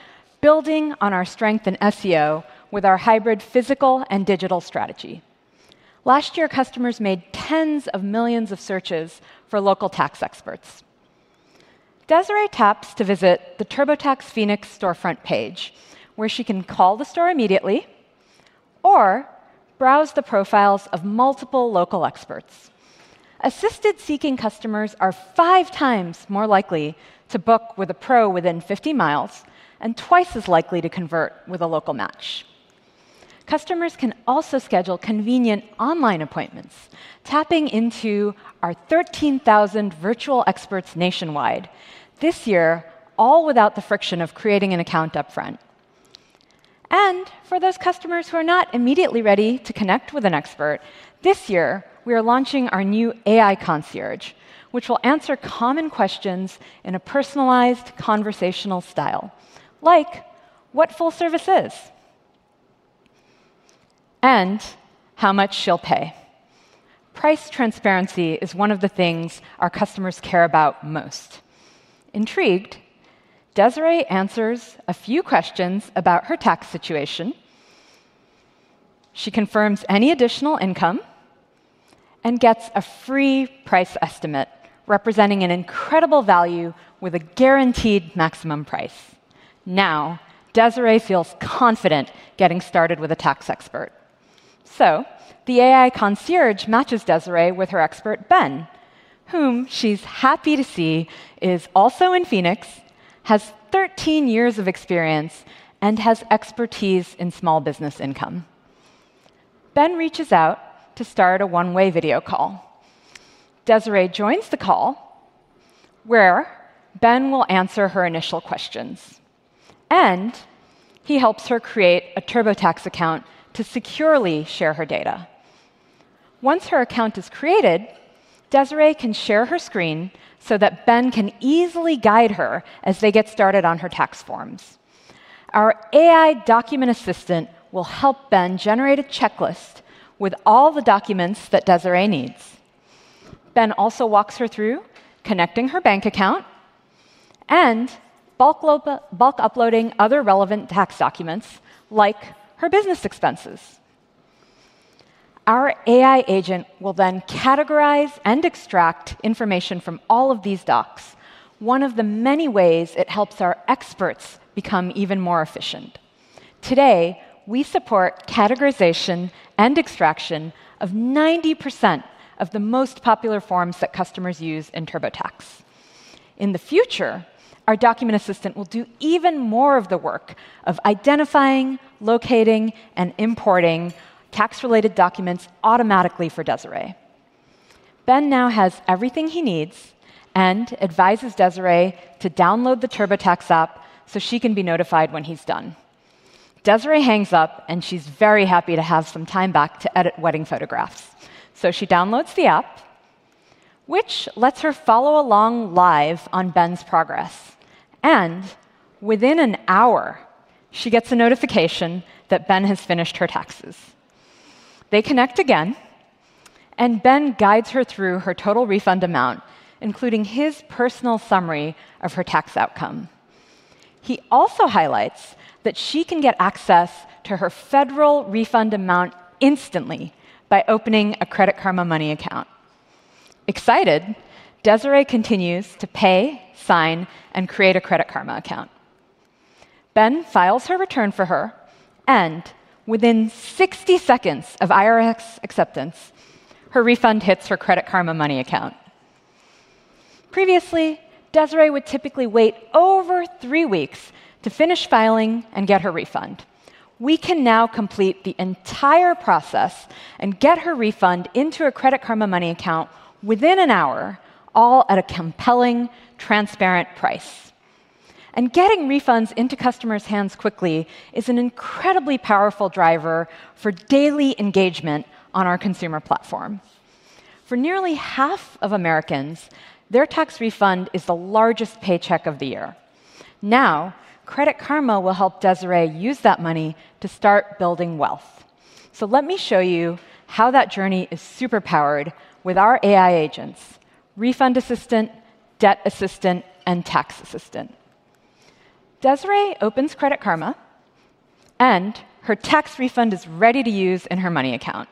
building on our strength in SEO with our hybrid physical and digital strategy. Last year, customers made tens of millions of searches for local tax experts. Desiree taps to visit the TurboTax Phoenix storefront page, where she can call the store immediately or browse the profiles of multiple local experts. Assisted-seeking customers are 5x more likely to book with a pro within 50 miles and twice as likely to convert with a local match. Customers can also schedule convenient online appointments, tapping into our 13,000 virtual experts nationwide this year, all without the friction of creating an account upfront. For those customers who are not immediately ready to connect with an expert, this year, we are launching our new AI concierge, which will answer common questions in a personalized conversational style, like what full service is and how much she'll pay. Price transparency is one of the things our customers care about most. Intrigued, Desiree answers a few questions about her tax situation. She confirms any additional income and gets a free price estimate, representing an incredible value with a guaranteed maximum price. Now, Desiree feels confident getting started with a tax expert. The AI concierge matches Desiree with her expert, Ben, whom she's happy to see is also in Phoenix, has 13 years of experience, and has expertise in small business income. Ben reaches out to start a one-way video call. Desiree joins the call, where Ben will answer her initial questions. He helps her create a TurboTax account to securely share her data. Once her account is created, Desiree can share her screen so that Ben can easily guide her as they get started on her tax forms. Our AI document assistant will help Ben generate a checklist with all the documents that Desiree needs. Ben also walks her through connecting her bank account and bulk uploading other relevant tax documents, like her business expenses. Our AI agent will then categorize and extract information from all of these docs, one of the many ways it helps our experts become even more efficient. Today, we support categorization and extraction of 90% of the most popular forms that customers use in TurboTax. In the future, our document assistant will do even more of the work of identifying, locating, and importing tax-related documents automatically for Desiree. Ben now has everything he needs and advises Desiree to download the TurboTax app so she can be notified when he's done. Desiree hangs up, and she's very happy to have some time back to edit wedding photographs. She downloads the app, which lets her follow along live on Ben's progress. Within an hour, she gets a notification that Ben has finished her taxes. They connect again, and Ben guides her through her total refund amount, including his personal summary of her tax outcome. He also highlights that she can get access to her federal refund amount instantly by opening a Credit Karma money account. Excited, Desiree continues to pay, sign, and create a Credit Karma account. Ben files her return for her, and within 60 seconds of IRS acceptance, her refund hits her Credit Karma money account. Previously, Desiree would typically wait over three weeks to finish filing and get her refund. We can now complete the entire process and get her refund into a Credit Karma money account within an hour, all at a compelling, transparent price. Getting refunds into customers' hands quickly is an incredibly powerful driver for daily engagement on our consumer platform. For nearly half of Americans, their tax refund is the largest paycheck of the year. Credit Karma will help Desiree use that money to start building wealth. Let me show you how that journey is superpowered with our AI agents: refund assistant, debt assistant, and tax assistant. Desiree opens Credit Karma, and her tax refund is ready to use in her money account.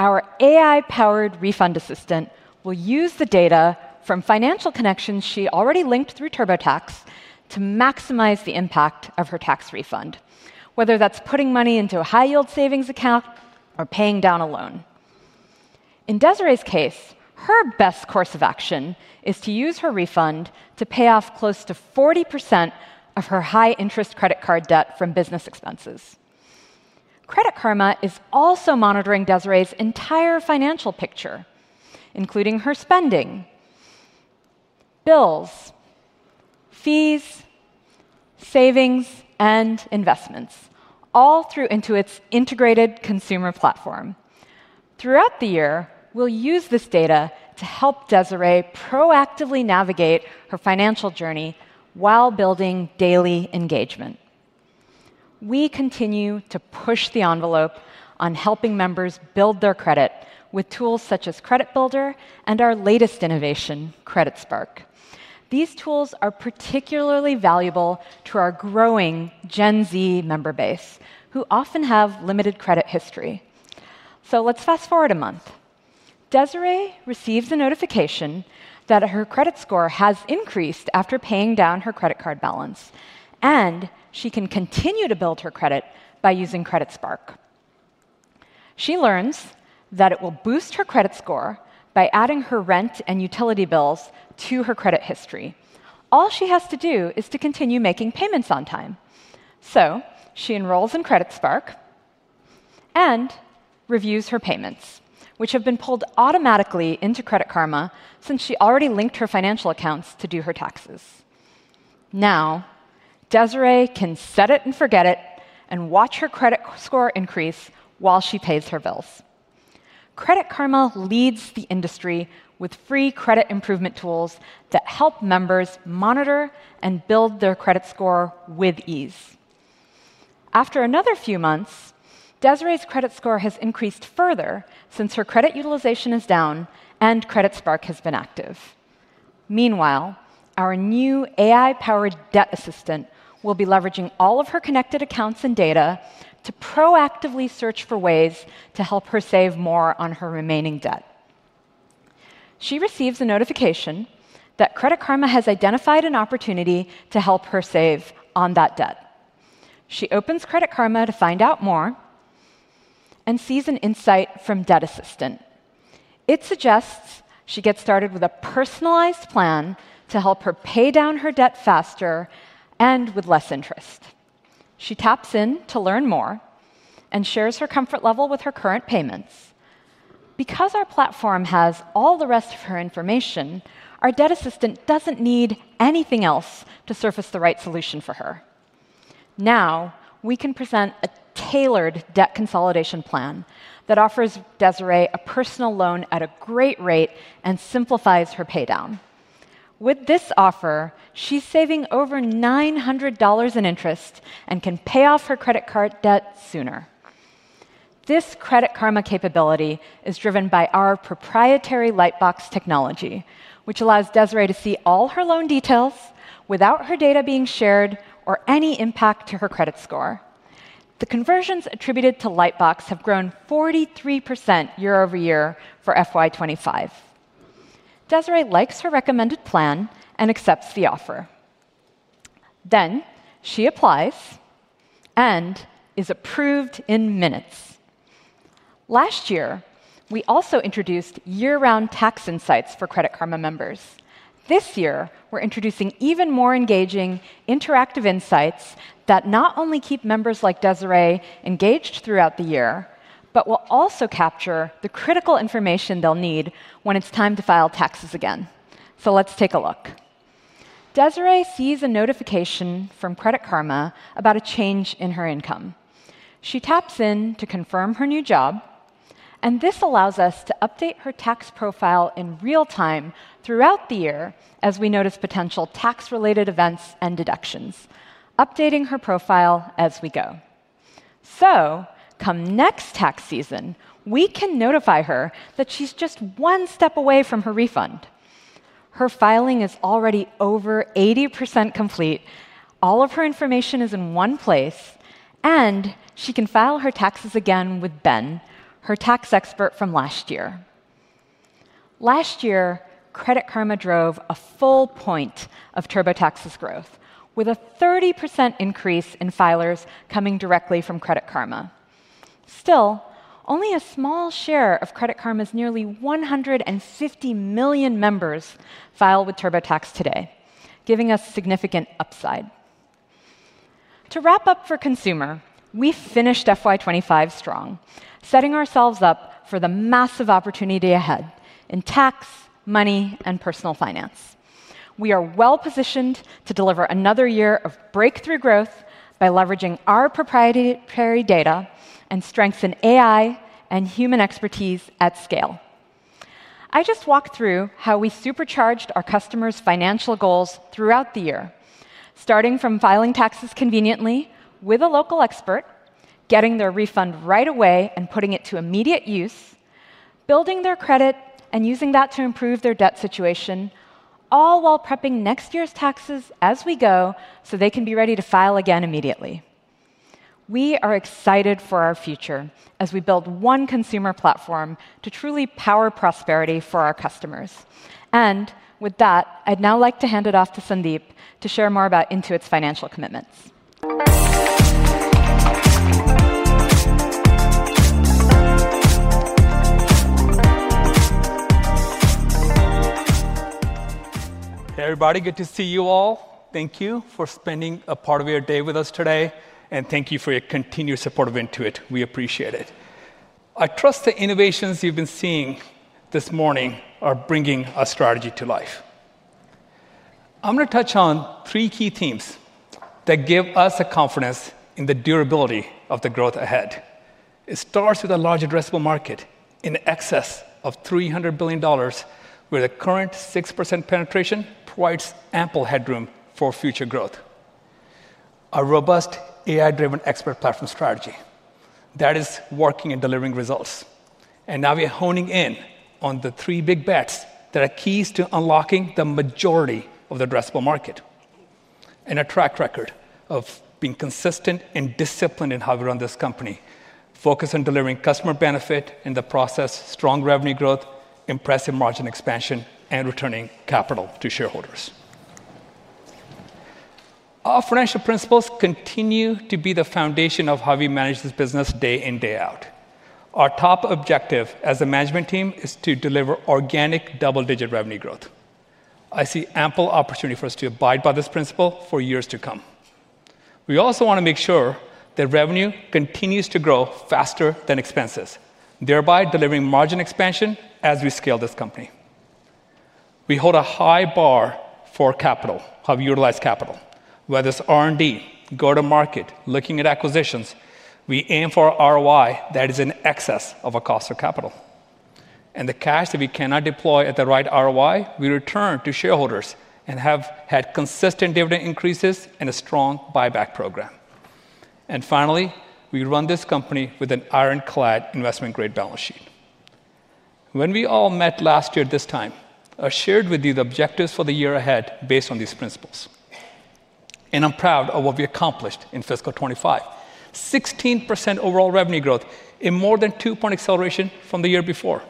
Our AI-powered refund assistant will use the data from financial connections she already linked through TurboTax to maximize the impact of her tax refund, whether that's putting money into a high-yield savings account or paying down a loan. In Desiree's case, her best course of action is to use her refund to pay off close to 40% of her high-interest credit card debt from business expenses. Credit Karma is also monitoring Desiree's entire financial picture, including her spending, bills, fees, savings, and investments, all through Intuit's integrated consumer platform. Throughout the year, we'll use this data to help Desiree proactively navigate her financial journey while building daily engagement. We continue to push the envelope on helping members build their credit with tools such as Credit Builder and our latest innovation, Credit Spark. These tools are particularly valuable to our growing Gen Z member base, who often have limited credit history. Fast forward a month. Desiree receives a notification that her credit score has increased after paying down her credit card balance, and she can continue to build her credit by using Credit Spark. She learns that it will boost her credit score by adding her rent and utility bills to her credit history. All she has to do is to continue making payments on time. She enrolls in Credit Spark and reviews her payments, which have been pulled automatically into Credit Karma since she already linked her financial accounts to do her taxes. Now, Desiree can set it and forget it and watch her credit score increase while she pays her bills. Credit Karma leads the industry with free credit improvement tools that help members monitor and build their credit score with ease. After another few months, Desiree's credit score has increased further since her credit utilization is down and Credit Spark has been active. Meanwhile, our new AI-powered debt assistant will be leveraging all of her connected accounts and data to proactively search for ways to help her save more on her remaining debt. She receives a notification that Credit Karma has identified an opportunity to help her save on that debt. She opens Credit Karma to find out more and sees an insight from the debt assistant. It suggests she gets started with a personalized plan to help her pay down her debt faster and with less interest. She taps in to learn more and shares her comfort level with her current payments. Because our platform has all the rest of her information, our debt assistant doesn't need anything else to surface the right solution for her. Now, we can present a tailored debt consolidation plan that offers Desiree a personal loan at a great rate and simplifies her paydown. With this offer, she's saving over $900 in interest and can pay off her credit card debt sooner. This Credit Karma capability is driven by our proprietary Lightbox technology, which allows Desiree to see all her loan details without her data being shared or any impact to her credit score. The conversions attributed to Lightbox have grown 43% year-over-year for FY 2025. Desiree likes her recommended plan and accepts the offer. She applies and is approved in minutes. Last year, we also introduced year-round tax insights for Credit Karma members. This year, we're introducing even more engaging interactive insights that not only keep members like Desiree engaged throughout the year, but will also capture the critical information they'll need when it's time to file taxes again. Let's take a look. Desiree sees a notification from Credit Karma about a change in her income. She taps in to confirm her new job, and this allows us to update her tax profile in real time throughout the year as we notice potential tax-related events and deductions, updating her profile as we go. Come next tax season, we can notify her that she's just one step away from her refund. Her filing is already over 80% complete. All of her information is in one place, and she can file her taxes again with Ben, her tax expert from last year. Last year, Credit Karma drove a full point of TurboTax's growth, with a 30% increase in filers coming directly from Credit Karma. Still, only a small share of Credit Karma's nearly 150 million members file with TurboTax today, giving us significant upside. To wrap up for consumer, we finished FY 2025 strong, setting ourselves up for the massive opportunity ahead in tax, money, and personal finance. We are well-positioned to deliver another year of breakthrough growth by leveraging our proprietary data and strengthened AI and human expertise at scale. I just walked through how we supercharged our customers' financial goals throughout the year, starting from filing taxes conveniently with a local expert, getting their refund right away and putting it to immediate use, building their credit, and using that to improve their debt situation, all while prepping next year's taxes as we go so they can be ready to file again immediately. We are excited for our future as we build one consumer platform to truly power prosperity for our customers. I would now like to hand it off to Sandeep to share more about Intuit's financial commitments. Hey, everybody. Good to see you all. Thank you for spending a part of your day with us today. Thank you for your continued support of Intuit. We appreciate it. I trust the innovations you've been seeing this morning are bringing our strategy to life. I'm going to touch on three key themes that give us confidence in the durability of the growth ahead. It starts with a large addressable market in excess of $300 billion, where the current 6% penetration provides ample headroom for future growth, a robust AI-driven expert platform strategy that is working and delivering results. Now we are honing in on the three Big Bets that are keys to unlocking the majority of the addressable market and a track record of being consistent and disciplined in how we run this company, focused on delivering customer benefit in the process, strong revenue growth, impressive margin expansion, and returning capital to shareholders. Our financial principles continue to be the foundation of how we manage this business day in, day out. Our top objective as a management team is to deliver organic double-digit revenue growth. I see ample opportunity for us to abide by this principle for years to come. We also want to make sure that revenue continues to grow faster than expenses, thereby delivering margin expansion as we scale this company. We hold a high bar for capital, how we utilize capital, whether it's R&D, go-to-market, looking at acquisitions. We aim for a ROI that is in excess of our cost of capital. The cash that we cannot deploy at the right ROI, we return to shareholders and have had consistent dividend increases and a strong buyback program. Finally, we run this company with an ironclad investment-grade balance sheet. When we all met last year at this time, I shared with you the objectives for the year ahead based on these principles. I'm proud of what we accomplished in fiscal 2025: 16% overall revenue growth, more than two-point acceleration from the year before,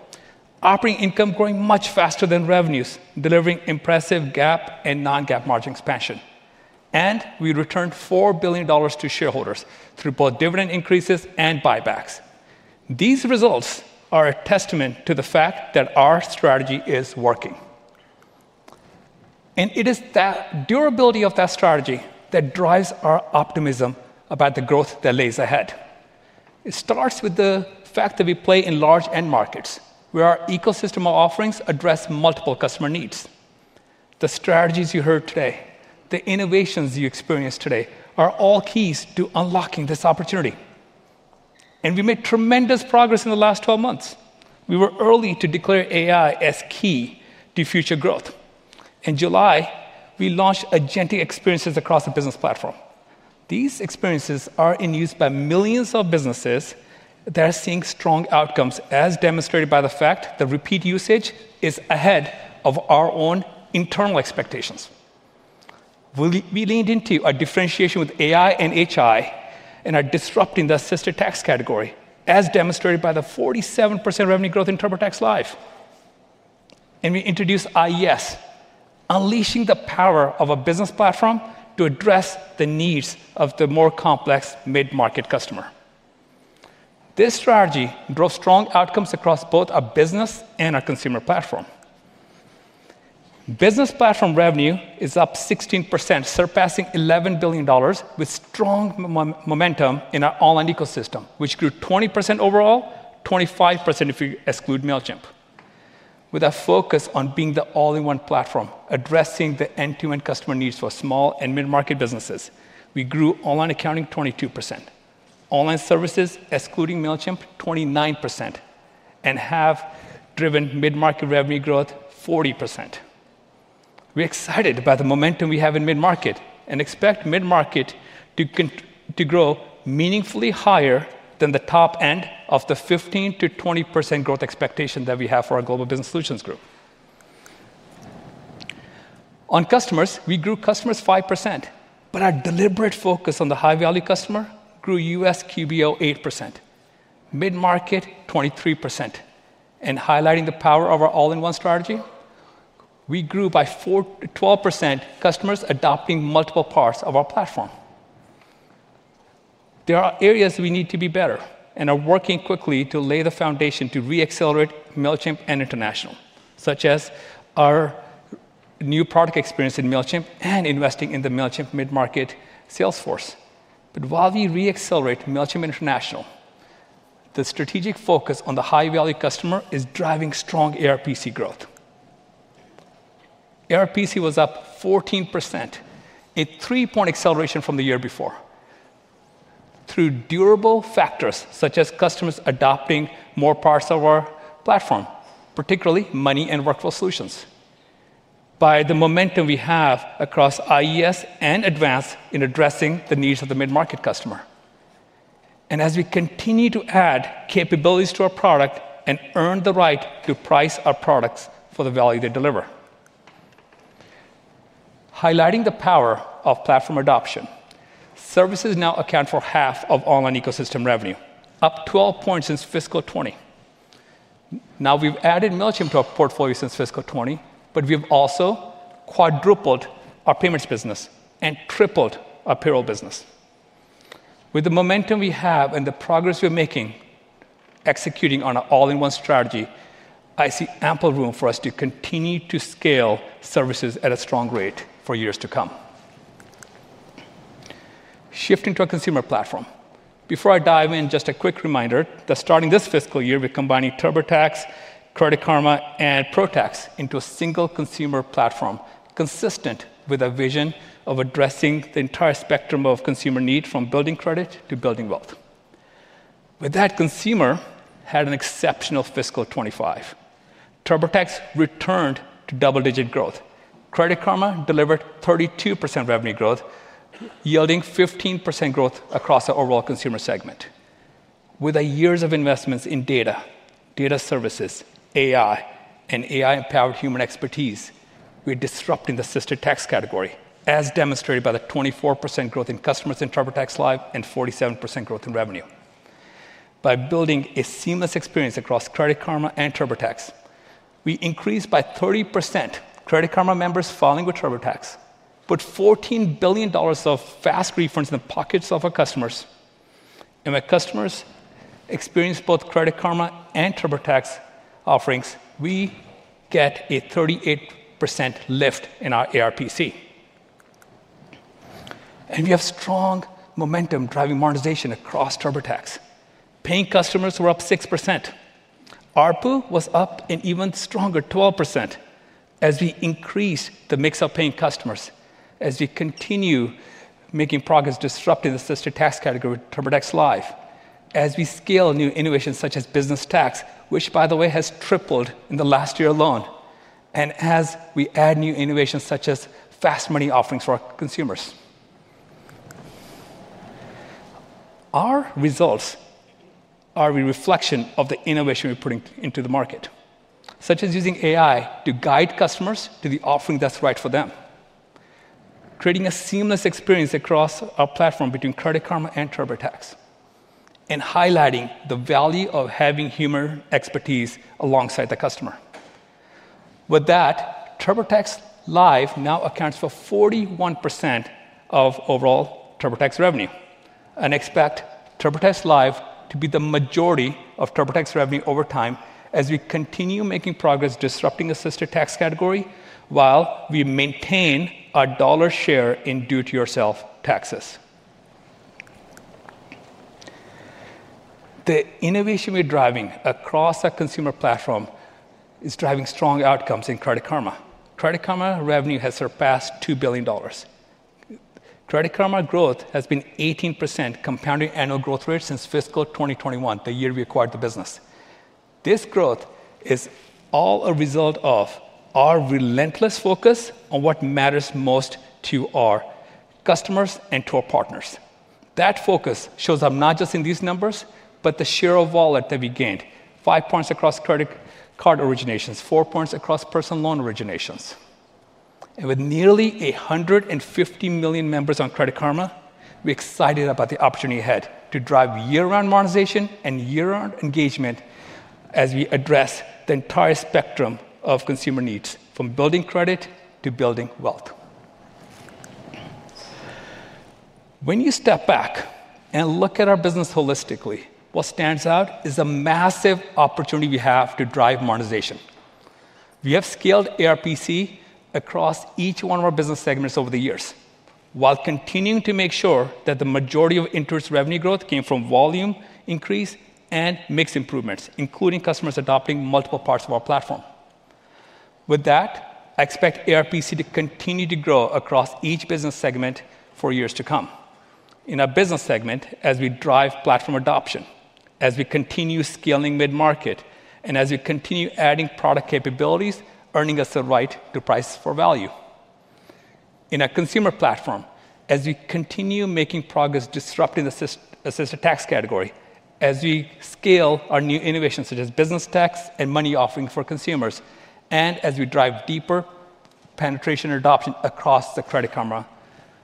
operating income growing much faster than revenues, delivering impressive GAAP and non-GAAP margin expansion. We returned $4 billion to shareholders through both dividend increases and buybacks. These results are a testament to the fact that our strategy is working. It is that durability of that strategy that drives our optimism about the growth that lays ahead. It starts with the fact that we play in large end markets, where our ecosystem of offerings address multiple customer needs. The strategies you heard today, the innovations you experienced today, are all keys to unlocking this opportunity. We made tremendous progress in the last 12 months. We were early to declare AI as key to future growth. In July, we launched agentic experiences across the business platform. These experiences are in use by millions of businesses that are seeing strong outcomes, as demonstrated by the fact that repeat usage is ahead of our own internal expectations. We leaned into our differentiation with AI and HI and are disrupting the assisted tax category, as demonstrated by the 47% revenue growth in TurboTax Live. We introduced IES, unleashing the power of a business platform to address the needs of the more complex mid-market customer. This strategy drove strong outcomes across both our business and our consumer platform. Business platform revenue is up 16%, surpassing $11 billion, with strong momentum in our online ecosystem, which grew 20% overall, 25% if you exclude Mailchimp. With our focus on being the all-in-one platform, addressing the end-to-end customer needs for small and mid-market businesses, we grew online accounting 22%, online services, excluding Mailchimp, 29%, and have driven mid-market revenue growth 40%. We are excited about the momentum we have in mid-market and expect mid-market to grow meaningfully higher than the top end of the 15% to 20% growth expectation that we have for our Global Business Solutions Group. On customers, we grew customers 5%, but our deliberate focus on the high-value customer grew U.S. QBO 8%, mid-market 23%. Highlighting the power of our all-in-one strategy, we grew by 12% customers adopting multiple parts of our platform. There are areas we need to be better and are working quickly to lay the foundation to re-accelerate Mailchimp and international, such as our new product experience in Mailchimp and investing in the Mailchimp mid-market sales force. While we re-accelerate Mailchimp and international, the strategic focus on the high-value customer is driving strong ARPC growth. ARPC was up 14%, a three-point acceleration from the year before, through durable factors such as customers adopting more parts of our platform, particularly money and workflow solutions, by the momentum we have across IES and Advanced in addressing the needs of the mid-market customer. As we continue to add capabilities to our product and earn the right to price our products for the value they deliver. Highlighting the power of platform adoption, services now account for half of online ecosystem revenue, up 12 points since fiscal 2020. We have added Mailchimp to our portfolio since fiscal 2020, but we have also quadrupled our payments business and tripled our payroll business. With the momentum we have and the progress we're making, executing on an all-in-one strategy, I see ample room for us to continue to scale services at a strong rate for years to come. Shifting to our consumer platform, before I dive in, just a quick reminder that starting this fiscal year, we're combining TurboTax, Credit Karma, and Pro Tax into a single consumer platform, consistent with a vision of addressing the entire spectrum of consumer needs, from building credit to building wealth. With that, consumer had an exceptional fiscal 2025. TurboTax returned to double-digit growth. Credit Karma delivered 32% revenue growth, yielding 15% growth across the overall consumer segment. With our years of investments in data, data services, AI, and AI-powered human expertise, we're disrupting the assisted tax category, as demonstrated by the 24% growth in customers in TurboTax Live and 47% growth in revenue. By building a seamless experience across Credit Karma and TurboTax, we increased by 30% Credit Karma members filing with TurboTax, put $14 billion of fast refunds in the pockets of our customers. When customers experience both Credit Karma and TurboTax offerings, we get a 38% lift in our ARPC. We have strong momentum driving monetization across TurboTax. Paying customers were up 6%. ARPU was up an even stronger 12% as we increase the mix of paying customers, as we continue making progress disrupting the assisted tax category with TurboTax Live, as we scale new innovations such as business tax, which, by the way, has tripled in the last year alone, and as we add new innovations such as fast money offerings for our consumers. Our results are a reflection of the innovation we're putting into the market, such as using AI to guide customers to the offering that's right for them, creating a seamless experience across our platform between Credit Karma and TurboTax, and highlighting the value of having human expertise alongside the customer. With that, TurboTax Live now accounts for 41% of overall TurboTax revenue and expects TurboTax Live to be the majority of TurboTax revenue over time as we continue making progress disrupting the assisted tax category while we maintain our dollar share in do-it-yourself taxes. The innovation we're driving across our consumer platform is driving strong outcomes in Credit Karma. Credit Karma revenue has surpassed $2 billion. Credit Karma growth has been 18% compounding annual growth rate since fiscal 2021, the year we acquired the business. This growth is all a result of our relentless focus on what matters most to our customers and to our partners. That focus shows up not just in these numbers, but the share of wallet that we gained: 5 points across credit card originations, 4 points across personal loan originations. With nearly 150 million members on Credit Karma, we're excited about the opportunity ahead to drive year-round monetization and year-round engagement as we address the entire spectrum of consumer needs, from building credit to building wealth. When you step back and look at our business holistically, what stands out is a massive opportunity we have to drive monetization. We have scaled ARPC across each one of our business segments over the years, while continuing to make sure that the majority of interest revenue growth came from volume increase and mix improvements, including customers adopting multiple parts of our platform. With that, I expect ARPC to continue to grow across each business segment for years to come. In our business segment, as we drive platform adoption, as we continue scaling mid-market, and as we continue adding product capabilities, earning us the right to price for value. In our consumer platform, as we continue making progress disrupting the assisted tax category, as we scale our new innovations such as business tax and money offerings for consumers, and as we drive deeper penetration and adoption across the Credit Karma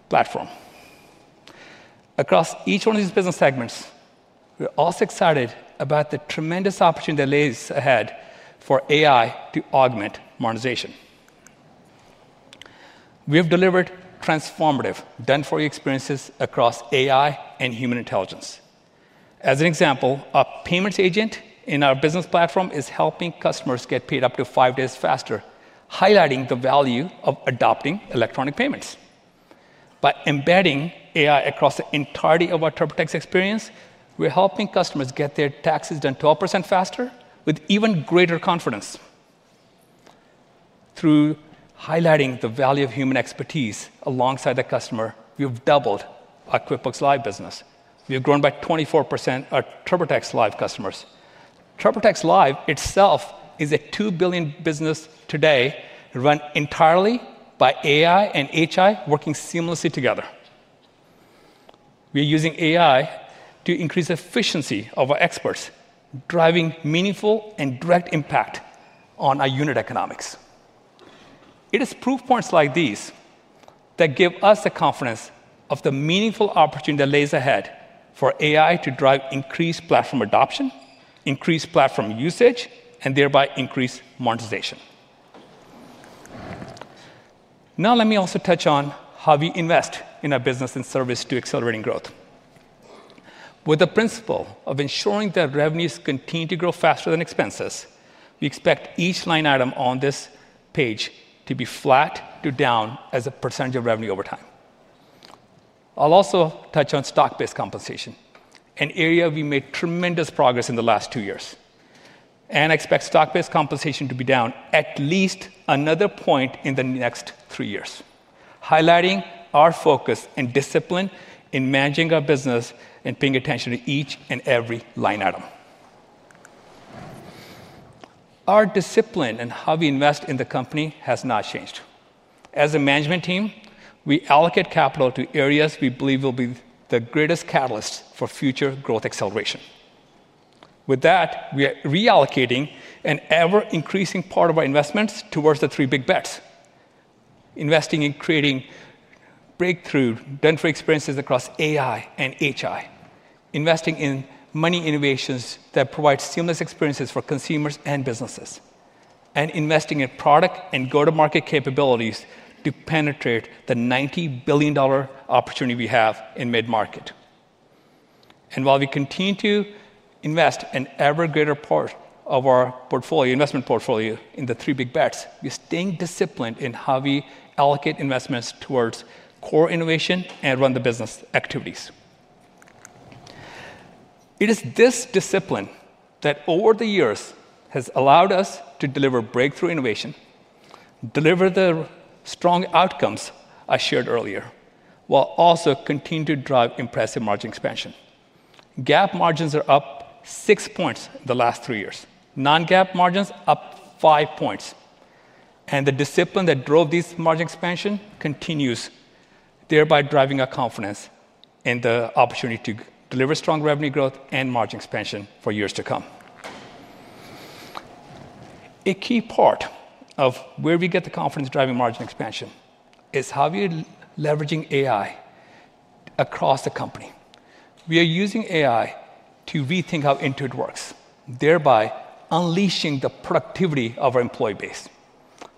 platform. Across each one of these business segments, we're also excited about the tremendous opportunity that lays ahead for AI to augment monetization. We have delivered transformative done-for-you experiences across AI and human intelligence. As an example, a payments agent in our business platform is helping customers get paid up to five days faster, highlighting the value of adopting electronic payments. By embedding AI across the entirety of our TurboTax experience, we're helping customers get their taxes done 12% faster with even greater confidence. Through highlighting the value of human expertise alongside the customer, we've doubled our QuickBooks Live business. We've grown by 24% our TurboTax Live customers. TurboTax Live itself is a $2 billion business today, run entirely by AI and HI working seamlessly together. We're using AI to increase the efficiency of our experts, driving meaningful and direct impact on our unit economics. It is proof points like these that give us the confidence of the meaningful opportunity that lays ahead for AI to drive increased platform adoption, increased platform usage, and thereby increased monetization. Now, let me also touch on how we invest in our business and service to accelerating growth. With the principle of ensuring that revenues continue to grow faster than expenses, we expect each line item on this page to be flat to down as a percentage of revenue over time. I'll also touch on stock-based compensation, an area we made tremendous progress in the last two years. I expect stock-based compensation to be down at least another point in the next three years, highlighting our focus and discipline in managing our business and paying attention to each and every line item. Our discipline in how we invest in the company has not changed. As a management team, we allocate capital to areas we believe will be the greatest catalysts for future growth acceleration. With that, we are reallocating an ever-increasing part of our investments towards the three Big Bets: investing in creating breakthrough done-for-you experiences across AI and HI, investing in money innovations that provide seamless experiences for consumers and businesses, and investing in product and go-to-market capabilities to penetrate the $90 billion opportunity we have in mid-market. While we continue to invest an ever-greater part of our investment portfolio in the three Big Bets, we're staying disciplined in how we allocate investments towards core innovation and run the business activities. It is this discipline that, over the years, has allowed us to deliver breakthrough innovation, deliver the strong outcomes I shared earlier, while also continuing to drive impressive margin expansion. GAAP margins are up six points the last three years, non-GAAP margins up five points. The discipline that drove this margin expansion continues, thereby driving our confidence in the opportunity to deliver strong revenue growth and margin expansion for years to come. A key part of where we get the confidence driving margin expansion is how we are leveraging AI across the company. We are using AI to rethink how Intuit works, thereby unleashing the productivity of our employee base.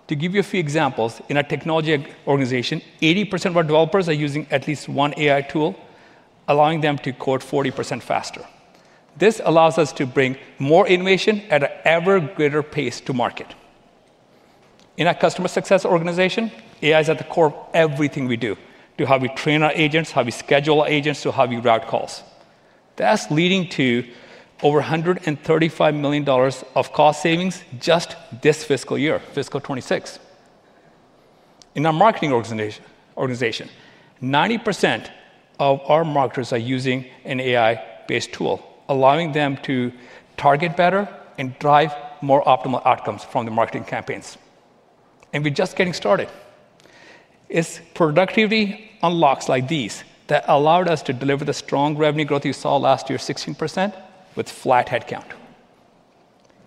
To give you a few examples, in our technology organization, 80% of our developers are using at least one AI tool, allowing them to code 40% faster. This allows us to bring more innovation at an ever-greater pace to market. In our customer success organization, AI is at the core of everything we do, to how we train our agents, how we schedule our agents, to how we route calls. That is leading to over $135 million of cost savings just this fiscal year, fiscal 2026. In our marketing organization, 90% of our marketers are using an AI-based tool, allowing them to target better and drive more optimal outcomes from the marketing campaigns. We are just getting started. It is productivity unlocks like these that allowed us to deliver the strong revenue growth you saw last year, 16%, with flat headcount.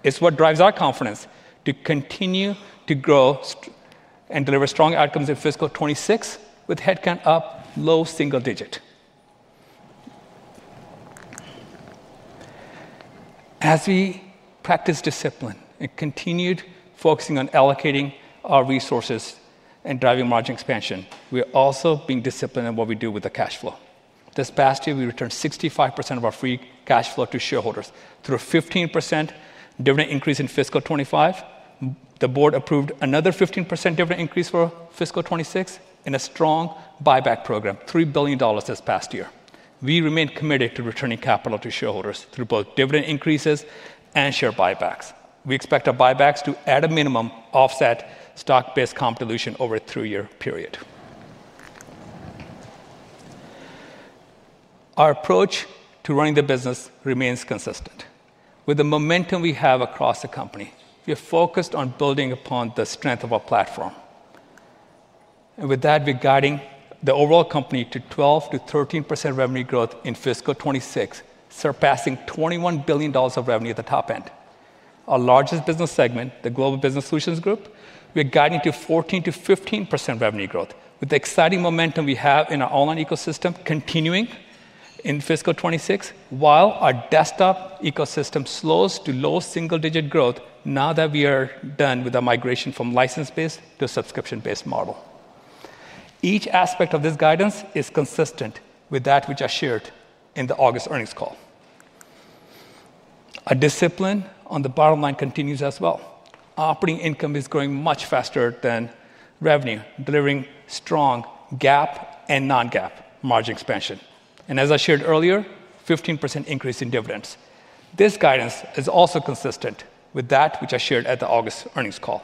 It is what drives our confidence to continue to grow and deliver strong outcomes in fiscal 2026, with headcount up low single digit. As we practice discipline and continue focusing on allocating our resources and driving margin expansion, we are also being disciplined in what we do with the cash flow. This past year, we returned 65% of our free cash flow to shareholders through a 15% dividend increase in fiscal 2025. The board approved another 15% dividend increase for fiscal 2026 in a strong buyback program, $3 billion this past year. We remain committed to returning capital to shareholders through both dividend increases and share buybacks. We expect our buybacks to, at a minimum, offset stock-based compensation over a three-year period. Our approach to running the business remains consistent. With the momentum we have across the company, we are focused on building upon the strength of our platform. With that, we are guiding the overall company to 12% to 13% revenue growth in fiscal 2026, surpassing $21 billion of revenue at the top end. Our largest business segment, the Global Business Solutions Group, we're guiding to 14% to 15% revenue growth, with the exciting momentum we have in our online ecosystem continuing in fiscal 2026, while our desktop ecosystem slows to low single-digit growth now that we are done with our migration from a license-based to a subscription-based model. Each aspect of this guidance is consistent with that which I shared in the August earnings call. Our discipline on the bottom line continues as well. Operating income is growing much faster than revenue, delivering strong GAAP and non-GAAP margin expansion. As I shared earlier, a 15% increase in dividends. This guidance is also consistent with that which I shared at the August earnings call.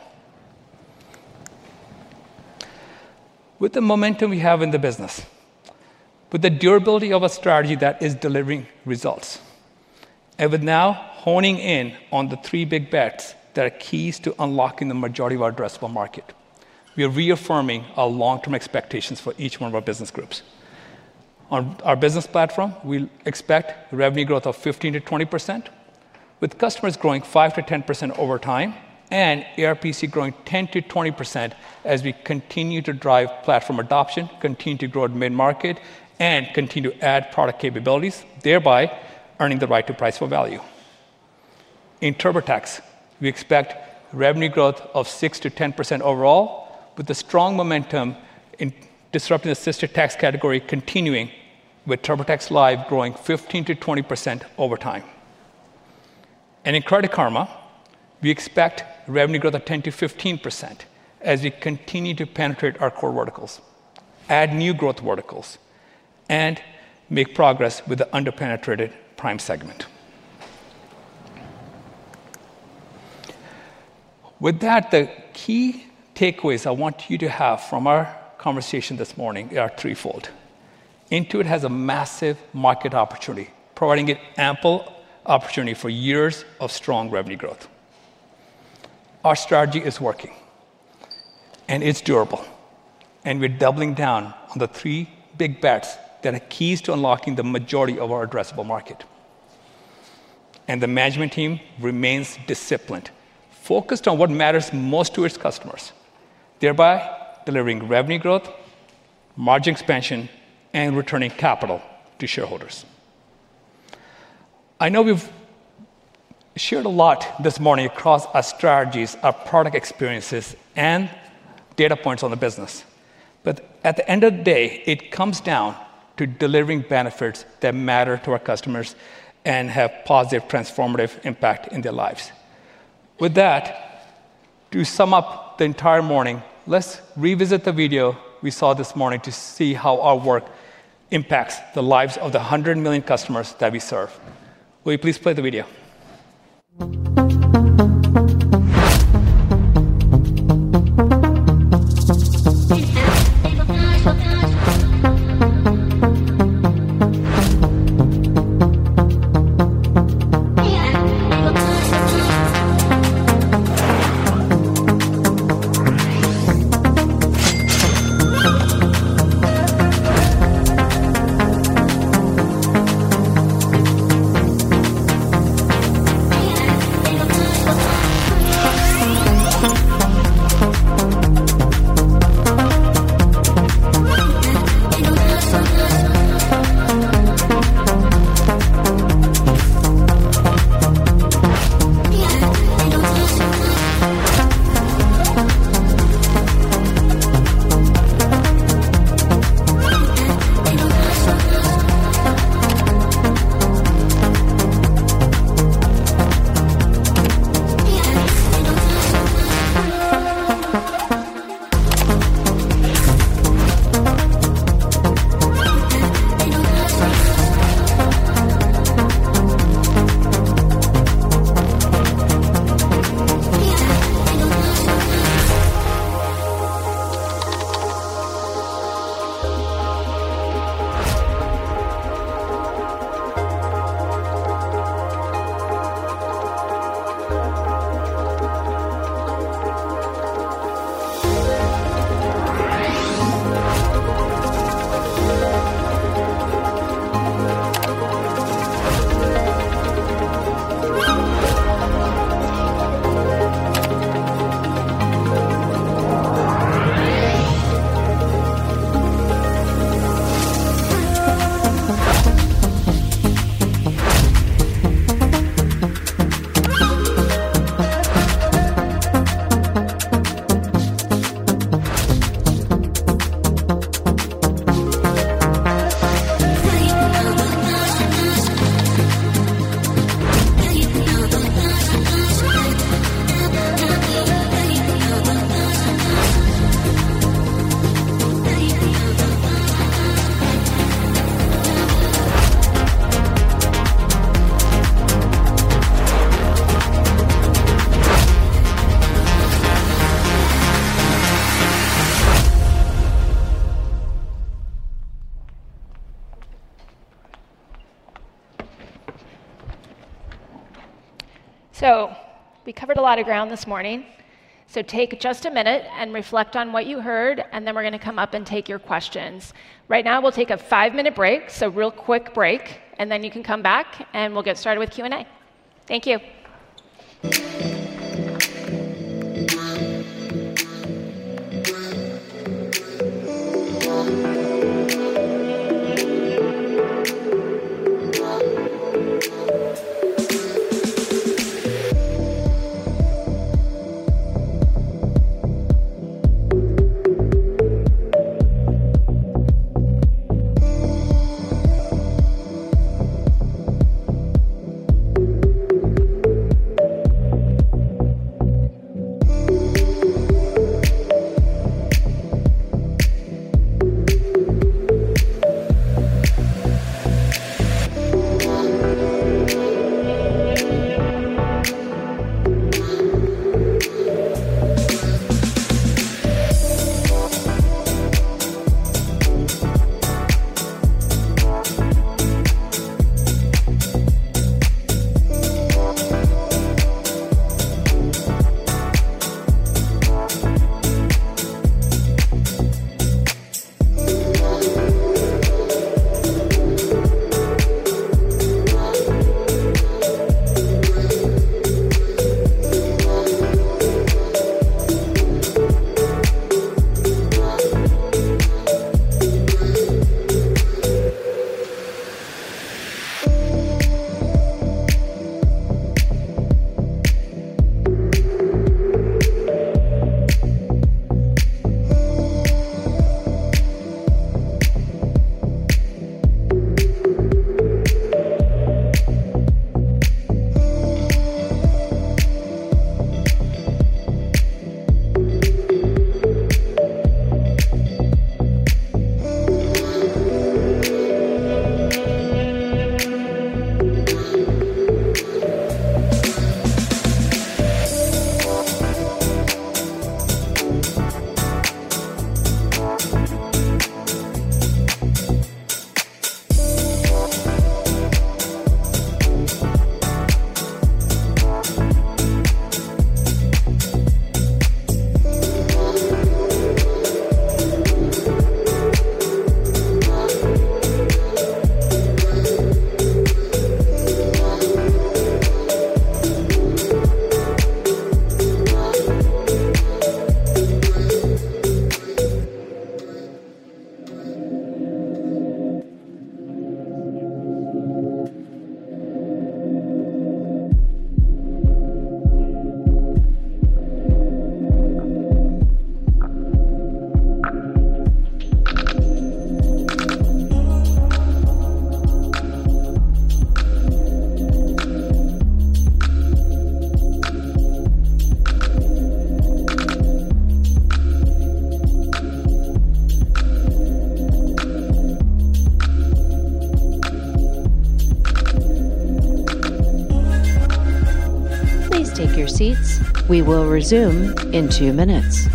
With the momentum we have in the business, with the durability of a strategy that is delivering results, and with now honing in on the three Big Bets that are keys to unlocking the majority of our addressable market, we are reaffirming our long-term expectations for each one of our business groups. On our business platform, we expect revenue growth of 15% to 20%, with customers growing 5% to 10% over time, and ARPC growing 10% to 20% as we continue to drive platform adoption, continue to grow at mid-market, and continue to add product capabilities, thereby earning the right to price for value. In TurboTax, we expect revenue growth of 6% to 10% overall, with the strong momentum in disrupting the assisted tax category continuing, with TurboTax Live growing 15% to 20% over time. In Credit Karma, we expect revenue growth of 10% to 15% as we continue to penetrate our core verticals, add new growth verticals, and make progress with the underpenetrated prime segment. The key takeaways I want you to have from our conversation this morning are threefold. Intuit has a massive market opportunity, providing an ample opportunity for years of strong revenue growth. Our strategy is working, and it's durable. We're doubling down the three Big Bets that are keys to unlocking the majority of our addressable market. The management team remains disciplined, focused on what matters most to its customers, thereby delivering revenue growth, margin expansion, and returning capital to shareholders. I know we've shared a lot this morning across our strategies, our product experiences, and data points on the business. At the end of the day, it comes down to delivering benefits that matter to our customers and have positive, transformative impact in their lives. With that, to sum up the entire morning, let's revisit the video we saw this morning to see how our work impacts the lives of the 100 million customers that we serve. Will you please play the video? We covered a lot of ground this morning. Take just a minute and reflect on what you heard, and then we're going to come up and take your questions. Right now, we'll take a five-minute break, a real quick break, and then you can come back, and we'll get started with Q&A. Thank you. Please take your seats. We will resume in two minutes.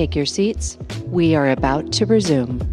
Please take your seats. We are about to resume.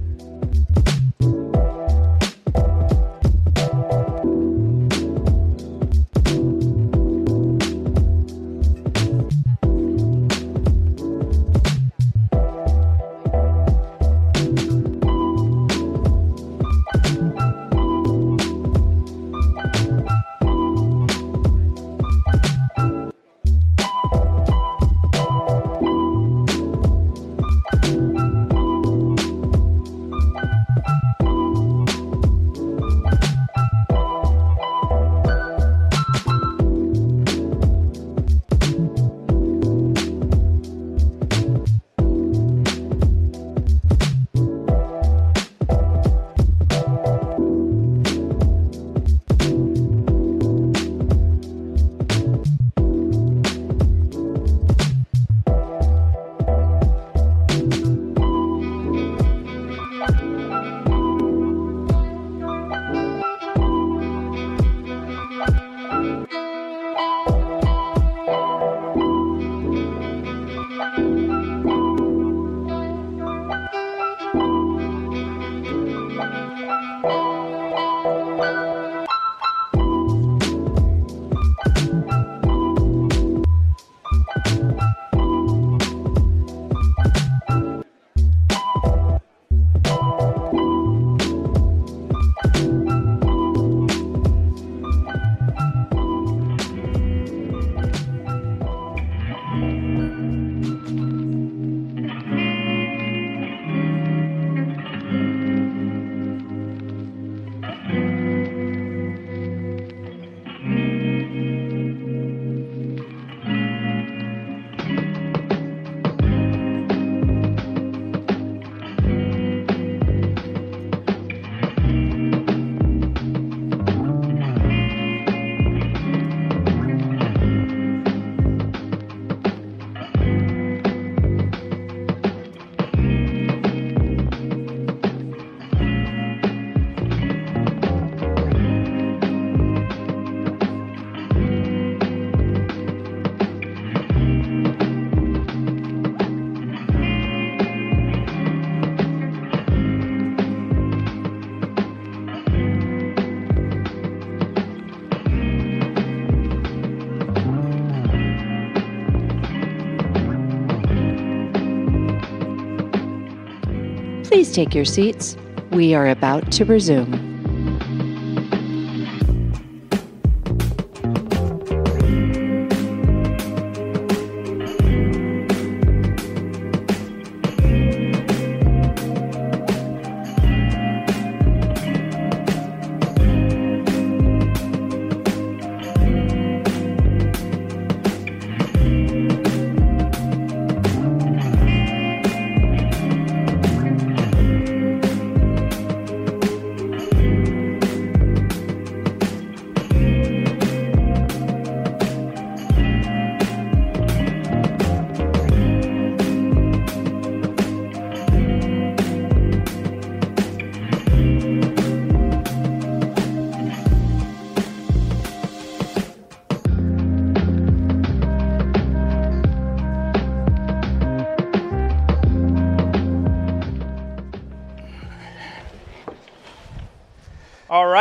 Please take your seats. We are about to resume.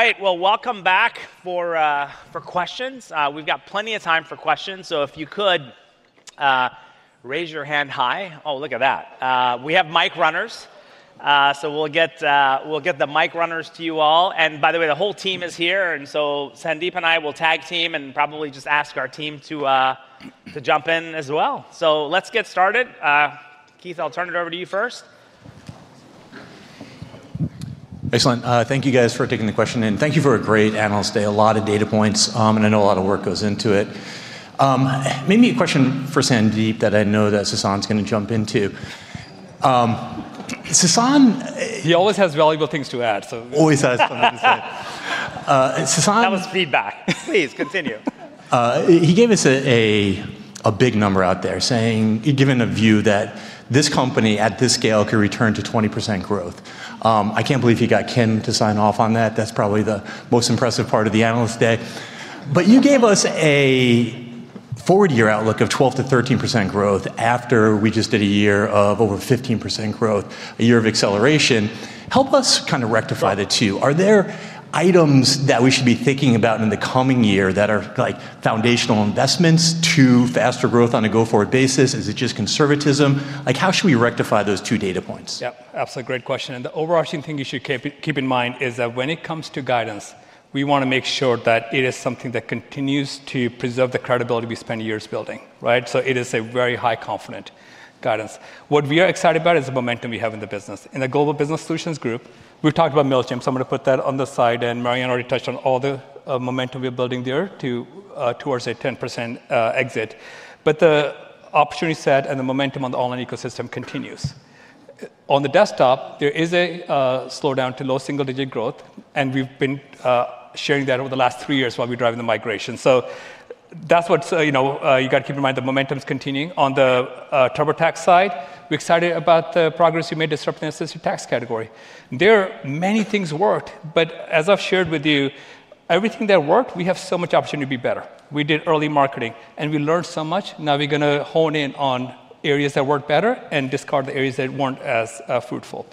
All right. Welcome back for questions. We've got plenty of time for questions. If you could raise your hand high. Look at that. We have mic runners. We'll get the mic runners to you all. By the way, the whole team is here. Sandeep and I will tag team and probably just ask our team to jump in as well. Let's get started. Keith, I'll turn it over to you first. Excellent. Thank you guys for taking the question, and thank you for a great analyst day. A lot of data points, and I know a lot of work goes into it. Maybe a question for Sandeep that I know Sasan is going to jump into. Sasan He always has valuable things to add. Always has something to say. Sasan-- That was feedback. Please continue. He gave us a big number out there, saying, given a view that this company at this scale could return to 20% growth. I can't believe he got Kim to sign off on that. That's probably the most impressive part of the analyst day. You gave us a four-year outlook of 12% to 13% growth after we just did a year of over 15% growth, a year of acceleration. Help us kind of rectify the two. Are there items that we should be thinking about in the coming year that are like foundational investments to faster growth on a go-forward basis? Is it just conservatism? How should we rectify those two data points? Yeah, absolutely. Great question. The overarching thing you should keep in mind is that when it comes to guidance, we want to make sure that it is something that continues to preserve the credibility we spent years building. It is a very high-confidence guidance. What we are excited about is the momentum we have in the business. In the Global Business Solutions Group, we've talked about Mailchimp. I'm going to put that on the side. Marianna already touched on all the momentum we're building there towards a 10% exit. The opportunity set and the momentum on the online ecosystem continues. On the desktop, there is a slowdown to low single-digit growth. We've been sharing that over the last three years while we're driving the migration. That's what you got to keep in mind. The momentum is continuing. On the TurboTax side, we're excited about the progress you made disrupting the assisted tax category. There are many things worked. As I've shared with you, everything that worked, we have so much opportunity to be better. We did early marketing, and we learned so much. Now we're going to hone in on areas that worked better and discard the areas that weren't as fruitful.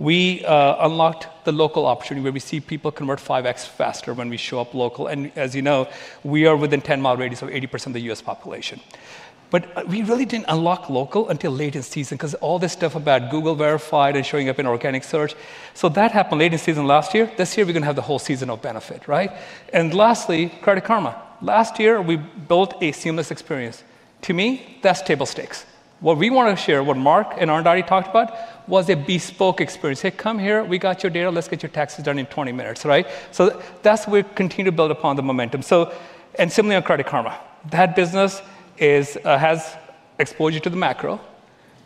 We unlocked the local opportunity, where we see people convert 5x faster when we show up local. As you know, we are within a 10 mi radius of 80% of the U.S. population. We really didn't unlock local until late in season because all this stuff about Google verified and showing up in organic search. That happened late in season last year. This year, we're going to have the whole seasonal benefit. Lastly, Credit Karma. Last year, we built a seamless experience. To me, that's table stakes. What we want to share, what Mark and Arundhati talked about, was a bespoke experience. Hey, come here. We got your data. Let's get your taxes done in 20 minutes. That's what we continue to build upon the momentum. Similarly, on Credit Karma, that business has exposure to the macro.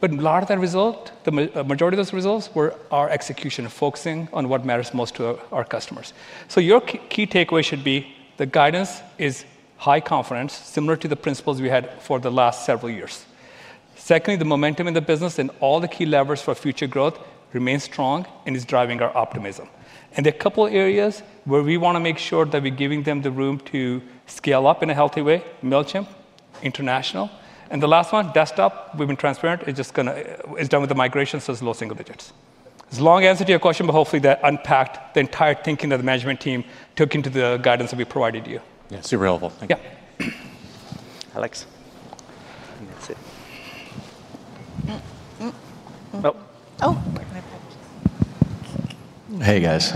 A lot of that result, the majority of those results, were our execution and focusing on what matters most to our customers. Your key takeaway should be the guidance is high confidence, similar to the principles we had for the last several years. The momentum in the business and all the key levers for future growth remain strong and is driving our optimism. There are a couple of areas where we want to make sure that we're giving them the room to scale up in a healthy way: Mailchimp, international. The last one, desktop, we've been transparent. It's just going to, it's done with the migration, so it's low single digits. It's a long answer to your question, but hopefully that unpacked the entire thinking that the management team took into the guidance that we provided you. Yeah, super helpful. Thank you. Yeah. Alex. That's it. Oh. Hey, guys.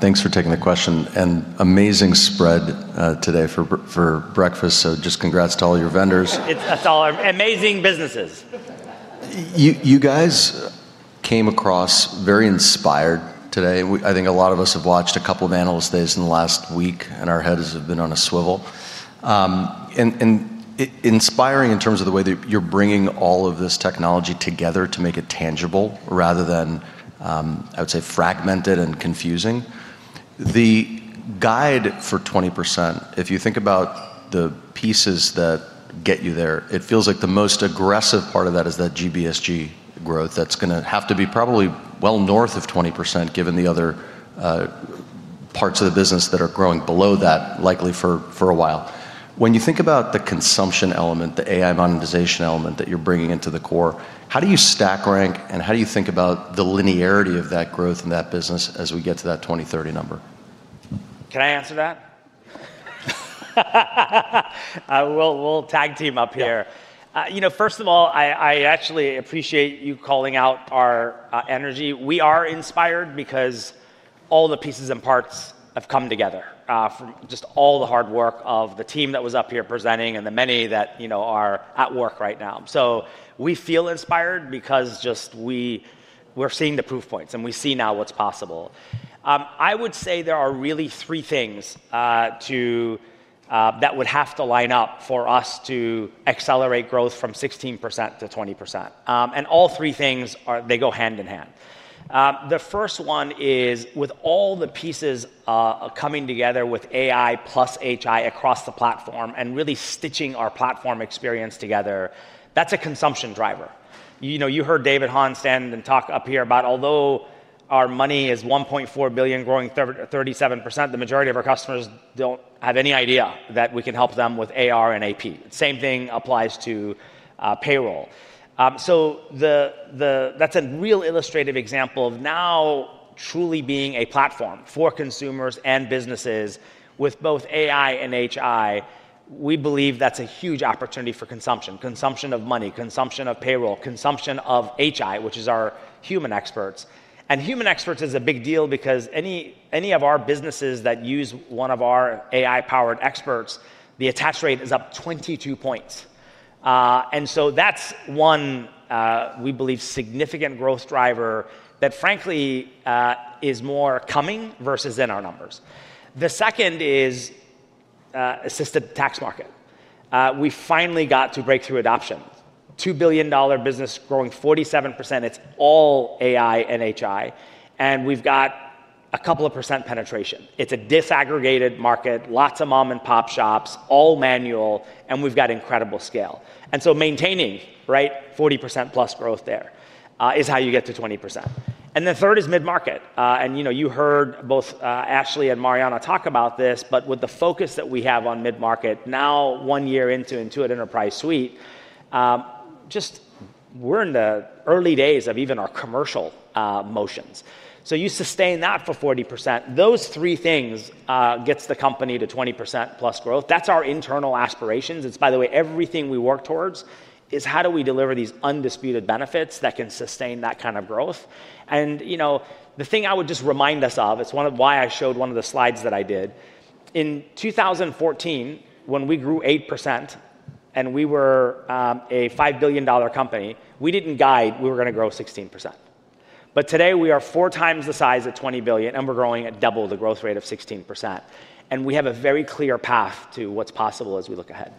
Thanks for taking the question. An amazing spread today for breakfast. Congrats to all your vendors. It's our amazing businesses. You guys came across very inspired today. I think a lot of us have watched a couple of analyst days in the last week, and our heads have been on a swivel. Inspiring in terms of the way that you're bringing all of this technology together to make it tangible rather than, I would say, fragmented and confusing. The guide for 20%, if you think about the pieces that get you there, it feels like the most aggressive part of that is that GBSG growth that's going to have to be probably well north of 20%, given the other parts of the business that are growing below that, likely for a while. When you think about the consumption element, the AI monetization element that you're bringing into the core, how do you stack rank, and how do you think about the linearity of that growth in that business as we get to that 2030 number? Can I answer that? We'll tag team up here. First of all, I actually appreciate you calling out our energy. We are inspired because all the pieces and parts have come together from just all the hard work of the team that was up here presenting and the many that are at work right now. We feel inspired because we're seeing the proof points and we see now what's possible. I would say there are really three things that would have to line up for us to accelerate growth from 16% to 20%, and all three things go hand in hand. The first one is with all the pieces coming together with AI plus HI across the platform and really stitching our platform experience together. That's a consumption driver. You heard David Hahn stand and talk up here about, although our money is $1.4 billion, growing 37%, the majority of our customers don't have any idea that we can help them with AR and AP. The same thing applies to payroll. That's a real illustrative example of now truly being a platform for consumers and businesses with both AI and HI. We believe that's a huge opportunity for consumption—consumption of money, consumption of payroll, consumption of HI, which is our human experts. Human experts is a big deal because any of our businesses that use one of our AI-powered experts, the attach rate is up 22 points. That's one we believe is a significant growth driver that, frankly, is more coming versus in our numbers. The second is assisted tax market. We finally got to breakthrough adoption. $2 billion business growing 47%. It's all AI and HI. We've got a couple of percent penetration. It's a disaggregated market, lots of mom-and-pop shops, all manual, and we've got incredible scale. Maintaining 40%+ growth there is how you get to 20%. The third is mid-market. You heard both Ashley and Marianna talk about this, but with the focus that we have on mid-market now, one year into Intuit Enterprise Suite, we're in the early days of even our commercial motions. You sustain that for 40%. Those three things get the company to 20%+ growth. That's our internal aspirations. By the way, everything we work towards is how do we deliver these undisputed benefits that can sustain that kind of growth. The thing I would just remind us of, it's one of why I showed one of the slides that I did. In 2014, when we grew 8% and we were a $5 billion company, we didn't guide we were going to grow 16%. Today we are 4x the size at $20 billion, and we're growing at double the growth rate of 16%. We have a very clear path to what's possible as we look ahead.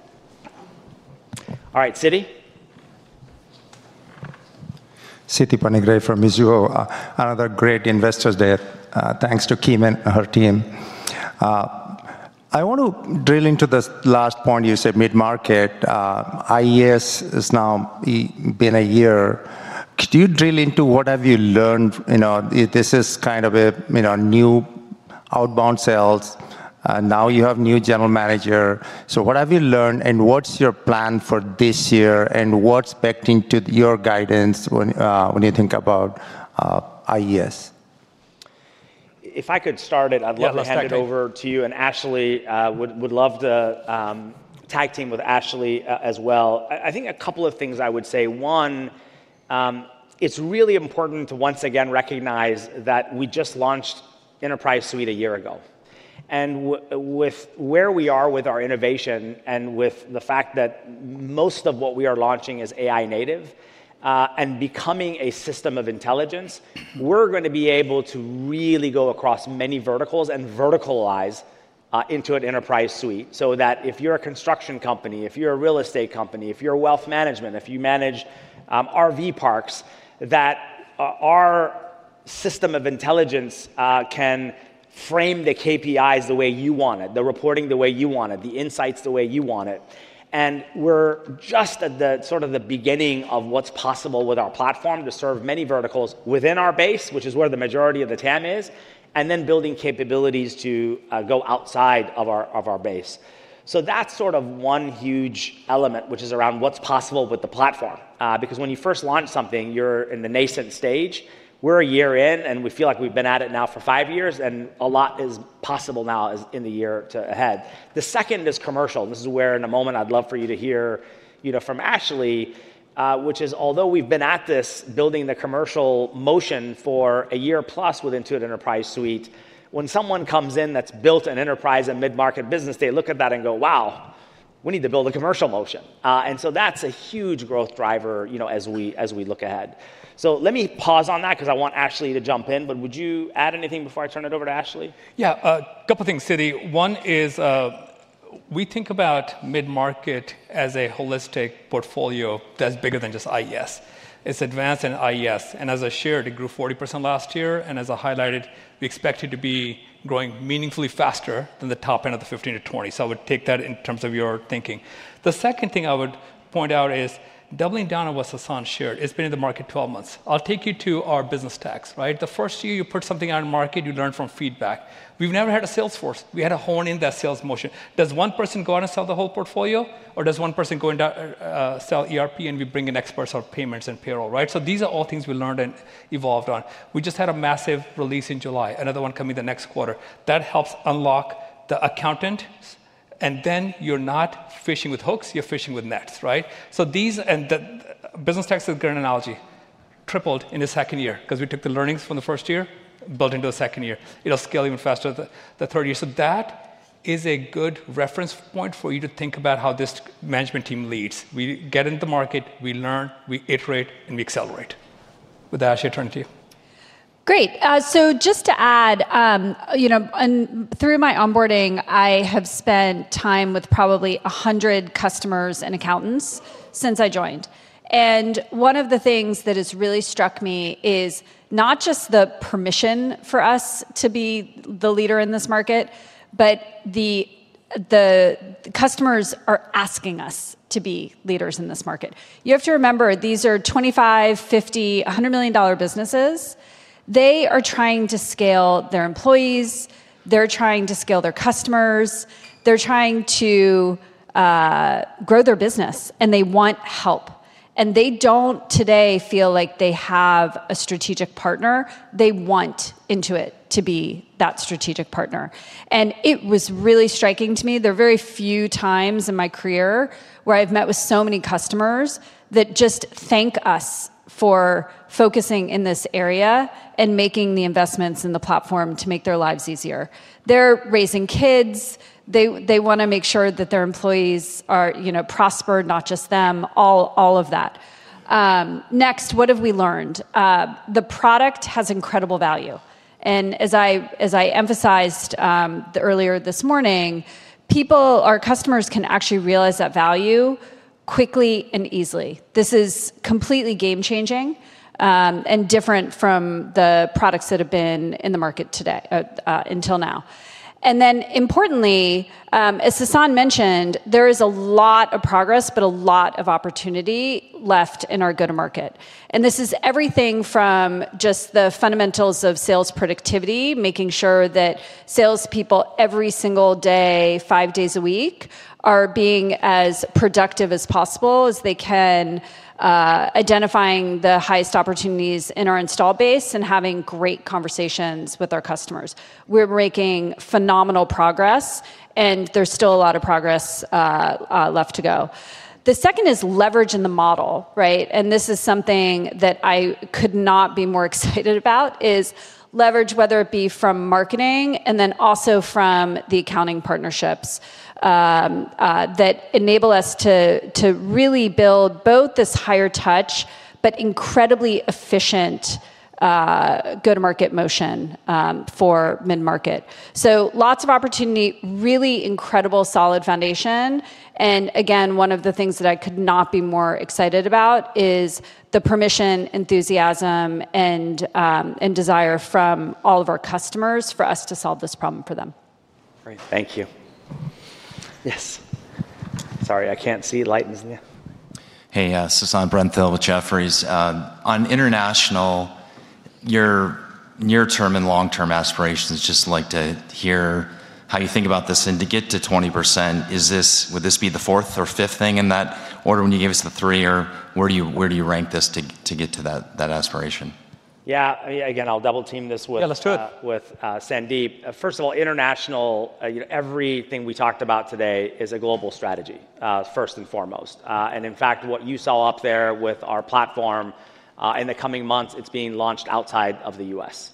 All right, Siti? Siti Panigrahi from Mizuho. Another great Investor Day. Thanks to Kim and her team. I want to drill into this last point you said, mid-market. IES has now been a year. Could you drill into what have you learned? You know, this is kind of a new outbound sales. Now you have a new General Manager. What have you learned and what's your plan for this year and what's baked into your guidance when you think about IES? If I could start it, I'd love to hand it over to you and Ashley. Would love to tag team with Ashley as well. I think a couple of things I would say. One, it's really important to once again recognize that we just launched Intuit Enterprise Suite a year ago. With where we are with our innovation and with the fact that most of what we are launching is AI-native and becoming a system of intelligence, we're going to be able to really go across many verticals and verticalize Intuit Enterprise Suite so that if you're a construction company, if you're a real estate company, if you're a wealth management, if you manage RV parks, our system of intelligence can frame the KPIs the way you want it, the reporting the way you want it, the insights the way you want it. We're just at the beginning of what's possible with our platform to serve many verticals within our base, which is where the majority of the TAM is, and then building capabilities to go outside of our base. That's one huge element, which is around what's possible with the platform. When you first launch something, you're in the nascent stage. We're a year in, and we feel like we've been at it now for five years, and a lot is possible now in the year ahead. The second is commercial. In a moment I'd love for you to hear from Ashley, which is although we've been at this building the commercial motion for a year plus with Intuit Enterprise Suite, when someone comes in that's built an enterprise and mid-market business, they look at that and go, wow, we need to build a commercial motion. That's a huge growth driver as we look ahead. Let me pause on that because I want Ashley to jump in, but would you add anything before I turn it over to Ashley? Yeah, a couple of things, Siti. One is we think about mid-market as a holistic portfolio that's bigger than just IES. It's advanced in IES. As I shared, it grew 40% last year. As I highlighted, we expect it to be growing meaningfully faster than the top end of the 15% to 20%. I would take that in terms of your thinking. The second thing I would point out is doubling down on what Sasan shared. It's been in the market 12 months. I'll take you to our business stacks, right? The first year you put something out in the market, you learn from feedback. We've never had a sales force. We had to hone in that sales motion. Does one person go out and sell the whole portfolio, or does one person go and sell ERP and we bring in experts on payments and payroll, right? These are all things we learned and evolved on. We just had a massive release in July, another one coming the next quarter. That helps unlock the accountants. You're not fishing with hooks, you're fishing with nets, right? The business tax is a great analogy, tripled in the second year because we took the learnings from the first year, built into the second year. It'll scale even faster the third year. That is a good reference point for you to think about how this management team leads. We get into the market, we learn, we iterate, and we accelerate. With that, I'll turn it to you. Great. Just to add, through my onboarding, I have spent time with probably 100 customers and accountants since I joined. One of the things that has really struck me is not just the permission for us to be the leader in this market, but the customers are asking us to be leaders in this market. You have to remember these are $25 million, $50 million, $100 million businesses. They are trying to scale their employees, they're trying to scale their customers, they're trying to grow their business, and they want help. They don't today feel like they have a strategic partner. They want Intuit to be that strategic partner. It was really striking to me. There are very few times in my career where I've met with so many customers that just thank us for focusing in this area and making the investments in the platform to make their lives easier. They're raising kids, they want to make sure that their employees are prospered, not just them, all of that. Next, what have we learned? The product has incredible value, and as I emphasized earlier this morning, people, our customers, can actually realize that value quickly and easily. This is completely game-changing and different from the products that have been in the market today until now. Importantly, as Sasan mentioned, there is a lot of progress, but a lot of opportunity left in our go-to-market. This is everything from just the fundamentals of sales productivity, making sure that salespeople every single day, five days a week, are being as productive as possible as they can, identifying the highest opportunities in our install base and having great conversations with our customers. We're making phenomenal progress, and there's still a lot of progress left to go. The second is leverage in the model, right? This is something that I could not be more excited about, is leverage, whether it be from marketing and then also from the accounting partnerships that enable us to really build both this higher touch, but incredibly efficient go-to-market motion for mid-market. Lots of opportunity, really incredible solid foundation. Again, one of the things that I could not be more excited about is the permission, enthusiasm, and desire from all of our customers for us to solve this problem for them. Great, thank you. Yes, sorry, I can't see. Light is there. Hey, Sasan, Brent Thill with Jefferies. On international, your near-term and long-term aspirations, just like to hear how you think about this. To get to 20%, would this be the fourth or fifth thing in that order when you gave us the three, or where do you rank this to get to that aspiration? Yeah, I'll double team this with Sandeep. First of all, international, everything we talked about today is a global strategy, first and foremost. In fact, what you saw up there with our platform in the coming months, it's being launched outside of the U.S.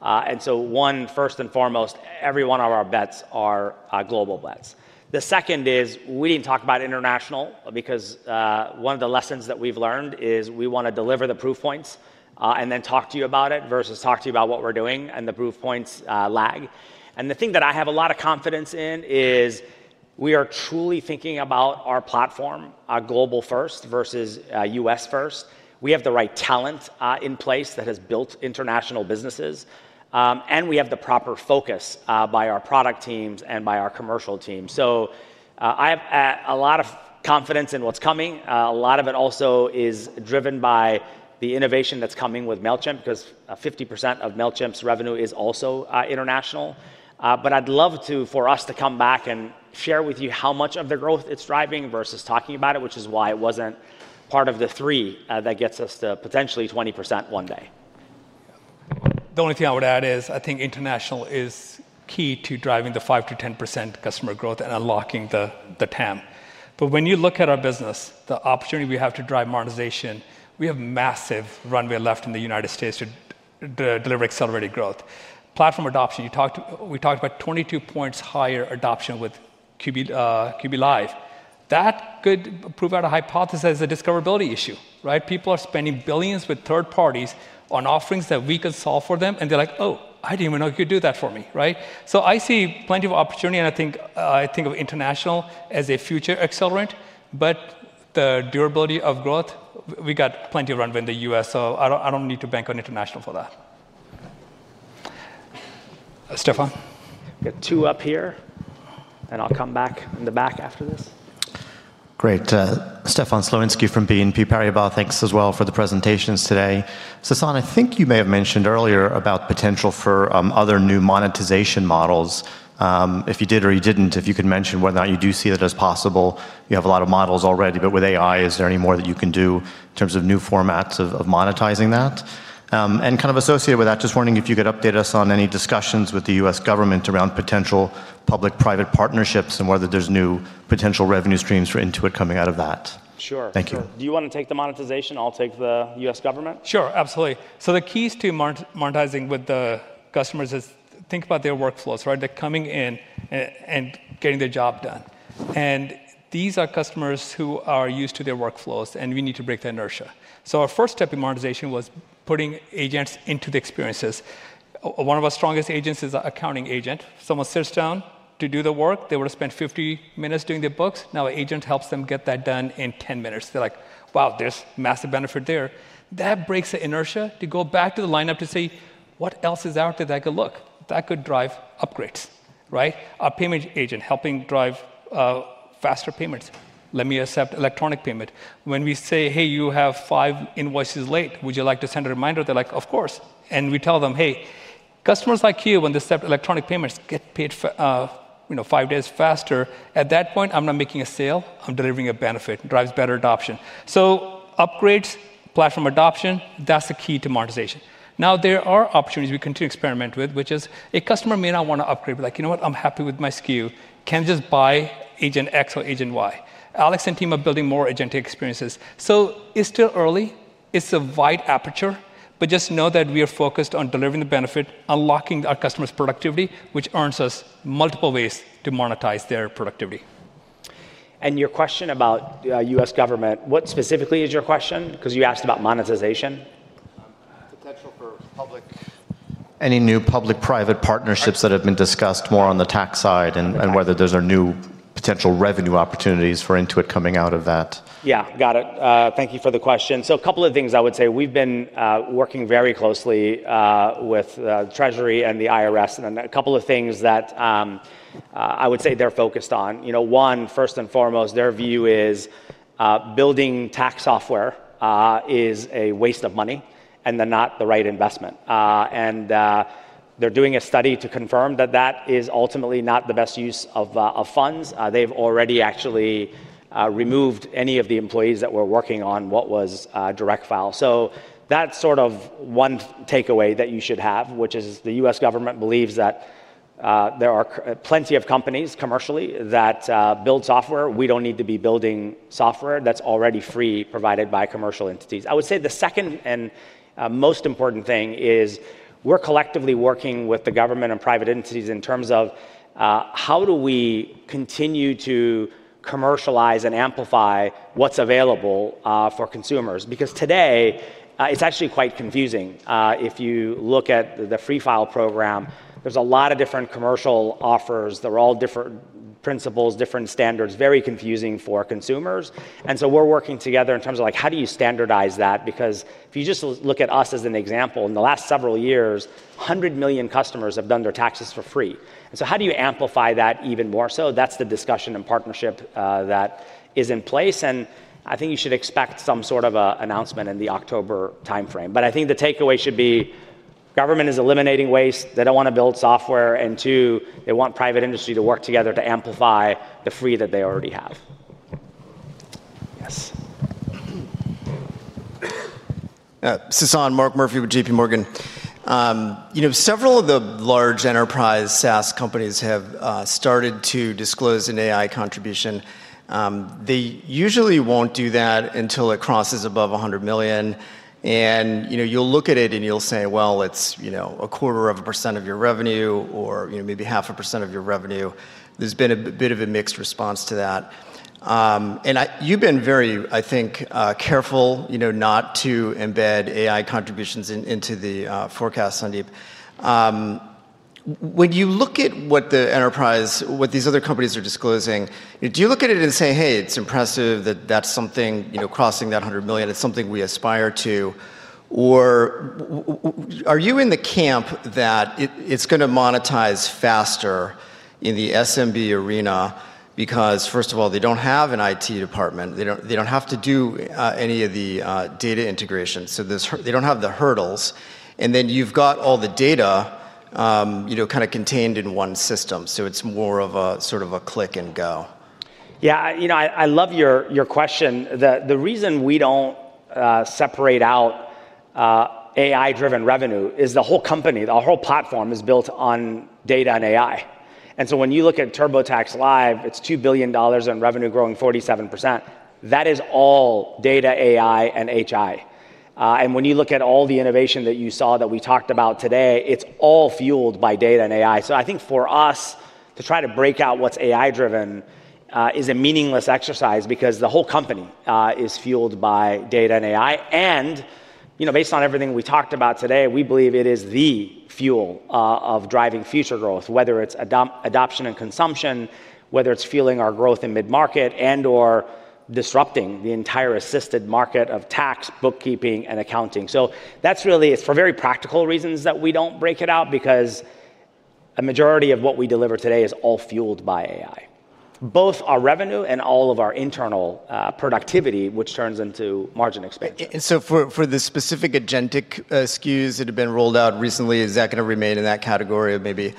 First and foremost, every one of our bets are global bets. We didn't talk about international because one of the lessons that we've learned is we want to deliver the proof points and then talk to you about it versus talk to you about what we're doing and the proof points lag. The thing that I have a lot of confidence in is we are truly thinking about our platform global first versus U.S. first. We have the right talent in place that has built international businesses, and we have the proper focus by our product teams and by our commercial teams. I have a lot of confidence in what's coming. A lot of it also is driven by the innovation that's coming with Mailchimp because 50% of Mailchimp's revenue is also international. I'd love for us to come back and share with you how much of the growth it's driving versus talking about it, which is why it wasn't part of the three that gets us to potentially 20% one day. The only thing I would add is I think international is key to driving the 5% to 10% customer growth and unlocking the TAM. When you look at our business, the opportunity we have to drive monetization, we have massive runway left in the U.S. to deliver accelerated growth. Platform adoption, we talked about 22 points higher adoption with QB Live. That could prove out a hypothesis as a discoverability issue, right? People are spending billions with third parties on offerings that we could solve for them. They're like, oh, I didn't even know you could do that for me, right? I see plenty of opportunity. I think of international as a future accelerant. The durability of growth, we got plenty of runway in the U.S. I don't need to bank on international for that. Stefan? We got two up here. I'll come back in the back after this. Great. Stefan Slowinski from BNP Paribas, thanks as well for the presentations today. Sasan, I think you may have mentioned earlier about potential for other new monetization models. If you did or you didn't, if you could mention whether or not you do see that as possible. You have a lot of models already, but with AI, is there any more that you can do in terms of new formats of monetizing that? Kind of associated with that, just wondering if you could update us on any discussions with the U.S. government around potential public-private partnerships and whether there's new potential revenue streams for Intuit coming out of that. Sure. Thank you. Do you want to take the monetization? I'll take the U.S. government. Sure, absolutely. The keys to monetizing with the customers is think about their workflows, right? They're coming in and getting their job done. These are customers who are used to their workflows, and we need to break the inertia. Our first step in monetization was putting agents into the experiences. One of our strongest agents is an accounting agent. Someone sits down to do the work. They would have spent 50 minutes doing their books. Now an agent helps them get that done in 10 minutes. They're like, wow, there's massive benefit there. That breaks the inertia to go back to the lineup to say, what else is out there that I could look? That could drive upgrades, right? A payment agent helping drive faster payments. Let me accept electronic payment. When we say, hey, you have five invoices late, would you like to send a reminder? They're like, of course. We tell them, hey, customers like you, when they accept electronic payments, get paid five days faster. At that point, I'm not making a sale. I'm delivering a benefit. It drives better adoption. Upgrades, platform adoption, that's the key to monetization. There are opportunities we continue to experiment with, which is a customer may not want to upgrade. Like, you know what? I'm happy with my SKU. Can we just buy agent X or agent Y? Alex and team are building more agentic experiences. It's still early. It's a wide aperture. Just know that we are focused on delivering the benefit, unlocking our customers' productivity, which earns us multiple ways to monetize their productivity. Your question about U.S. government, what specifically is your question? You asked about monetization. Any new public-private partnerships that have been discussed more on the tax side, and whether those are new potential revenue opportunities for Intuit coming out of that? Got it. Thank you for the question. A couple of things I would say. We've been working very closely with the Treasury and the IRS. A couple of things that I would say they're focused on. First and foremost, their view is building tax software is a waste of money and not the right investment. They're doing a study to confirm that is ultimately not the best use of funds. They've already actually removed any of the employees that were working on what was a direct file. That's one takeaway that you should have, which is the U.S. government believes that there are plenty of companies commercially that build software. We don't need to be building software that's already free, provided by commercial entities. The second and most important thing is we're collectively working with the government and private entities in terms of how do we continue to commercialize and amplify what's available for consumers. Today, it's actually quite confusing. If you look at the Free File program, there's a lot of different commercial offers. They're all different principles, different standards, very confusing for consumers. We're working together in terms of how do you standardize that. If you just look at us as an example, in the last several years, 100 million customers have done their taxes for free. How do you amplify that even more so? That's the discussion and partnership that is in place. I think you should expect some sort of an announcement in the October timeframe. I think the takeaway should be government is eliminating waste. They don't want to build software. They want private industry to work together to amplify the free that they already have. Sasan, Mark Murphy with JPMorgan. You know, several of the large enterprise SaaS companies have started to disclose an AI contribution. They usually won't do that until it crosses above $100 million. You look at it and you say, it's a quarter of a percent of your revenue or maybe half a percent of your revenue. There's been a bit of a mixed response to that. You've been very, I think, careful not to embed AI contributions into the forecast, Sandeep. When you look at what the enterprise, what these other companies are disclosing, do you look at it and say, hey, it's impressive that that's something crossing that $100 million, it's something we aspire to. Are you in the camp that it's going to monetize faster in the SMB arena because, first of all, they don't have an IT department, they don't have to do any of the data integration, so they don't have the hurdles? Then you've got all the data kind of contained in one system, so it's more of a sort of a click and go. Yeah, you know, I love your question. The reason we don't separate out AI-driven revenue is the whole company, the whole platform is built on data and AI. When you look at TurboTax Live, it's $2 billion in revenue growing 47%. That is all data, AI, and HI. When you look at all the innovation that you saw that we talked about today, it's all fueled by data and AI. I think for us to try to break out what's AI-driven is a meaningless exercise because the whole company is fueled by data and AI. Based on everything we talked about today, we believe it is the fuel of driving future growth, whether it's adoption and consumption, whether it's fueling our growth in mid-market and/or disrupting the entire assisted market of tax, bookkeeping, and accounting. That's really, it's for very practical reasons that we don't break it out because a majority of what we deliver today is all fueled by AI, both our revenue and all of our internal productivity, which turns into margin expense. For the specific agentic SKUs that have been rolled out recently, is that going to remain in that category of maybe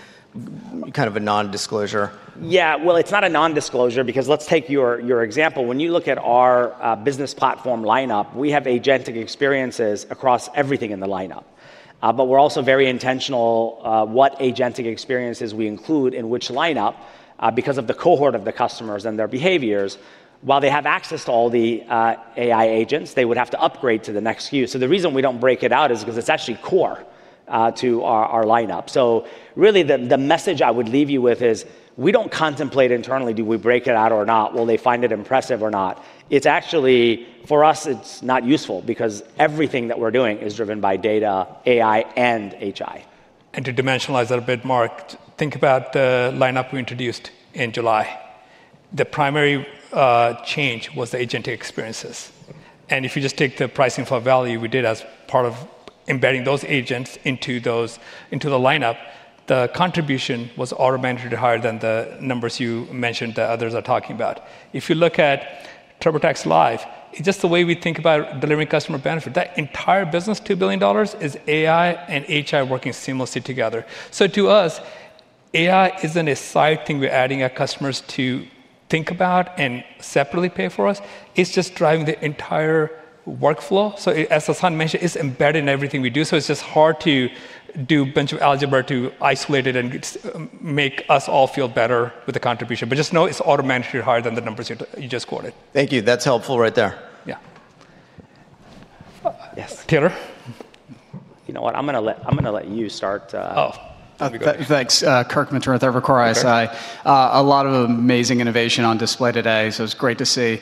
kind of a non-disclosure? It's not a non-disclosure because let's take your example. When you look at our business platform lineup, we have agentic experiences across everything in the lineup. We're also very intentional about what agentic experiences we include in which lineup because of the cohort of the customers and their behaviors. While they have access to all the AI agents, they would have to upgrade to the next SKU. The reason we don't break it out is because it's actually core to our lineup. Really, the message I would leave you with is we don't contemplate internally do we break it out or not. Will they find it impressive or not? It's actually, for us, it's not useful because everything that we're doing is driven by data, AI, and HI. To dimensionalize that a bit, Mark, think about the lineup we introduced in July. The primary change was the agentic experiences. If you just take the pricing for value we did as part of embedding those agents into the lineup, the contribution was automatically higher than the numbers you mentioned that others are talking about. If you look at TurboTax Live, it's just the way we think about delivering customer benefit. That entire business, $2 billion, is AI and HI working seamlessly together. To us, AI isn't a side thing we're adding our customers to think about and separately pay for us. It's just driving the entire workflow. As Sasan mentioned, it's embedded in everything we do. It's just hard to do a bunch of algebra to isolate it and make us all feel better with the contribution. Just know it's automatically higher than the numbers you just quoted. Thank you. That's helpful right there. Yeah. Yes. Taylor? You know what? I'm going to let you start. That'd be good. Thanks. Kirk Materne at Evercore ISI. A lot of amazing innovation on display today. It's great to see.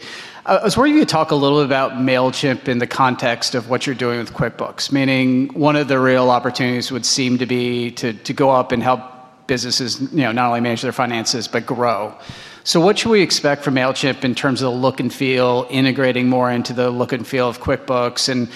I was wondering if you could talk a little bit about Mailchimp in the context of what you're doing with QuickBooks, meaning one of the real opportunities would seem to be to go up and help businesses, you know, not only manage their finances, but grow. What should we expect from Mailchimp in terms of the look and feel, integrating more into the look and feel of QuickBooks?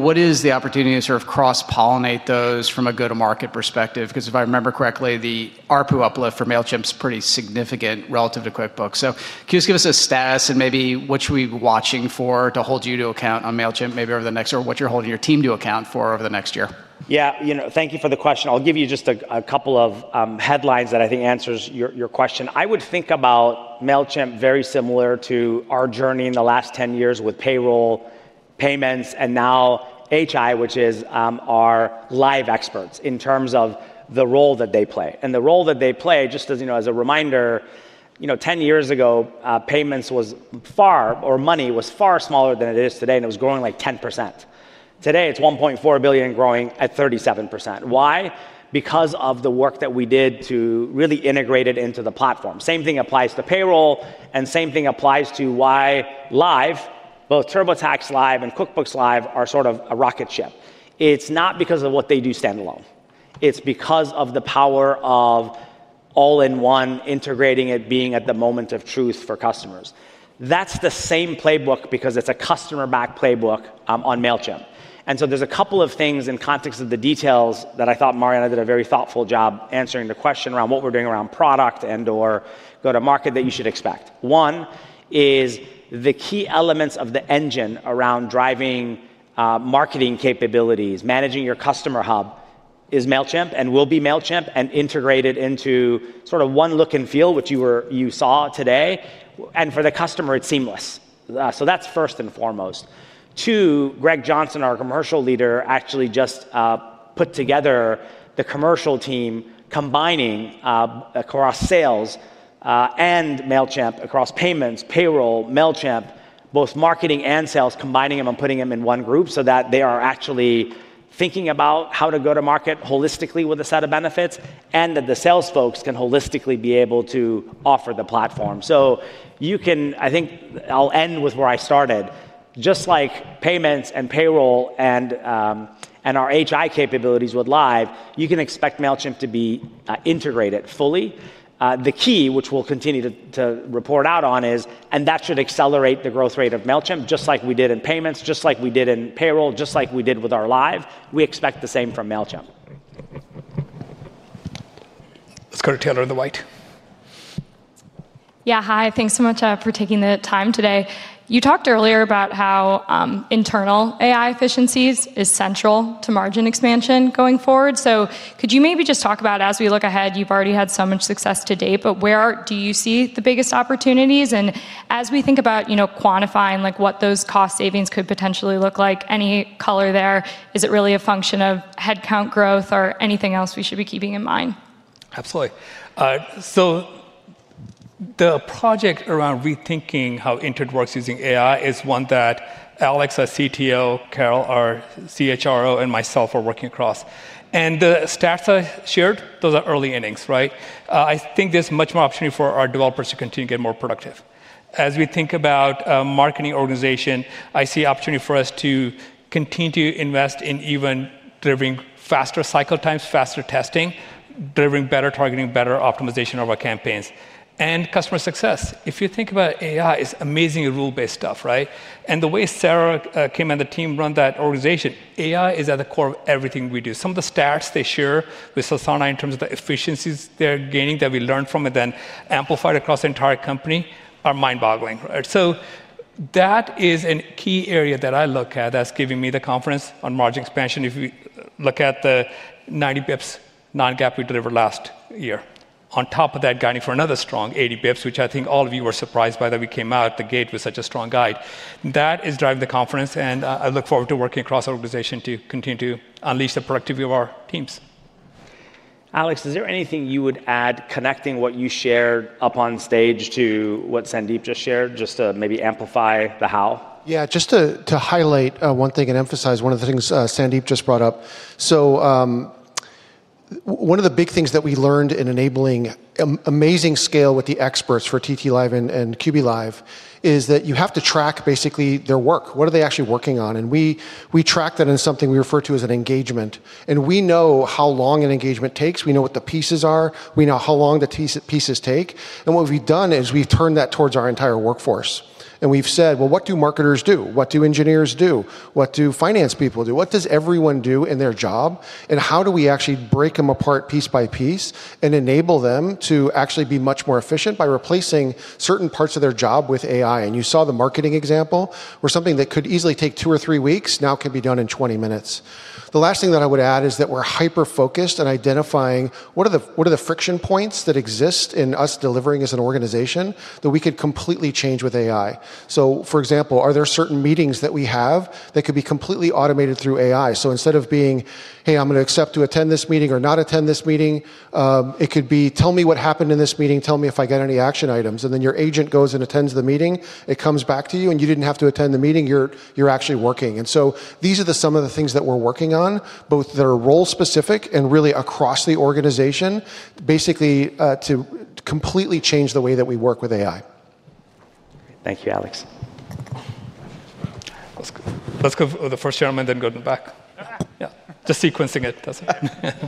What is the opportunity to sort of cross-pollinate those from a go-to-market perspective? Because if I remember correctly, the ARPU uplift for Mailchimp is pretty significant relative to QuickBooks. Can you just give us a status and maybe what should we be watching for to hold you to account on Mailchimp maybe over the next year, or what you're holding your team to account for over the next year? Yeah, you know, thank you for the question. I'll give you just a couple of headlines that I think answers your question. I would think about Mailchimp very similar to our journey in the last 10 years with payroll, payments, and now HI, which is our live experts in terms of the role that they play. The role that they play, just as a reminder, 10 years ago, payments was far, or money was far smaller than it is today, and it was growing like 10%. Today, it's $1.4 billion growing at 37%. Why? Because of the work that we did to really integrate it into the platform. The same thing applies to payroll, and the same thing applies to why Live, both TurboTax Live and QuickBooks Live, are sort of a rocket ship. It's not because of what they do standalone. It's because of the power of all-in-one, integrating it, being at the moment of truth for customers. That's the same playbook because it's a customer-backed playbook on Mailchimp. There's a couple of things in context of the details that I thought Marianna did a very thoughtful job answering the question around what we're doing around product and/or go-to-market that you should expect. One is the key elements of the engine around driving marketing capabilities, managing your customer hub, is Mailchimp and will be Mailchimp and integrated into sort of one look and feel, which you saw today. For the customer, it's seamless. That's first and foremost. Two, Greg Johnson, our commercial leader, actually just put together the commercial team combining across sales and Mailchimp across payments, payroll, Mailchimp, both marketing and sales, combining them and putting them in one group so that they are actually thinking about how to go to market holistically with a set of benefits and that the sales folks can holistically be able to offer the platform. I think I'll end with where I started. Just like payments and payroll and our HI capabilities with Live, you can expect Mailchimp to be integrated fully. The key, which we'll continue to report out on, is, and that should accelerate the growth rate of Mailchimp, just like we did in payments, just like we did in payroll, just like we did with our Live. We expect the same from Mailchimp. Let's go to Taylor in the white. Yeah, hi. Thanks so much for taking the time today. You talked earlier about how internal AI efficiency is central to margin expansion going forward. Could you maybe just talk about, as we look ahead, you've already had so much success to date, but where do you see the biggest opportunities? As we think about quantifying what those cost savings could potentially look like, any color there? Is it really a function of headcount growth or anything else we should be keeping in mind? Absolutely. The project around rethinking how Intuit works using AI is one that Alex, our CTO, Carol, our CHRO, and myself are working across. The stats I shared, those are early innings, right? I think there's much more opportunity for our developers to continue to get more productive. As we think about the marketing organization, I see opportunity for us to continue to invest in even delivering faster cycle times, faster testing, delivering better targeting, better optimization of our campaigns, and customer success. If you think about AI, it's amazing rule-based stuff, right? The way Sarah Kim and the team run that organization, AI is at the core of everything we do. Some of the stats they share with Sasan in terms of the efficiencies they're gaining that we learned from and then amplified across the entire company are mind-boggling. That is a key area that I look at that's giving me the confidence on margin expansion. If you look at the 90 bps non-GAAP we delivered last year, on top of that guiding for another strong 80 bps, which I think all of you were surprised by that we came out the gate with such a strong guide. That is driving the confidence, and I look forward to working across our organization to continue to unleash the productivity of our teams. Alex, is there anything you would add connecting what you shared up on stage to what Sandeep just shared, just to maybe amplify the how? Yeah, just to highlight one thing and emphasize one of the things Sandeep just brought up. One of the big things that we learned in enabling amazing scale with the experts for TT Live and QB Live is that you have to track basically their work. What are they actually working on? We track that in something we refer to as an engagement. We know how long an engagement takes. We know what the pieces are. We know how long the pieces take. What we've done is we've turned that towards our entire workforce. We've said, what do marketers do? What do engineers do? What do finance people do? What does everyone do in their job? How do we actually break them apart piece by piece and enable them to actually be much more efficient by replacing certain parts of their job with AI? You saw the marketing example where something that could easily take two or three weeks now can be done in 20 minutes. The last thing that I would add is that we're hyper-focused on identifying what are the friction points that exist in us delivering as an organization that we could completely change with AI. For example, are there certain meetings that we have that could be completely automated through AI? Instead of being, hey, I'm going to accept to attend this meeting or not attend this meeting, it could be, tell me what happened in this meeting. Tell me if I got any action items. Then your agent goes and attends the meeting. It comes back to you, and you didn't have to attend the meeting. You're actually working. These are some of the things that we're working on, both that are role-specific and really across the organization, basically to completely change the way that we work with AI. Thank you, Alex. Let's go with the first gentleman, then go to the back. Yeah, just sequencing it. That's it.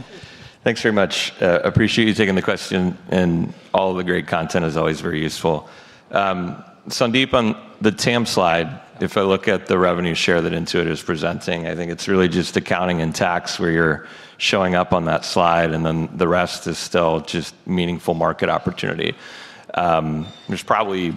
Thanks very much. Appreciate you taking the question, and all the great content is always very useful. Sandeep, on the TAM slide, if I look at the revenue share that Intuit is presenting, I think it's really just accounting and tax where you're showing up on that slide, and then the rest is still just meaningful market opportunity. There's probably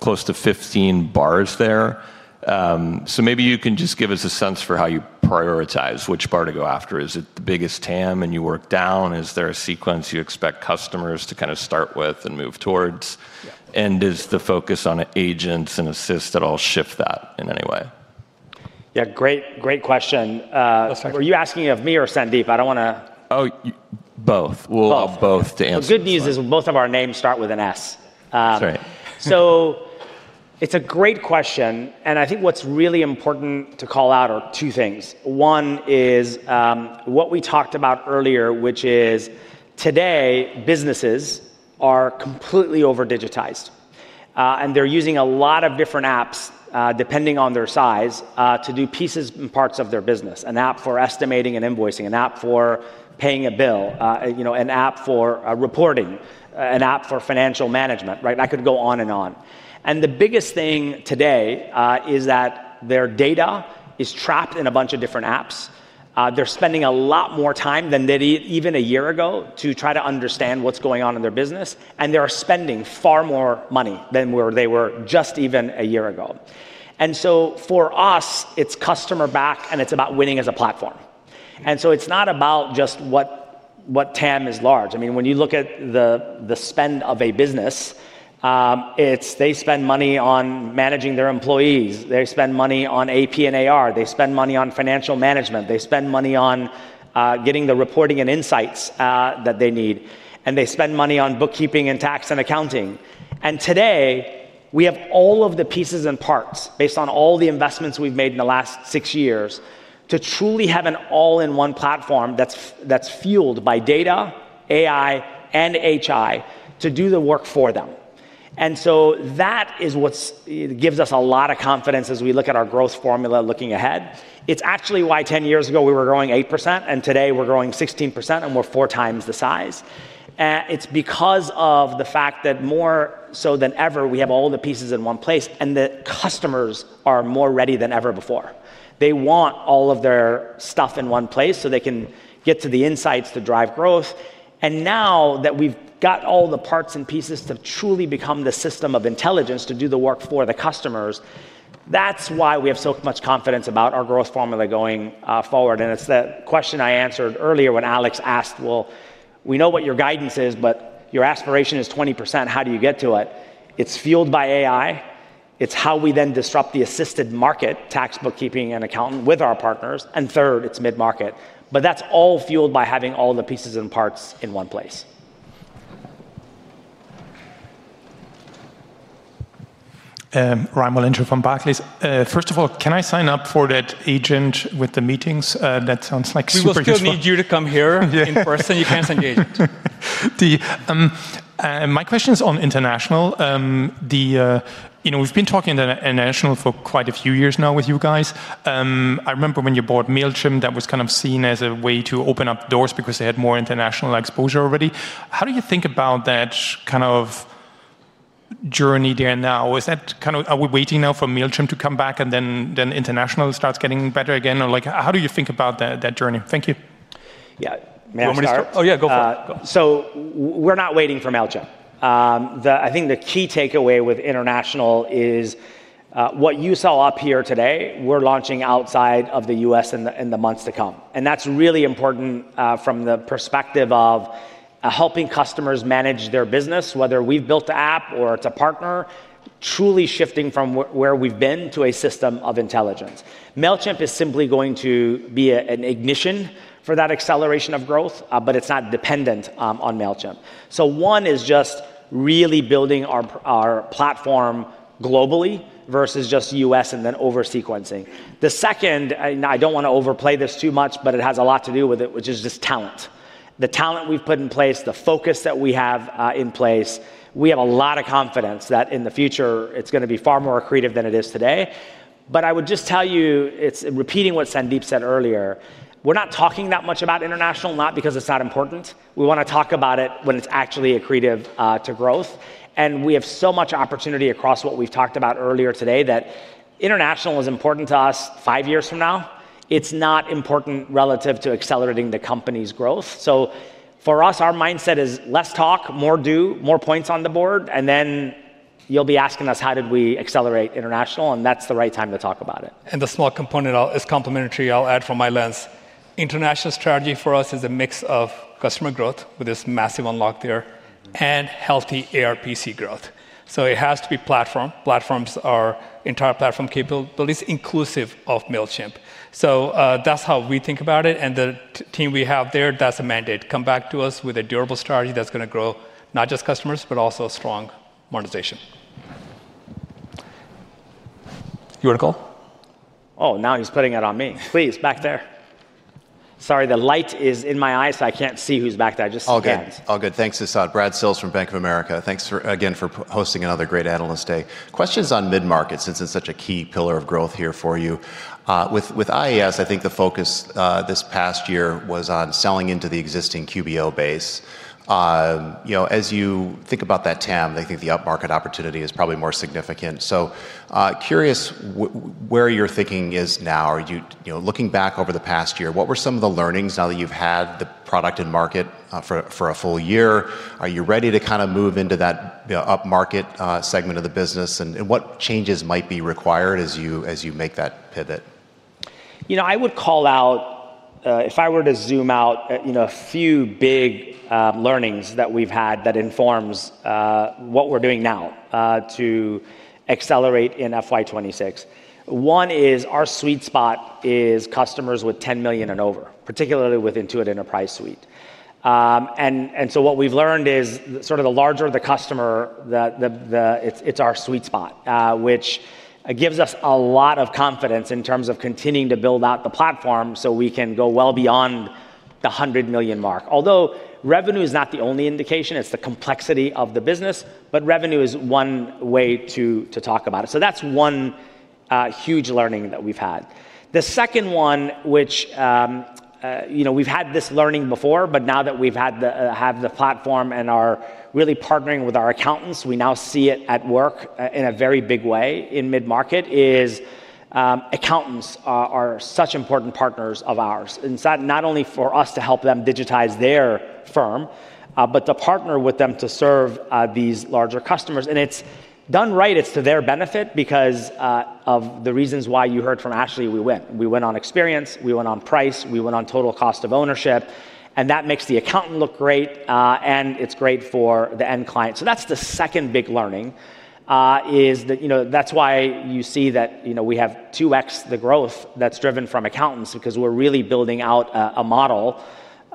close to 15 bars there. Maybe you can just give us a sense for how you prioritize which bar to go after. Is it the biggest TAM and you work down? Is there a sequence you expect customers to kind of start with and move towards? Does the focus on agents and assist at all shift that in any way? Yeah, great question. Were you asking of me or Sandeep? I don't want to. Oh, both. We'll allow both to answer. The good news is both of our names start with an S. That's right. It's a great question. I think what's really important to call out are two things. One is what we talked about earlier, which is today businesses are completely over-digitized. They're using a lot of different apps depending on their size to do pieces and parts of their business: an app for estimating and invoicing, an app for paying a bill, an app for reporting, an app for financial management, right? I could go on and on. The biggest thing today is that their data is trapped in a bunch of different apps. They're spending a lot more time than they did even a year ago to try to understand what's going on in their business. They're spending far more money than where they were just even a year ago. For us, it's customer back, and it's about winning as a platform. It's not about just what TAM is large. I mean, when you look at the spend of a business, they spend money on managing their employees. They spend money on AP and AR. They spend money on financial management. They spend money on getting the reporting and insights that they need. They spend money on bookkeeping and tax and accounting. Today, we have all of the pieces and parts based on all the investments we've made in the last six years to truly have an all-in-one platform that's fueled by data, AI, and HI to do the work for them. That is what gives us a lot of confidence as we look at our growth formula looking ahead. It's actually why 10 years ago we were growing 8%, and today we're growing 16%, and we're 4x the size. It's because of the fact that more so than ever, we have all the pieces in one place, and the customers are more ready than ever before. They want all of their stuff in one place so they can get to the insights to drive growth. Now that we've got all the parts and pieces to truly become the system of intelligence to do the work for the customers, that's why we have so much confidence about our growth formula going forward. It's the question I answered earlier when Alex asked, we know what your guidance is, but your aspiration is 20%. How do you get to it? It's fueled by AI. It's how we then disrupt the assisted market, tax, bookkeeping, and accounting with our partners. Third, it's mid-market. That's all fueled by having all the pieces and parts in one place. Raimo Lenschow from Barclays. First of all, can I sign up for that agent with the meetings? That sounds like super interesting. We still need you to come here in person. You can't send the agent. My question is on international. We've been talking international for quite a few years now with you guys. I remember when you bought Mailchimp, that was kind of seen as a way to open up doors because they had more international exposure already. How do you think about that kind of journey there now? Is that, are we waiting now for Mailchimp to come back and then international starts getting better again? How do you think about that journey? Thank you. Yeah, may I start? Oh, yeah, go for it. We're not waiting for Mailchimp. I think the key takeaway with international is what you saw up here today. We're launching outside of the U.S. in the months to come, and that's really important from the perspective of helping customers manage their business, whether we've built the app or it's a partner, truly shifting from where we've been to a system of intelligence. Mailchimp is simply going to be an ignition for that acceleration of growth, but it's not dependent on Mailchimp. One is just really building our platform globally versus just U.S. and then over-sequencing. The second, and I don't want to overplay this too much, but it has a lot to do with it, which is just talent. The talent we've put in place, the focus that we have in place, we have a lot of confidence that in the future it's going to be far more creative than it is today. I would just tell you, it's repeating what Sandeep said earlier. We're not talking that much about international, not because it's not important. We want to talk about it when it's actually accretive to growth. We have so much opportunity across what we've talked about earlier today that international is important to us five years from now. It's not important relative to accelerating the company's growth. For us, our mindset is less talk, more do, more points on the board. You'll be asking us how did we accelerate international, and that's the right time to talk about it. The small component is complementary, I'll add from my lens. International strategy for us is a mix of customer growth with this massive unlock there and healthy ARPC growth. It has to be platform. Platforms are entire platform capabilities inclusive of Mailchimp. That's how we think about it. The team we have there, that's a mandate. Come back to us with a durable strategy that's going to grow not just customers, but also strong monetization. You want to call? Now he's putting it on me. Please, back there. Sorry, the light is in my eye, so I can't see who's back there. Just stand. All good. Thanks, Sasan. Brad Sills from Bank of America. Thanks again for hosting another great analyst day. Questions on mid-market since it's such a key pillar of growth here for you. With IES, I think the focus this past year was on selling into the existing QBO base. As you think about that TAM, they think the up-market opportunity is probably more significant. Curious where your thinking is now. Are you looking back over the past year? What were some of the learnings now that you've had the product in market for a full year? Are you ready to kind of move into that up-market segment of the business? What changes might be required as you make that pivot? I would call out, if I were to zoom out, a few big learnings that we've had that inform what we're doing now to accelerate in FY 2026. One is our sweet spot is customers with $10 million and over, particularly with Intuit Enterprise Suite. What we've learned is the larger the customer, it's our sweet spot, which gives us a lot of confidence in terms of continuing to build out the platform so we can go well beyond the $100 million mark. Although revenue is not the only indication, it's the complexity of the business, but revenue is one way to talk about it. That's one huge learning that we've had. The second one, which we've had this learning before, but now that we have the platform and are really partnering with our accountants, we now see it at work in a very big way in mid-market. Accountants are such important partners of ours, not only for us to help them digitize their firm, but to partner with them to serve these larger customers. It's done right. It's to their benefit because of the reasons why you heard from Ashley, we win. We win on experience. We win on price. We win on total cost of ownership. That makes the accountant look great, and it's great for the end client. That's the second big learning. That's why you see that we have 2x the growth that's driven from accountants because we're really building out a model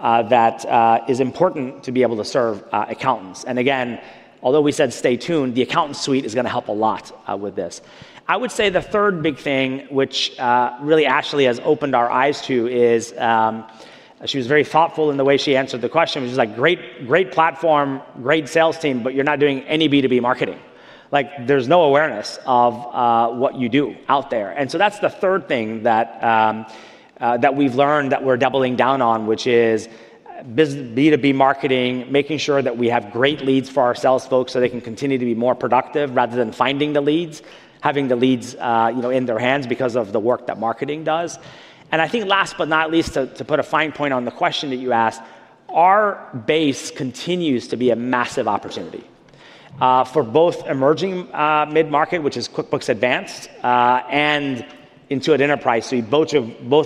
that is important to be able to serve accountants. Although we said stay tuned, the Accountant Suite is going to help a lot with this. I would say the third big thing, which really Ashley has opened our eyes to, is she was very thoughtful in the way she answered the question. She was like, great platform, great sales team, but you're not doing any B2B marketing. There's no awareness of what you do out there. That's the third thing that we've learned that we're doubling down on, which is B2B marketing, making sure that we have great leads for our sales folks so they can continue to be more productive rather than finding the leads, having the leads in their hands because of the work that marketing does. Last but not least, to put a fine point on the question that you asked, our base continues to be a massive opportunity for both emerging mid-market, which is QuickBooks Advanced, and Intuit Enterprise Suite, both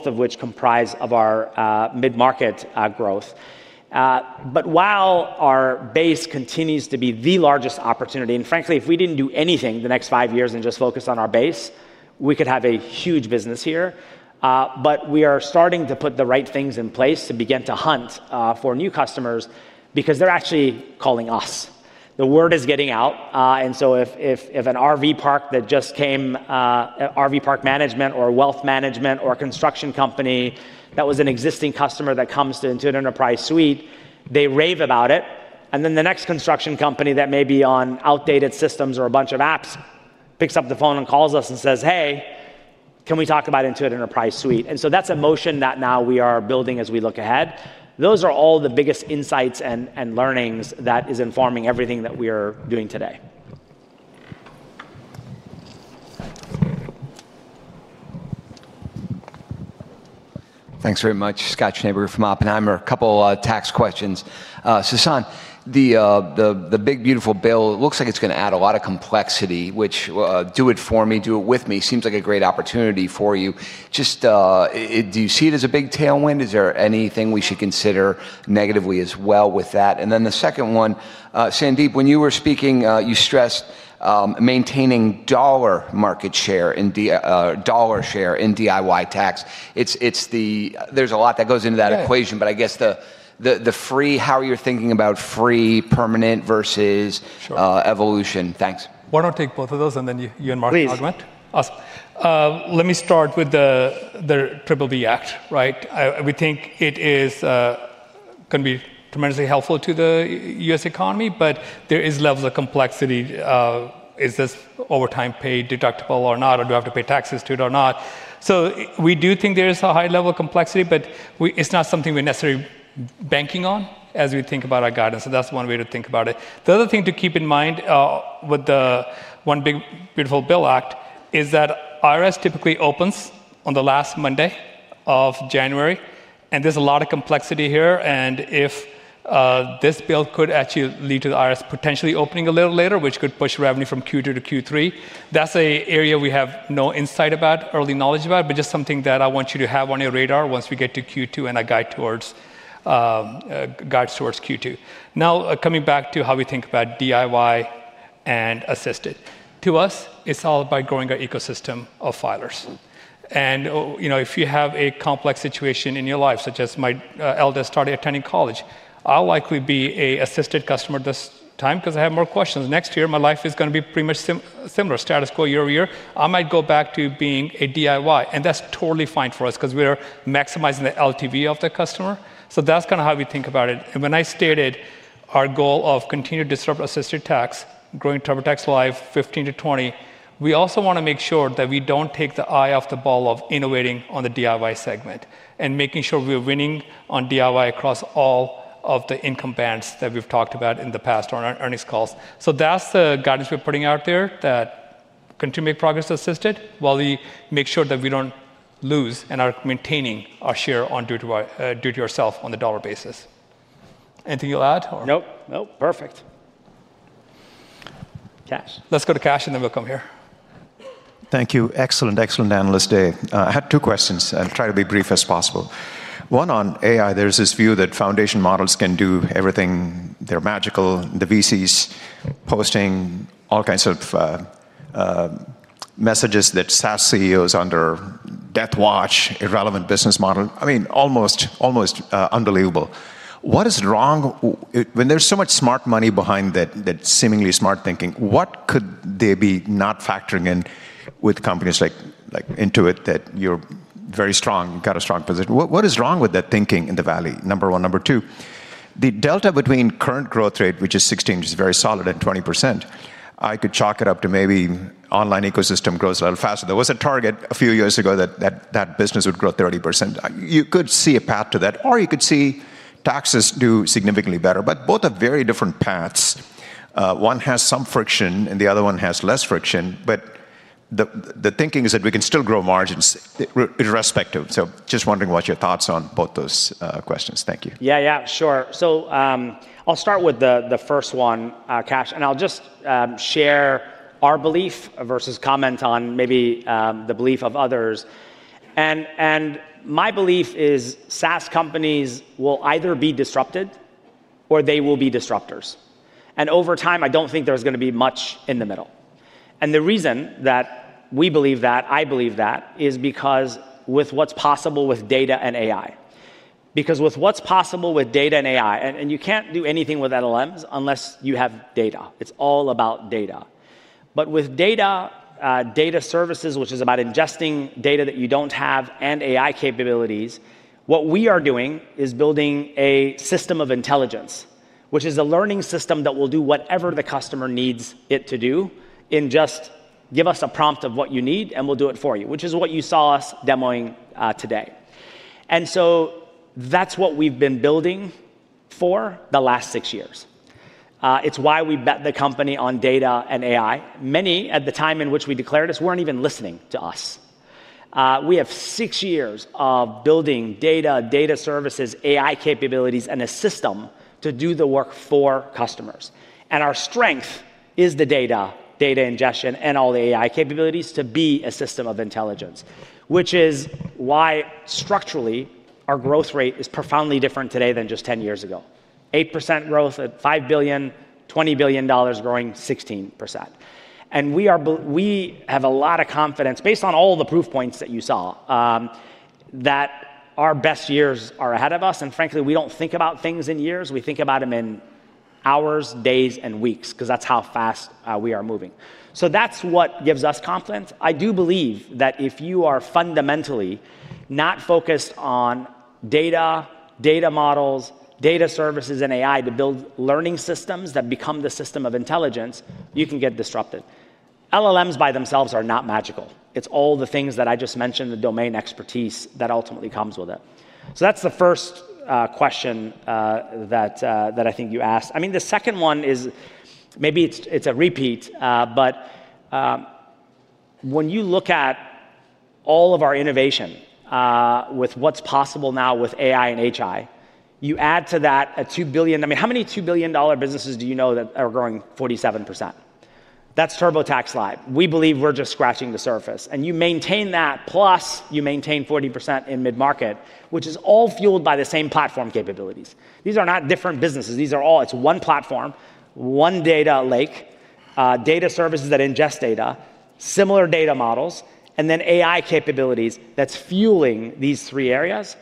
of which comprise our mid-market growth. While our base continues to be the largest opportunity, and frankly, if we didn't do anything the next five years and just focus on our base, we could have a huge business here. We are starting to put the right things in place to begin to hunt for new customers because they're actually calling us. The word is getting out. If an RV park that just came, RV park management, or wealth management, or a construction company that was an existing customer that comes to Intuit Enterprise Suite, they rave about it. The next construction company that may be on outdated systems or a bunch of apps picks up the phone and calls us and says, hey, can we talk about Intuit Enterprise Suite? That's a motion that now we are building as we look ahead. Those are all the biggest insights and learnings that are informing everything that we are doing today. Thanks very much, Scott Schneeberger from Oppenheimer. A couple of tax questions. Sasan, the big, beautiful bill looks like it's going to add a lot of complexity, which do it for me, do it with me, seems like a great opportunity for you. Do you see it as a big tailwind? Is there anything we should consider negatively as well with that? The second one, Sandeep, when you were speaking, you stressed maintaining dollar market share in DIY tax. There's a lot that goes into that equation, but I guess the free, how you're thinking about free permanent versus evolution? Thanks. Why don't I take both of those, and then you and Mark can augment? Please. Awesome. Let me start with the Triple B Act, right? We think it can be tremendously helpful to the U.S. economy, but there are levels of complexity. Is this over time paid deductible or not? Or do I have to pay taxes to it or not? We do think there is a high level of complexity, but it's not something we're necessarily banking on as we think about our guidance. That's one way to think about it. The other thing to keep in mind with the one big beautiful bill act is that IRS typically opens on the last Monday of January. There's a lot of complexity here. If this bill could actually lead to the IRS potentially opening a little later, which could push revenue from Q2 to Q3, that's an area we have no insight about, early knowledge about, but just something that I want you to have on your radar once we get to Q2 and our guide towards Q2. Now, coming back to how we think about DIY and assisted. To us, it's all about growing our ecosystem of filers. If you have a complex situation in your life, such as my eldest started attending college, I'll likely be an assisted customer this time because I have more questions. Next year, my life is going to be pretty much similar, status quo year-over-year. I might go back to being a DIY. That's totally fine for us because we're maximizing the LTV of the customer. That's kind of how we think about it. When I stated our goal of continuing to serve assisted tax, growing TurboTax Live 15 to 20, we also want to make sure that we don't take the eye off the ball of innovating on the DIY segment and making sure we're winning on DIY across all of the income bands that we've talked about in the past on our earnings calls. That's the guidance we're putting out there that continue to make progress to assisted while we make sure that we don't lose and are maintaining our share on duty to ourselves on the dollar basis. Anything you'll add? Nope. Perfect. Kash. Let's go to Kash, and then we'll come here. Thank you. Excellent, excellent analyst day. I had two questions and will try to be as brief as possible. One on AI. There's this view that foundation models can do everything. They're magical. The VCs posting all kinds of messages that SaaS CEOs are under death watch, irrelevant business model. I mean, almost, almost unbelievable. What is wrong when there's so much smart money behind that seemingly smart thinking? What could they be not factoring in with companies like Intuit that you're very strong? You've got a strong position. What is wrong with that thinking in the valley? Number one. Number two, the delta between current growth rate, which is 16%, is very solid at 20%. I could chalk it up to maybe online ecosystem growth a little faster. There was a target a few years ago that that business would grow 30%. You could see a path to that, or you could see taxes do significantly better. Both are very different paths. One has some friction, and the other one has less friction. The thinking is that we can still grow margins irrespective. Just wondering what your thoughts on both those questions. Thank you. Yeah, sure. I'll start with the first one, Kash. I'll just share our belief versus comment on maybe the belief of others. My belief is SaaS companies will either be disrupted or they will be disruptors. Over time, I don't think there's going to be much in the middle. The reason that we believe that, I believe that, is because with what's possible with data and AI. With what's possible with data and AI, you can't do anything with LLMs unless you have data. It's all about data. With data services, which is about ingesting data that you don't have, and AI capabilities, what we are doing is building a system of intelligence, which is a learning system that will do whatever the customer needs it to do. Just give us a prompt of what you need, and we'll do it for you, which is what you saw us demoing today. That's what we've been building for the last six years. It's why we bet the company on data and AI. Many at the time in which we declared this weren't even listening to us. We have six years of building data, data services, AI capabilities, and a system to do the work for customers. Our strength is the data, data ingestion, and all the AI capabilities to be a system of intelligence, which is why structurally our growth rate is profoundly different today than just 10 years ago. 8% growth at $5 billion, $20 billion growing 16%. We have a lot of confidence based on all the proof points that you saw that our best years are ahead of us. Frankly, we don't think about things in years. We think about them in hours, days, and weeks because that's how fast we are moving. That's what gives us confidence. I do believe that if you are fundamentally not focused on data, data models, data services, and AI to build learning systems that become the system of intelligence, you can get disrupted. LLMs by themselves are not magical. It's all the things that I just mentioned, the domain expertise that ultimately comes with it. That's the first question that I think you asked. The second one is maybe it's a repeat, but when you look at all of our innovation with what's possible now with AI and HI, you add to that a $2 billion. I mean, how many $2 billion businesses do you know that are growing 47%? That's TurboTax Live. We believe we're just scratching the surface. You maintain that, plus you maintain 40% in mid-market, which is all fueled by the same platform capabilities. These are not different businesses. These are all, it's one platform, one data lake, data services that ingest data, similar data models, and then AI capabilities that's fueling these three areas.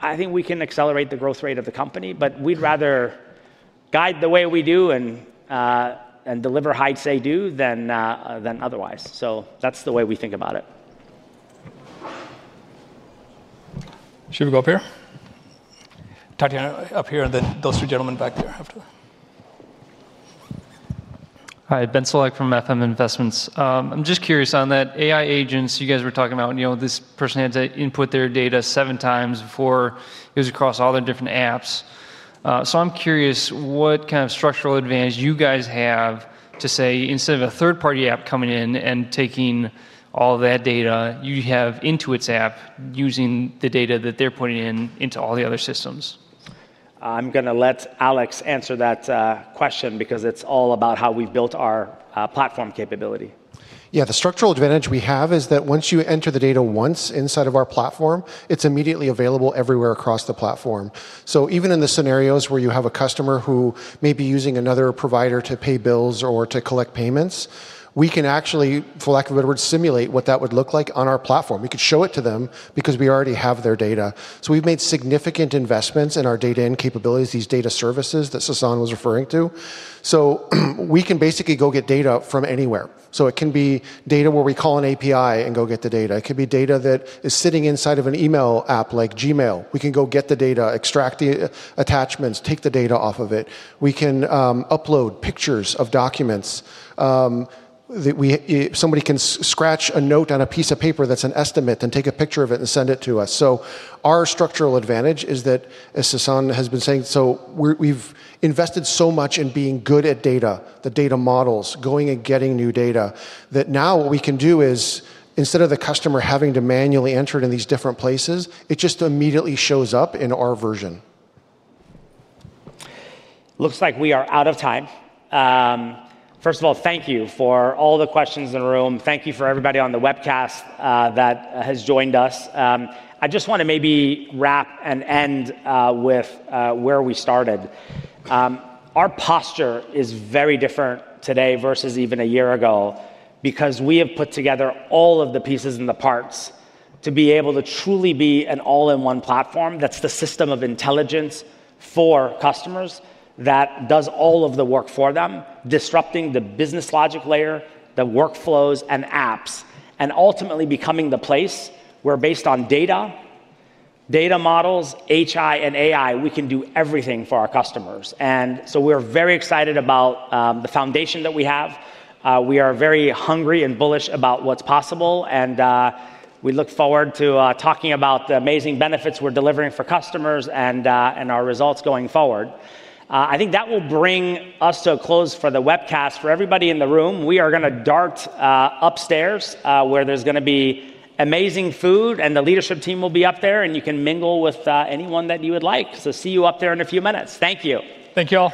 I think we can accelerate the growth rate of the company, but we'd rather guide the way we do and deliver high-stakes do than otherwise. That's the way we think about it. Should we go up here? Talk to you up here, and then those two gentlemen back there after that. Hi, Ben Solak from F/m Investments. I'm just curious on that AI agents you guys were talking about. This person had to input their data seven times before it goes across all their different apps. I'm curious what kind of structural advantage you guys have to say instead of a third-party app coming in and taking all that data, you have Intuit's app using the data that they're putting in into all the other systems? I'm going to let Alex answer that question because it's all about how we've built our platform capability. Yeah, the structural advantage we have is that once you enter the data once inside of our platform, it's immediately available everywhere across the platform. Even in the scenarios where you have a customer who may be using another provider to pay bills or to collect payments, we can actually, for lack of a better word, simulate what that would look like on our platform. We could show it to them because we already have their data. We've made significant investments in our data and capabilities, these data services that Sasan was referring to. We can basically go get data from anywhere. It can be data where we call an API and go get the data. It could be data that is sitting inside of an email app like Gmail. We can go get the data, extract the attachments, take the data off of it. We can upload pictures of documents. Somebody can scratch a note on a piece of paper that's an estimate and take a picture of it and send it to us. Our structural advantage is that, as Sasan has been saying, we've invested so much in being good at data, the data models, going and getting new data that now what we can do is instead of the customer having to manually enter it in these different places, it just immediately shows up in our version. Looks like we are out of time. First of all, thank you for all the questions in the room. Thank you for everybody on the webcast that has joined us. I just want to maybe wrap and end with where we started. Our posture is very different today versus even a year ago because we have put together all of the pieces and the parts to be able to truly be an all-in-one platform that's the system of intelligence for customers that does all of the work for them, disrupting the business logic layer, the workflows, and apps, and ultimately becoming the place where, based on data, data models, HI, and AI, we can do everything for our customers. We are very excited about the foundation that we have. We are very hungry and bullish about what's possible. We look forward to talking about the amazing benefits we're delivering for customers and our results going forward. I think that will bring us to a close for the webcast. For everybody in the room, we are going to dart upstairs where there's going to be amazing food and the leadership team will be up there. You can mingle with anyone that you would like. See you up there in a few minutes. Thank you. Thank you all.